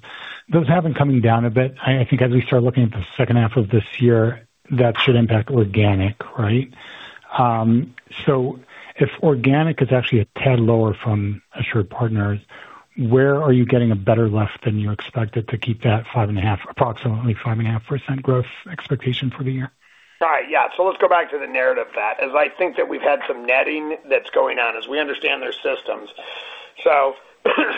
those have been coming down a bit. I think as we start looking at the second half of this year, that should impact organic, right? If organic is actually a tad lower from AssuredPartners, where are you getting a better lift than you expected to keep that approximately 5.5% growth expectation for the year? Right. Yeah. Let's go back to the narrative of that. As I think that we've had some netting that's going on as we understand their systems.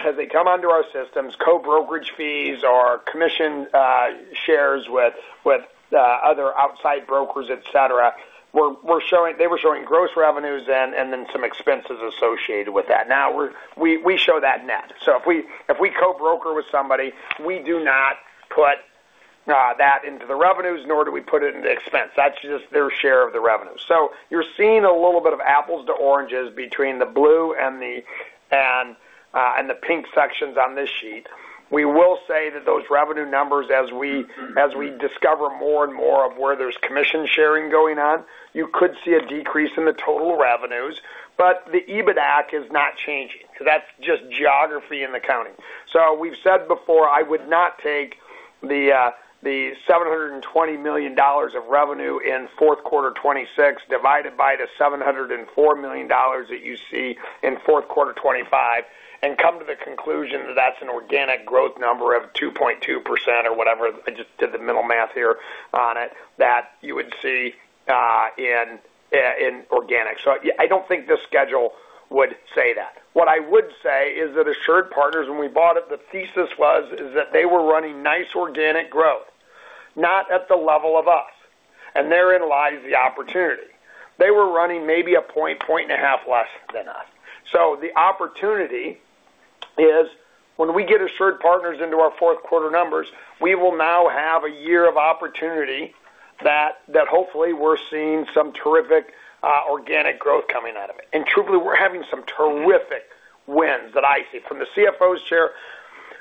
As they come onto our systems, co-brokerage fees or commission shares with other outside brokers, et cetera, they were showing gross revenues then, and then some expenses associated with that. Now we show that net. If we co-broker with somebody, we do not put- That into the revenues, nor do we put it into expense. That's just their share of the revenue. You're seeing a little bit of apples to oranges between the blue and the pink sections on this sheet. We will say that those revenue numbers, as we discover more and more of where there's commission sharing going on, you could see a decrease in the total revenues, but the EBITDA is not changing. That's just geography and accounting. We've said before, I would not take the $720 million of revenue in fourth quarter 2026 divided by the $704 million that you see in fourth quarter 2025, and come to the conclusion that that's an organic growth number of 2.2% or whatever, I just did the mental math here on it, that you would see in organic. I don't think this schedule would say that. What I would say is that AssuredPartners, when we bought it, the thesis was is that they were running nice organic growth, not at the level of us. Therein lies the opportunity. They were running maybe a point and a half less than us. The opportunity is when we get AssuredPartners into our fourth quarter numbers, we will now have a year of opportunity that hopefully we're seeing some terrific organic growth coming out of it. Truly, we're having some terrific wins that I see. From the CFO's chair,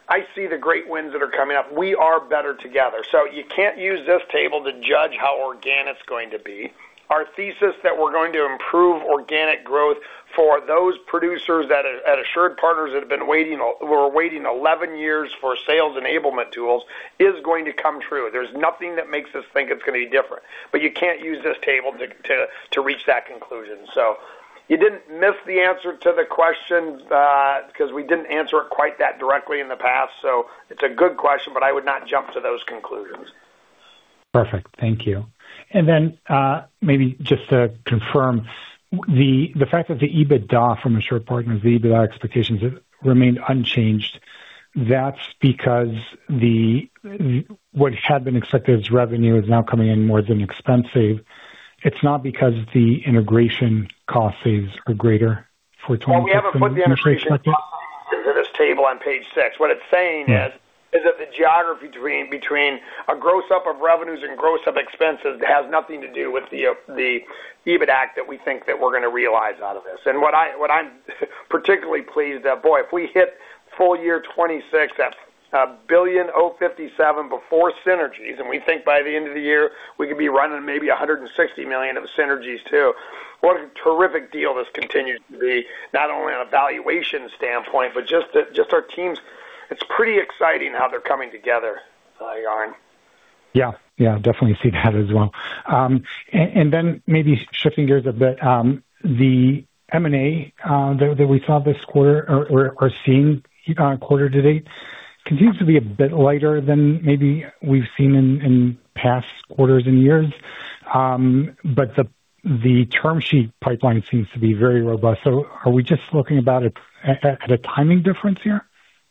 I see the great wins that are coming up. We are better together. You can't use this table to judge how organic's going to be. Our thesis that we're going to improve organic growth for those producers at AssuredPartners that have been waiting 11 years for sales enablement tools is going to come true. There's nothing that makes us think it's going to be different. You can't use this table to reach that conclusion. You didn't miss the answer to the questions because we didn't answer it quite that directly in the past. It's a good question, but I would not jump to those conclusions. Perfect. Thank you. Maybe just to confirm, the fact that the EBITDA from AssuredPartners, the EBITDA expectations have remained unchanged, that's because what had been expected as revenue is now coming in more as an expense save. It's not because the integration cost saves are greater for 2026 than originally expected? Well, we haven't put the integration costs into this table on page six. What it's saying. Yeah is that the geography between a gross up of revenues and gross up expenses has nothing to do with the EBITDA that we think that we're going to realize out of this. What I'm particularly pleased that, boy, if we hit full year 2026, that $1.057 billion before synergies, and we think by the end of the year, we could be running maybe $160 million of synergies too. What a terrific deal this continues to be, not only on a valuation standpoint, but just our teams. It's pretty exciting how they're coming together, Yaron. Yeah. Definitely see that as well. Maybe shifting gears a bit, the M&A that we saw this quarter or are seeing quarter to date continues to be a bit lighter than maybe we've seen in past quarters and years. The term sheet pipeline seems to be very robust. Are we just looking about it at a timing difference here?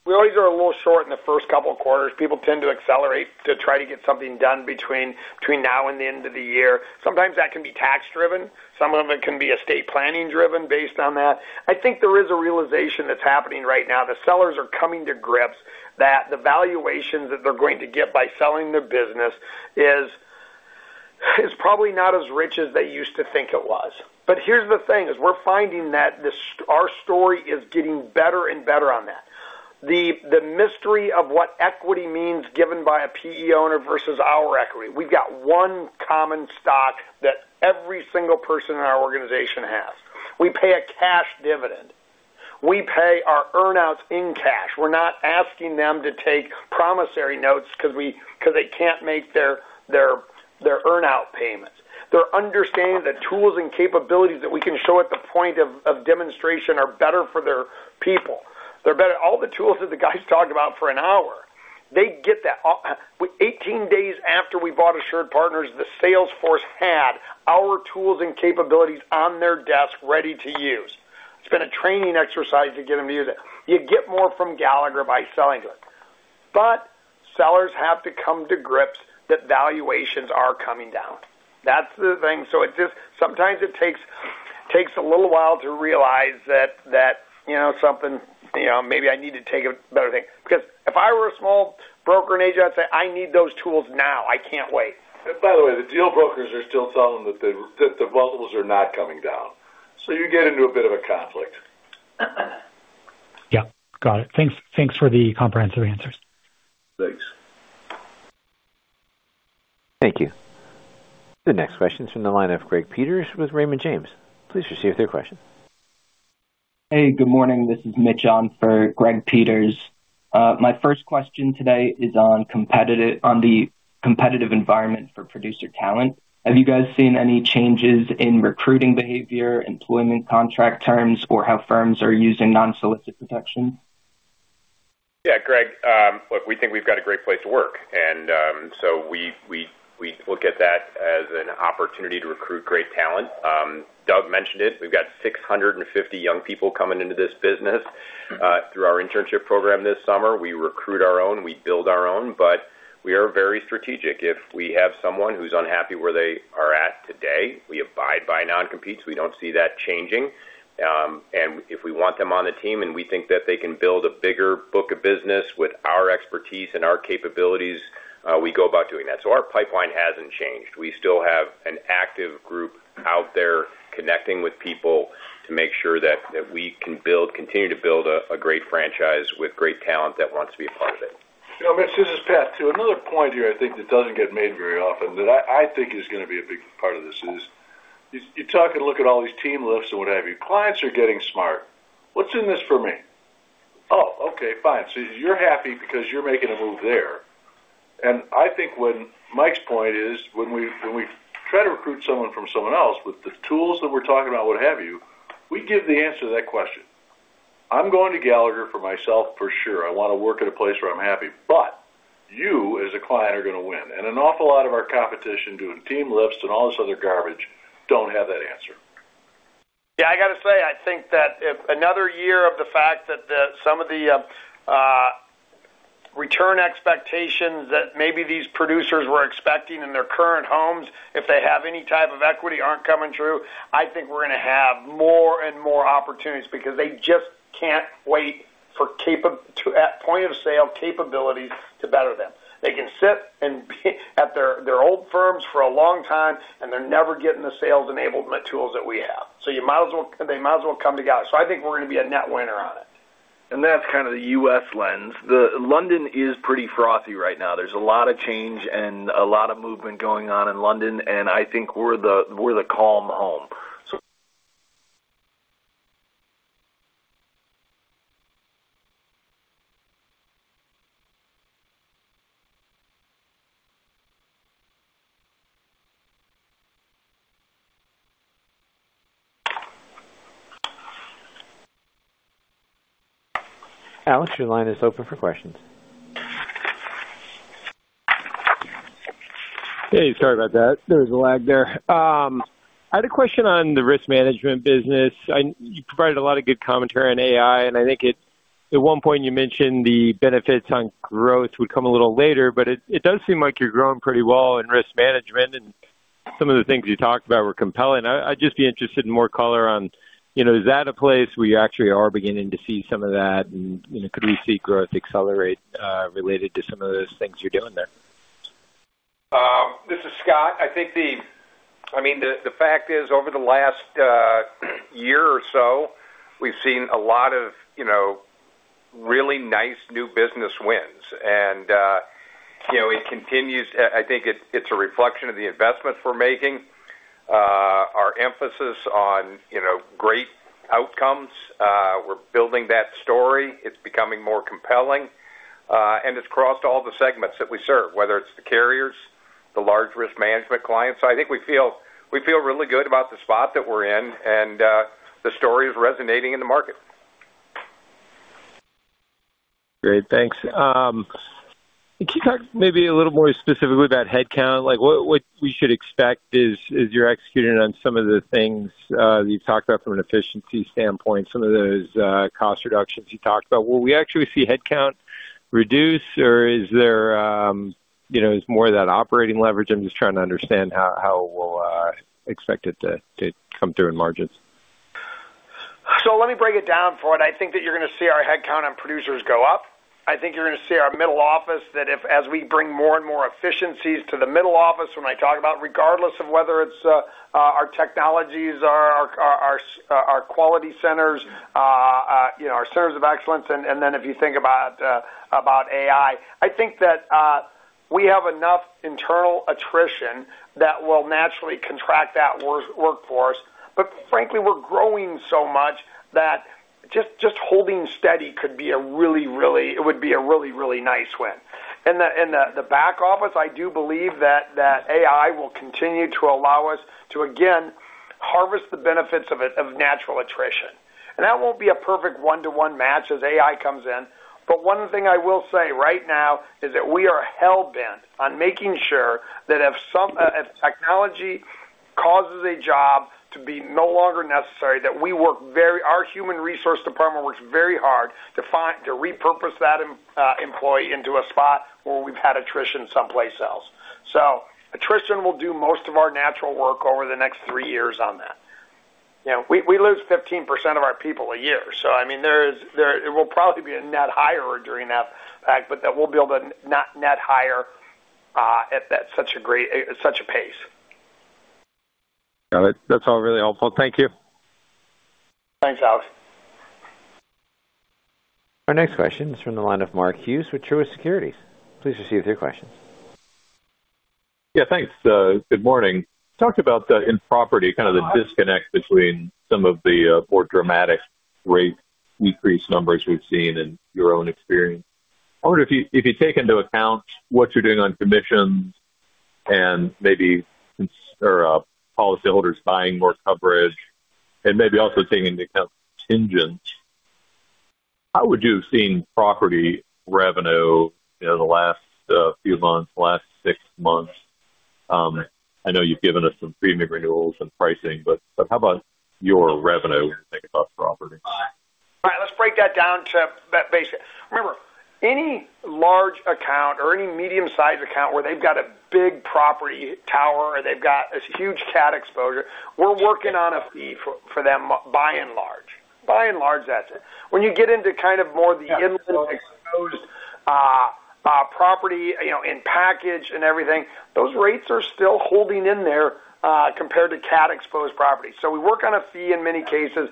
We always are a little short in the first couple of quarters. People tend to accelerate to try to get something done between now and the end of the year. Sometimes that can be tax driven. Some of them can be estate planning driven based on that. I think there is a realization that's happening right now. The sellers are coming to grips that the valuations that they're going to get by selling their business is probably not as rich as they used to think it was. Here's the thing is we're finding that our story is getting better and better on that. The mystery of what equity means given by a PE owner versus our equity. We've got one common stock that every single person in our organization has. We pay a cash dividend. We pay our earn-outs in cash. We're not asking them to take promissory notes because they can't make their earn-out payments. They're understanding the tools and capabilities that we can show at the point of demonstration are better for their people. All the tools that the guys talked about for an hour, they get that. 18 days after we bought AssuredPartners, the sales force had our tools and capabilities on their desk ready to use. It's been a training exercise to get them to use it. You get more from Gallagher by selling to it. Sellers have to come to grips that valuations are coming down. That's the thing. Sometimes it takes a little while to realize that maybe I need to take a better thing. Because if I were a small broker and agent, I'd say, "I need those tools now. I can't wait. By the way, the deal brokers are still telling them that the renewables are not coming down. You get into a bit of a conflict. Yeah. Got it. Thanks for the comprehensive answers. Thanks. Thank you. The next question is from the line of Greg Peters with Raymond James. Please proceed with your question. Hey, good morning. This is Mitch on for Greg Peters. My first question today is on the competitive environment for producer talent. Have you guys seen any changes in recruiting behavior, employment contract terms, or how firms are using non-solicit protection? Greg. Look, we think we've got a great place to work. We look at that as an opportunity to recruit great talent. Doug mentioned it. We've got 650 young people coming into this business through our internship program this summer. We recruit our own, we build our own, but we are very strategic. If we have someone who's unhappy where they are at today, we abide by non-competes. We don't see that changing. If we want them on the team and we think that they can build a bigger book of business with our expertise and our capabilities, we go about doing that. Our pipeline hasn't changed. We still have an active group out there connecting with people to make sure that we can continue to build a great franchise with great talent that wants to be a part of it. Mitch, this is Pat. Another point here I think that doesn't get made very often that I think is going to be a big part of this is, you're talking, look at all these team lifts and what have you. Clients are getting smart. What's in this for me? Oh, okay, fine. You're happy because you're making a move there. I think Mike's point is when we try to recruit someone from someone else with the tools that we're talking about, what have you, we give the answer to that question. I'm going to Gallagher for myself, for sure. I want to work at a place where I'm happy, but you as a client are going to win. An awful lot of our competition doing team lifts and all this other garbage don't have that answer. Yeah, I got to say, I think that if another year of the fact that some of the return expectations that maybe these producers were expecting in their current homes, if they have any type of equity, aren't coming true, I think we're going to have more and more opportunities because they just can't wait for point-of-sale capabilities to better them. They can sit at their old firms for a long time, and they're never getting the sales enablement tools that we have. They might as well come to Gallagher. I think we're going to be a net winner on it. That's kind of the U.S. lens. London is pretty frothy right now. There's a lot of change and a lot of movement going on in London, and I think we're the calm home. Alex, your line is open for questions. Hey, sorry about that. There was a lag there. I had a question on the risk management business. You provided a lot of good commentary on AI, and I think at one point you mentioned the benefits on growth would come a little later, but it does seem like you're growing pretty well in risk management, and some of the things you talked about were compelling. I'd just be interested in more color on, is that a place where you actually are beginning to see some of that, and could we see growth accelerate, related to some of those things you're doing there? This is Scott. I think the fact is, over the last year or so, we've seen a lot of really nice new business wins. It continues. I think it's a reflection of the investments we're making, our emphasis on great outcomes. We're building that story. It's becoming more compelling, it's crossed all the segments that we serve, whether it's the carriers, the large risk management clients. I think we feel really good about the spot that we're in, the story is resonating in the market. Great. Thanks. Can you talk maybe a little more specifically about headcount? What we should expect as you're executing on some of the things that you've talked about from an efficiency standpoint, some of those cost reductions you talked about. Will we actually see headcount reduce, or is there more of that operating leverage? I'm just trying to understand how we'll expect it to come through in margins. Let me break it down, Alex. I think that you're going to see our headcount on producers go up. I think you're going to see our middle office, that as we bring more and more efficiencies to the middle office, when I talk about regardless of whether it's our technologies, our quality centers, our Centers of Excellence, then if you think about AI. I think that we have enough internal attrition that will naturally contract that workforce. Frankly, we're growing so much that just holding steady could be a really, really nice win. In the back office, I do believe that AI will continue to allow us to, again, harvest the benefits of natural attrition. That won't be a perfect one-to-one match as AI comes in. One thing I will say right now is that we are hell-bent on making sure that if technology causes a job to be no longer necessary, that our human resource department works very hard to repurpose that employee into a spot where we've had attrition someplace else. Attrition will do most of our natural work over the next three years on that. We lose 15% of our people a year. It will probably be a net hire during that, but that we'll be able to net hire at such a pace. Got it. That's all really helpful. Thank you. Thanks, Alex. Our next question is from the line of Mark Hughes with Truist Securities. Please proceed with your questions. Yeah, thanks. Good morning. You talked about the, in property, kind of the disconnect between some of the more dramatic rate decrease numbers we've seen in your own experience. I wonder if you take into account what you're doing on commissions and maybe policyholders buying more coverage and maybe also taking into account contingent, how would you have seen property revenue the last few months, the last six months? I know you've given us some premium renewals and pricing, how about your revenue when you think about property? All right. Let's break that down to that basic. Remember, any large account or any medium-sized account where they've got a big property tower, or they've got this huge CAT exposure, we're working on a fee for them by and large. By and large, that's it. When you get into kind of more the inland exposed property in package and everything, those rates are still holding in there compared to CAT-exposed properties. We work on a fee in many cases.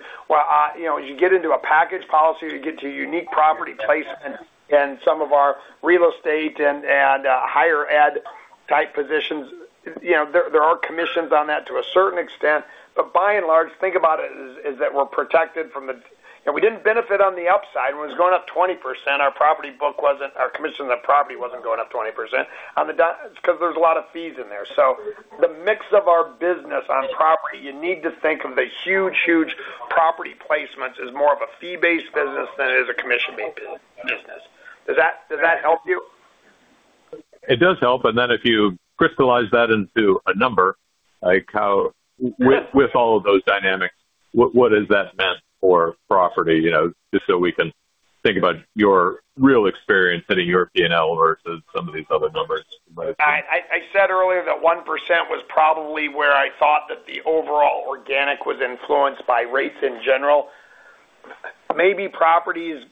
You get into a package policy, you get to unique property placement and some of our real estate and higher ed type positions. There are commissions on that to a certain extent, but by and large, think about it as that we're protected. We didn't benefit on the upside. When it was going up 20%, our commission on the property wasn't going up 20%, because there's a lot of fees in there. The mix of our business on property, you need to think of the huge property placements as more of a fee-based business than it is a commission-based business. Does that help you? It does help. If you crystallize that into a number, with all of those dynamics, what has that meant for property? Just so we can think about your real experience hitting your P&L versus some of these other numbers you might have seen. I said earlier that 1% was probably where I thought that the overall organic was influenced by rates in general. Maybe property is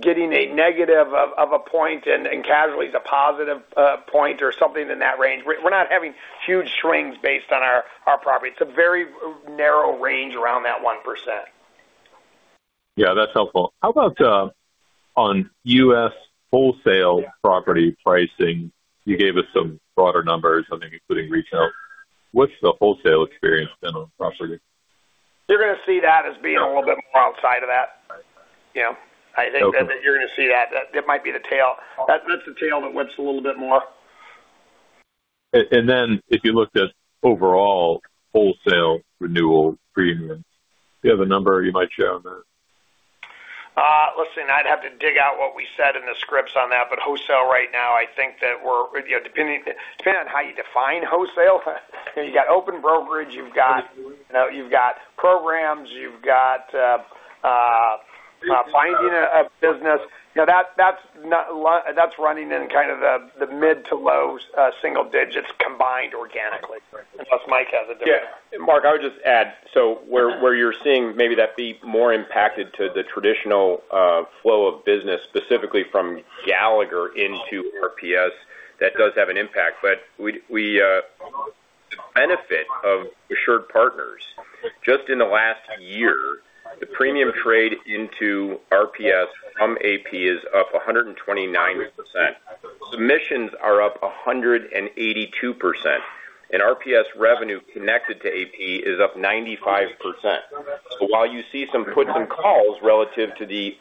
getting a negative of a point and casualty is a positive point or something in that range. We're not having huge swings based on our property. It's a very narrow range around that 1%. Yeah, that's helpful. How about on U.S. wholesale property pricing? You gave us some broader numbers, I think including retail. What's the wholesale experience been on the property? You're going to see that as being a little bit more outside of that. Okay. I think that you're going to see that. That might be the tail. That's the tail that whips a little bit more. Then if you looked at overall wholesale renewal premium, do you have a number you might share on that? Listen, I'd have to dig out what we said in the scripts on that. Wholesale right now, depending on how you define wholesale, you've got open brokerage, you've got programs, you've got finding a business. That's running in kind of the mid to low single digits combined organically, unless Mike has a different. Yeah. Mark, I would just add. Where you're seeing maybe that be more impacted to the traditional flow of business, specifically from Gallagher into RPS, that does have an impact. The benefit of AssuredPartners, just in the last year, the premium trade into RPS from AP is up 129%. Submissions are up 182%, and RPS revenue connected to AP is up 95%. While you see some puts and calls relative to the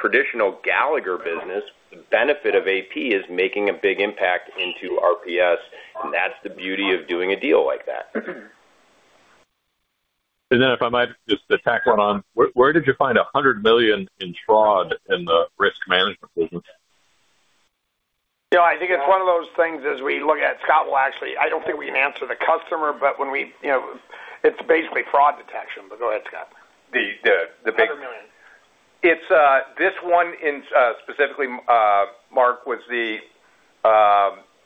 traditional Gallagher business, the benefit of AP is making a big impact into RPS, and that's the beauty of doing a deal like that. If I might just tack one on, where did you find $100 million in fraud in the risk management business? I think it's one of those things, as we look at, Scott will actually. I don't think we can answer the customer, but it's basically fraud detection. Go ahead, Scott. This one specifically, Mark, was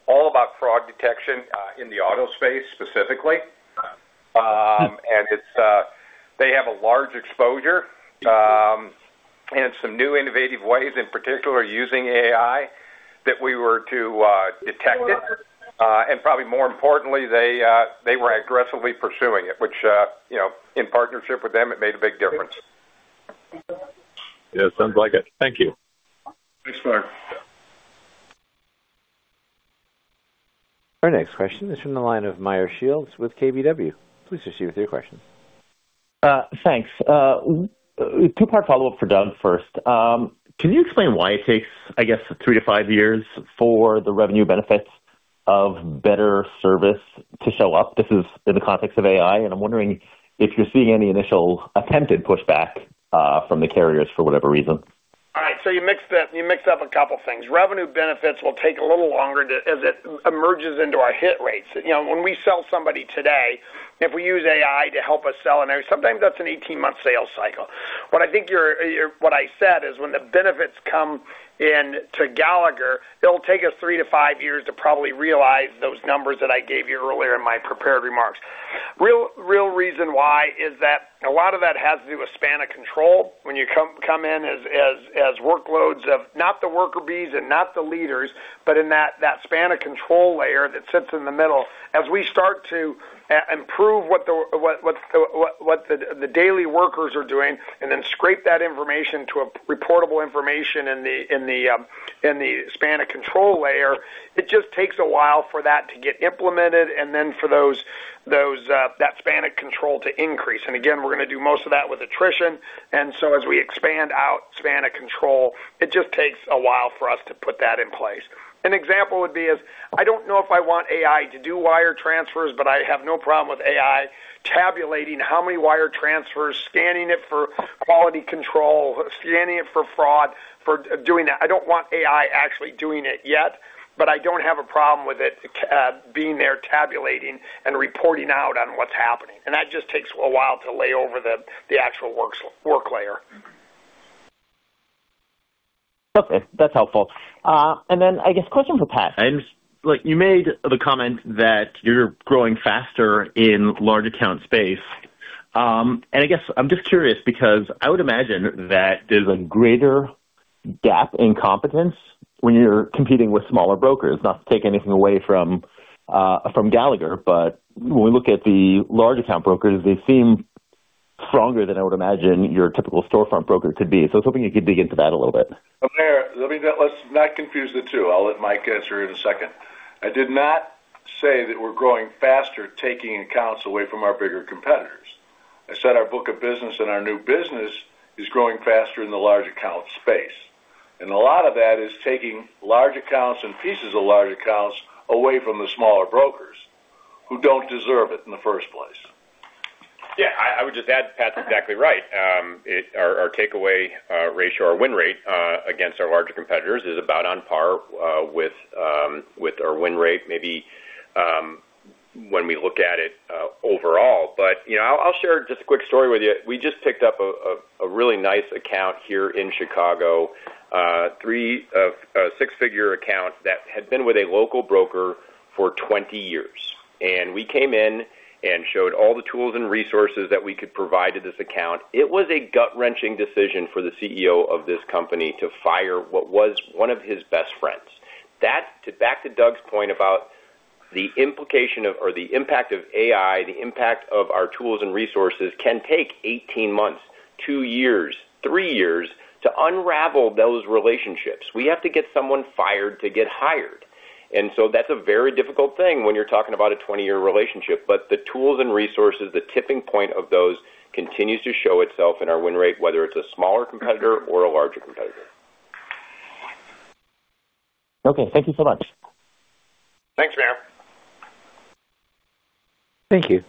all about fraud detection in the auto space specifically. They have a large exposure, and some new innovative ways, in particular, using AI that we were to detect it. Probably more importantly, they were aggressively pursuing it, which in partnership with them, it made a big difference. Yeah, sounds like it. Thank you. Thanks, Mark. Our next question is from the line of Meyer Shields with KBW. Please proceed with your question. Thanks. Two-part follow-up for Doug first. Can you explain why it takes, I guess, three to five years for the revenue benefits of better service to show up? This is in the context of AI, and I'm wondering if you're seeing any initial attempted pushback from the carriers for whatever reason. All right. You mixed up a couple things. Revenue benefits will take a little longer as it emerges into our hit rates. When we sell somebody today, if we use AI to help us sell, and sometimes that's an 18-month sales cycle. What I said is when the benefits come in to Gallagher, it'll take us three to five years to probably realize those numbers that I gave you earlier in my prepared remarks. Real reason why is that a lot of that has to do with span of control. When you come in as workloads of not the worker bees and not the leaders, but in that span of control layer that sits in the middle. As we start to improve what the daily workers are doing then scrape that information to a reportable information in the span of control layer, it just takes a while for that to get implemented, and then for that span of control to increase. Again, we're going to do most of that with attrition. So as we expand out span of control, it just takes a while for us to put that in place. An example would be is, I don't know if I want AI to do wire transfers, but I have no problem with AI tabulating how many wire transfers, scanning it for quality control, scanning it for fraud, for doing that. I don't want AI actually doing it yet, but I don't have a problem with it being there tabulating and reporting out on what's happening. That just takes a while to lay over the actual work layer. Okay, that's helpful. I guess question for Pat. You made the comment that you're growing faster in large account space. I guess I'm just curious because I would imagine that there's a greater gap in competence when you're competing with smaller brokers. Not to take anything away from Gallagher, when we look at the large account brokers, they seem stronger than I would imagine your typical storefront broker could be. I was hoping you could dig into that a little bit. Let's not confuse the two. I'll let Mike answer in a second. I did not say that we're growing faster taking accounts away from our bigger competitors. I said our book of business and our new business is growing faster in the large account space, a lot of that is taking large accounts and pieces of large accounts away from the smaller brokers who don't deserve it in the first place. I would just add, Pat's exactly right. Our takeaway ratio, our win rate, against our larger competitors is about on par with our win rate, maybe when we look at it overall. I'll share just a quick story with you. We just picked up a really nice account here in Chicago, a six-figure account that had been with a local broker for 20 years, we came in and showed all the tools and resources that we could provide to this account. It was a gut-wrenching decision for the CEO of this company to fire what was one of his best friends. Back to Doug's point about the impact of AI, the impact of our tools and resources can take 18 months, two years, three years to unravel those relationships. We have to get someone fired to get hired. That's a very difficult thing when you're talking about a 20-year relationship, the tools and resources, the tipping point of those continues to show itself in our win rate, whether it's a smaller competitor or a larger competitor. Okay. Thank you so much. Thanks, Meyer. Thank you.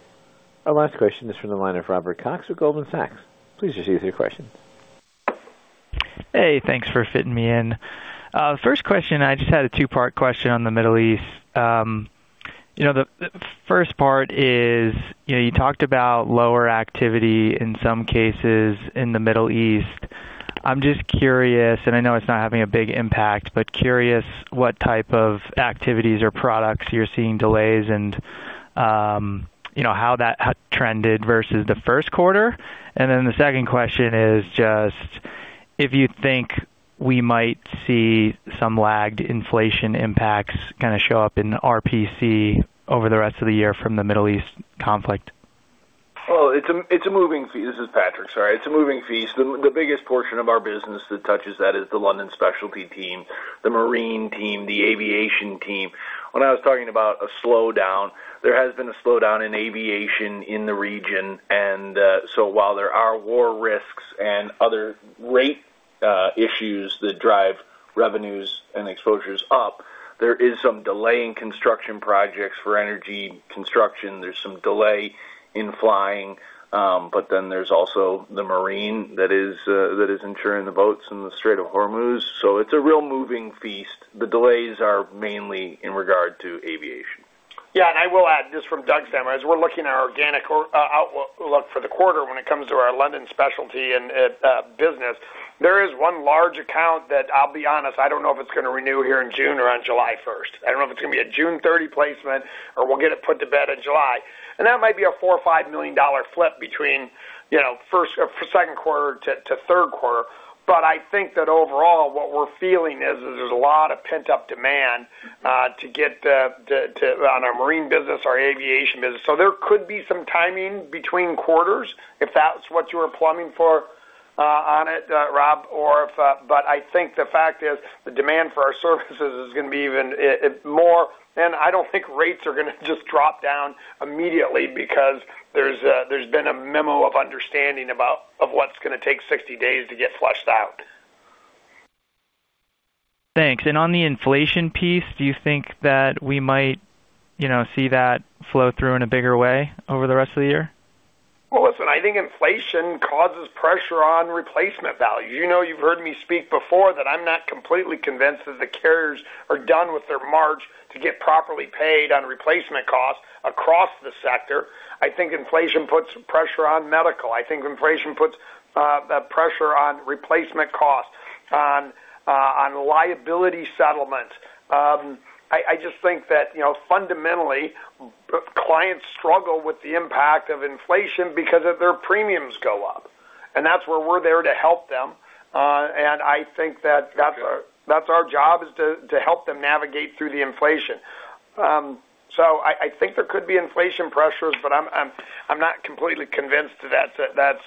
Our last question is from the line of Robert Cox with Goldman Sachs. Please proceed with your question. Hey, thanks for fitting me in. First question, I just had a two-part question on the Middle East. The first part is, you talked about lower activity in some cases in the Middle East. I'm just curious, and I know it's not having a big impact, but curious what type of activities or products you're seeing delays and how that trended versus the first quarter. The second question is just if you think we might see some lagged inflation impacts kind of show up in RPC over the rest of the year from the Middle East conflict. Well, it's a moving feast. This is Patrick, sorry. It's a moving feast. The biggest portion of our business that touches that is the London specialty team, the marine team, the aviation team. When I was talking about a slowdown, there has been a slowdown in aviation in the region, while there are war risks and other rate issues that drive revenues and exposures up, there is some delay in construction projects for energy construction. There's some delay in flying. There's also the marine that is insuring the boats in the Strait of Hormuz. It's a real moving feast. The delays are mainly in regard to aviation. Yeah, I will add, just from Doug Howell, as we're looking at our organic outlook for the quarter when it comes to our London specialty and business, there is one large account that I'll be honest, I don't know if it's going to renew here on June or on July 1st. I don't know if it's going to be a June 30 placement or we'll get it put to bed in July, and that might be a $4 or $5 million flip between second quarter to third quarter. I think that overall, what we're feeling is, there's a lot of pent-up demand on our marine business, our aviation business. There could be some timing between quarters if that's what you were plumbing for on it, Rob. I think the fact is the demand for our services is going to be even more, and I don't think rates are going to just drop down immediately because there's been a memo of understanding of what's going to take 60 days to get flushed out. Thanks. On the inflation piece, do you think that we might see that flow through in a bigger way over the rest of the year? Well, listen, I think inflation causes pressure on replacement value. You know, you've heard me speak before that I'm not completely convinced that the carriers are done with their march to get properly paid on replacement costs across the sector. I think inflation puts pressure on medical. I think inflation puts pressure on replacement costs, on liability settlements. I just think that fundamentally, clients struggle with the impact of inflation because of their premiums go up, and that's where we're there to help them. I think that's our job, is to help them navigate through the inflation. I think there could be inflation pressures, but I'm not completely convinced that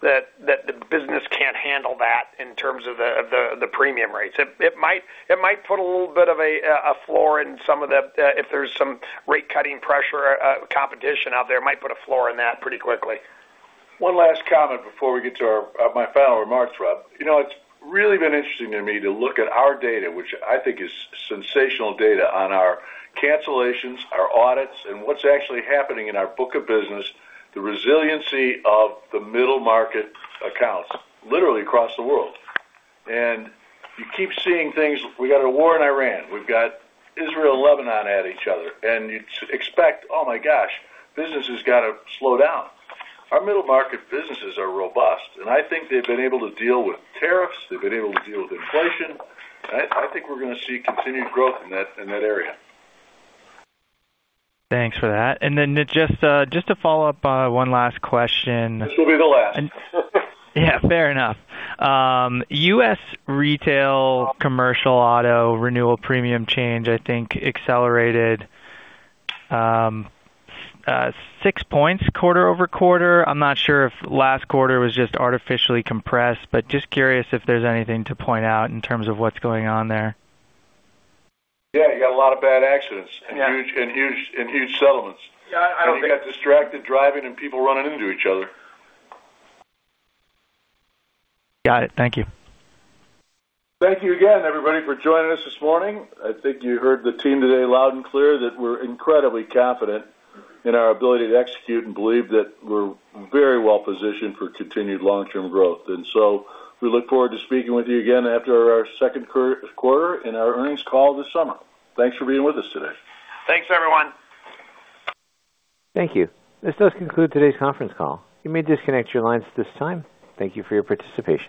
the business can't handle that in terms of the premium rates. It might put a little bit of a floor in. If there's some rate-cutting pressure competition out there, it might put a floor on that pretty quickly. One last comment before we get to my final remarks, Rob. It's really been interesting to me to look at our data, which I think is sensational data on our cancellations, our audits, and what's actually happening in our book of business, the resiliency of the middle market accounts literally across the world. You keep seeing things. We've got a war in Iran. We've got Israel and Lebanon at each other, you'd expect, oh my gosh, business has got to slow down. Our middle market businesses are robust. I think they've been able to deal with tariffs. They've been able to deal with inflation, and I think we're going to see continued growth in that area. Thanks for that. Just to follow up, one last question. This will be the last. Yeah, fair enough. U.S. retail commercial auto renewal premium change, I think, accelerated 6 points quarter-over-quarter. I'm not sure if last quarter was just artificially compressed, just curious if there's anything to point out in terms of what's going on there. Yeah, you got a lot of bad accidents and huge settlements. Yeah, I don't think- You got distracted driving and people running into each other. Got it. Thank you. Thank you again, everybody, for joining us this morning. I think you heard the team today loud and clear that we're incredibly confident in our ability to execute and believe that we're very well positioned for continued long-term growth. So we look forward to speaking with you again after our second quarter in our earnings call this summer. Thanks for being with us today. Thanks, everyone. Thank you. This does conclude today's conference call. You may disconnect your lines at this time. Thank you for your participation.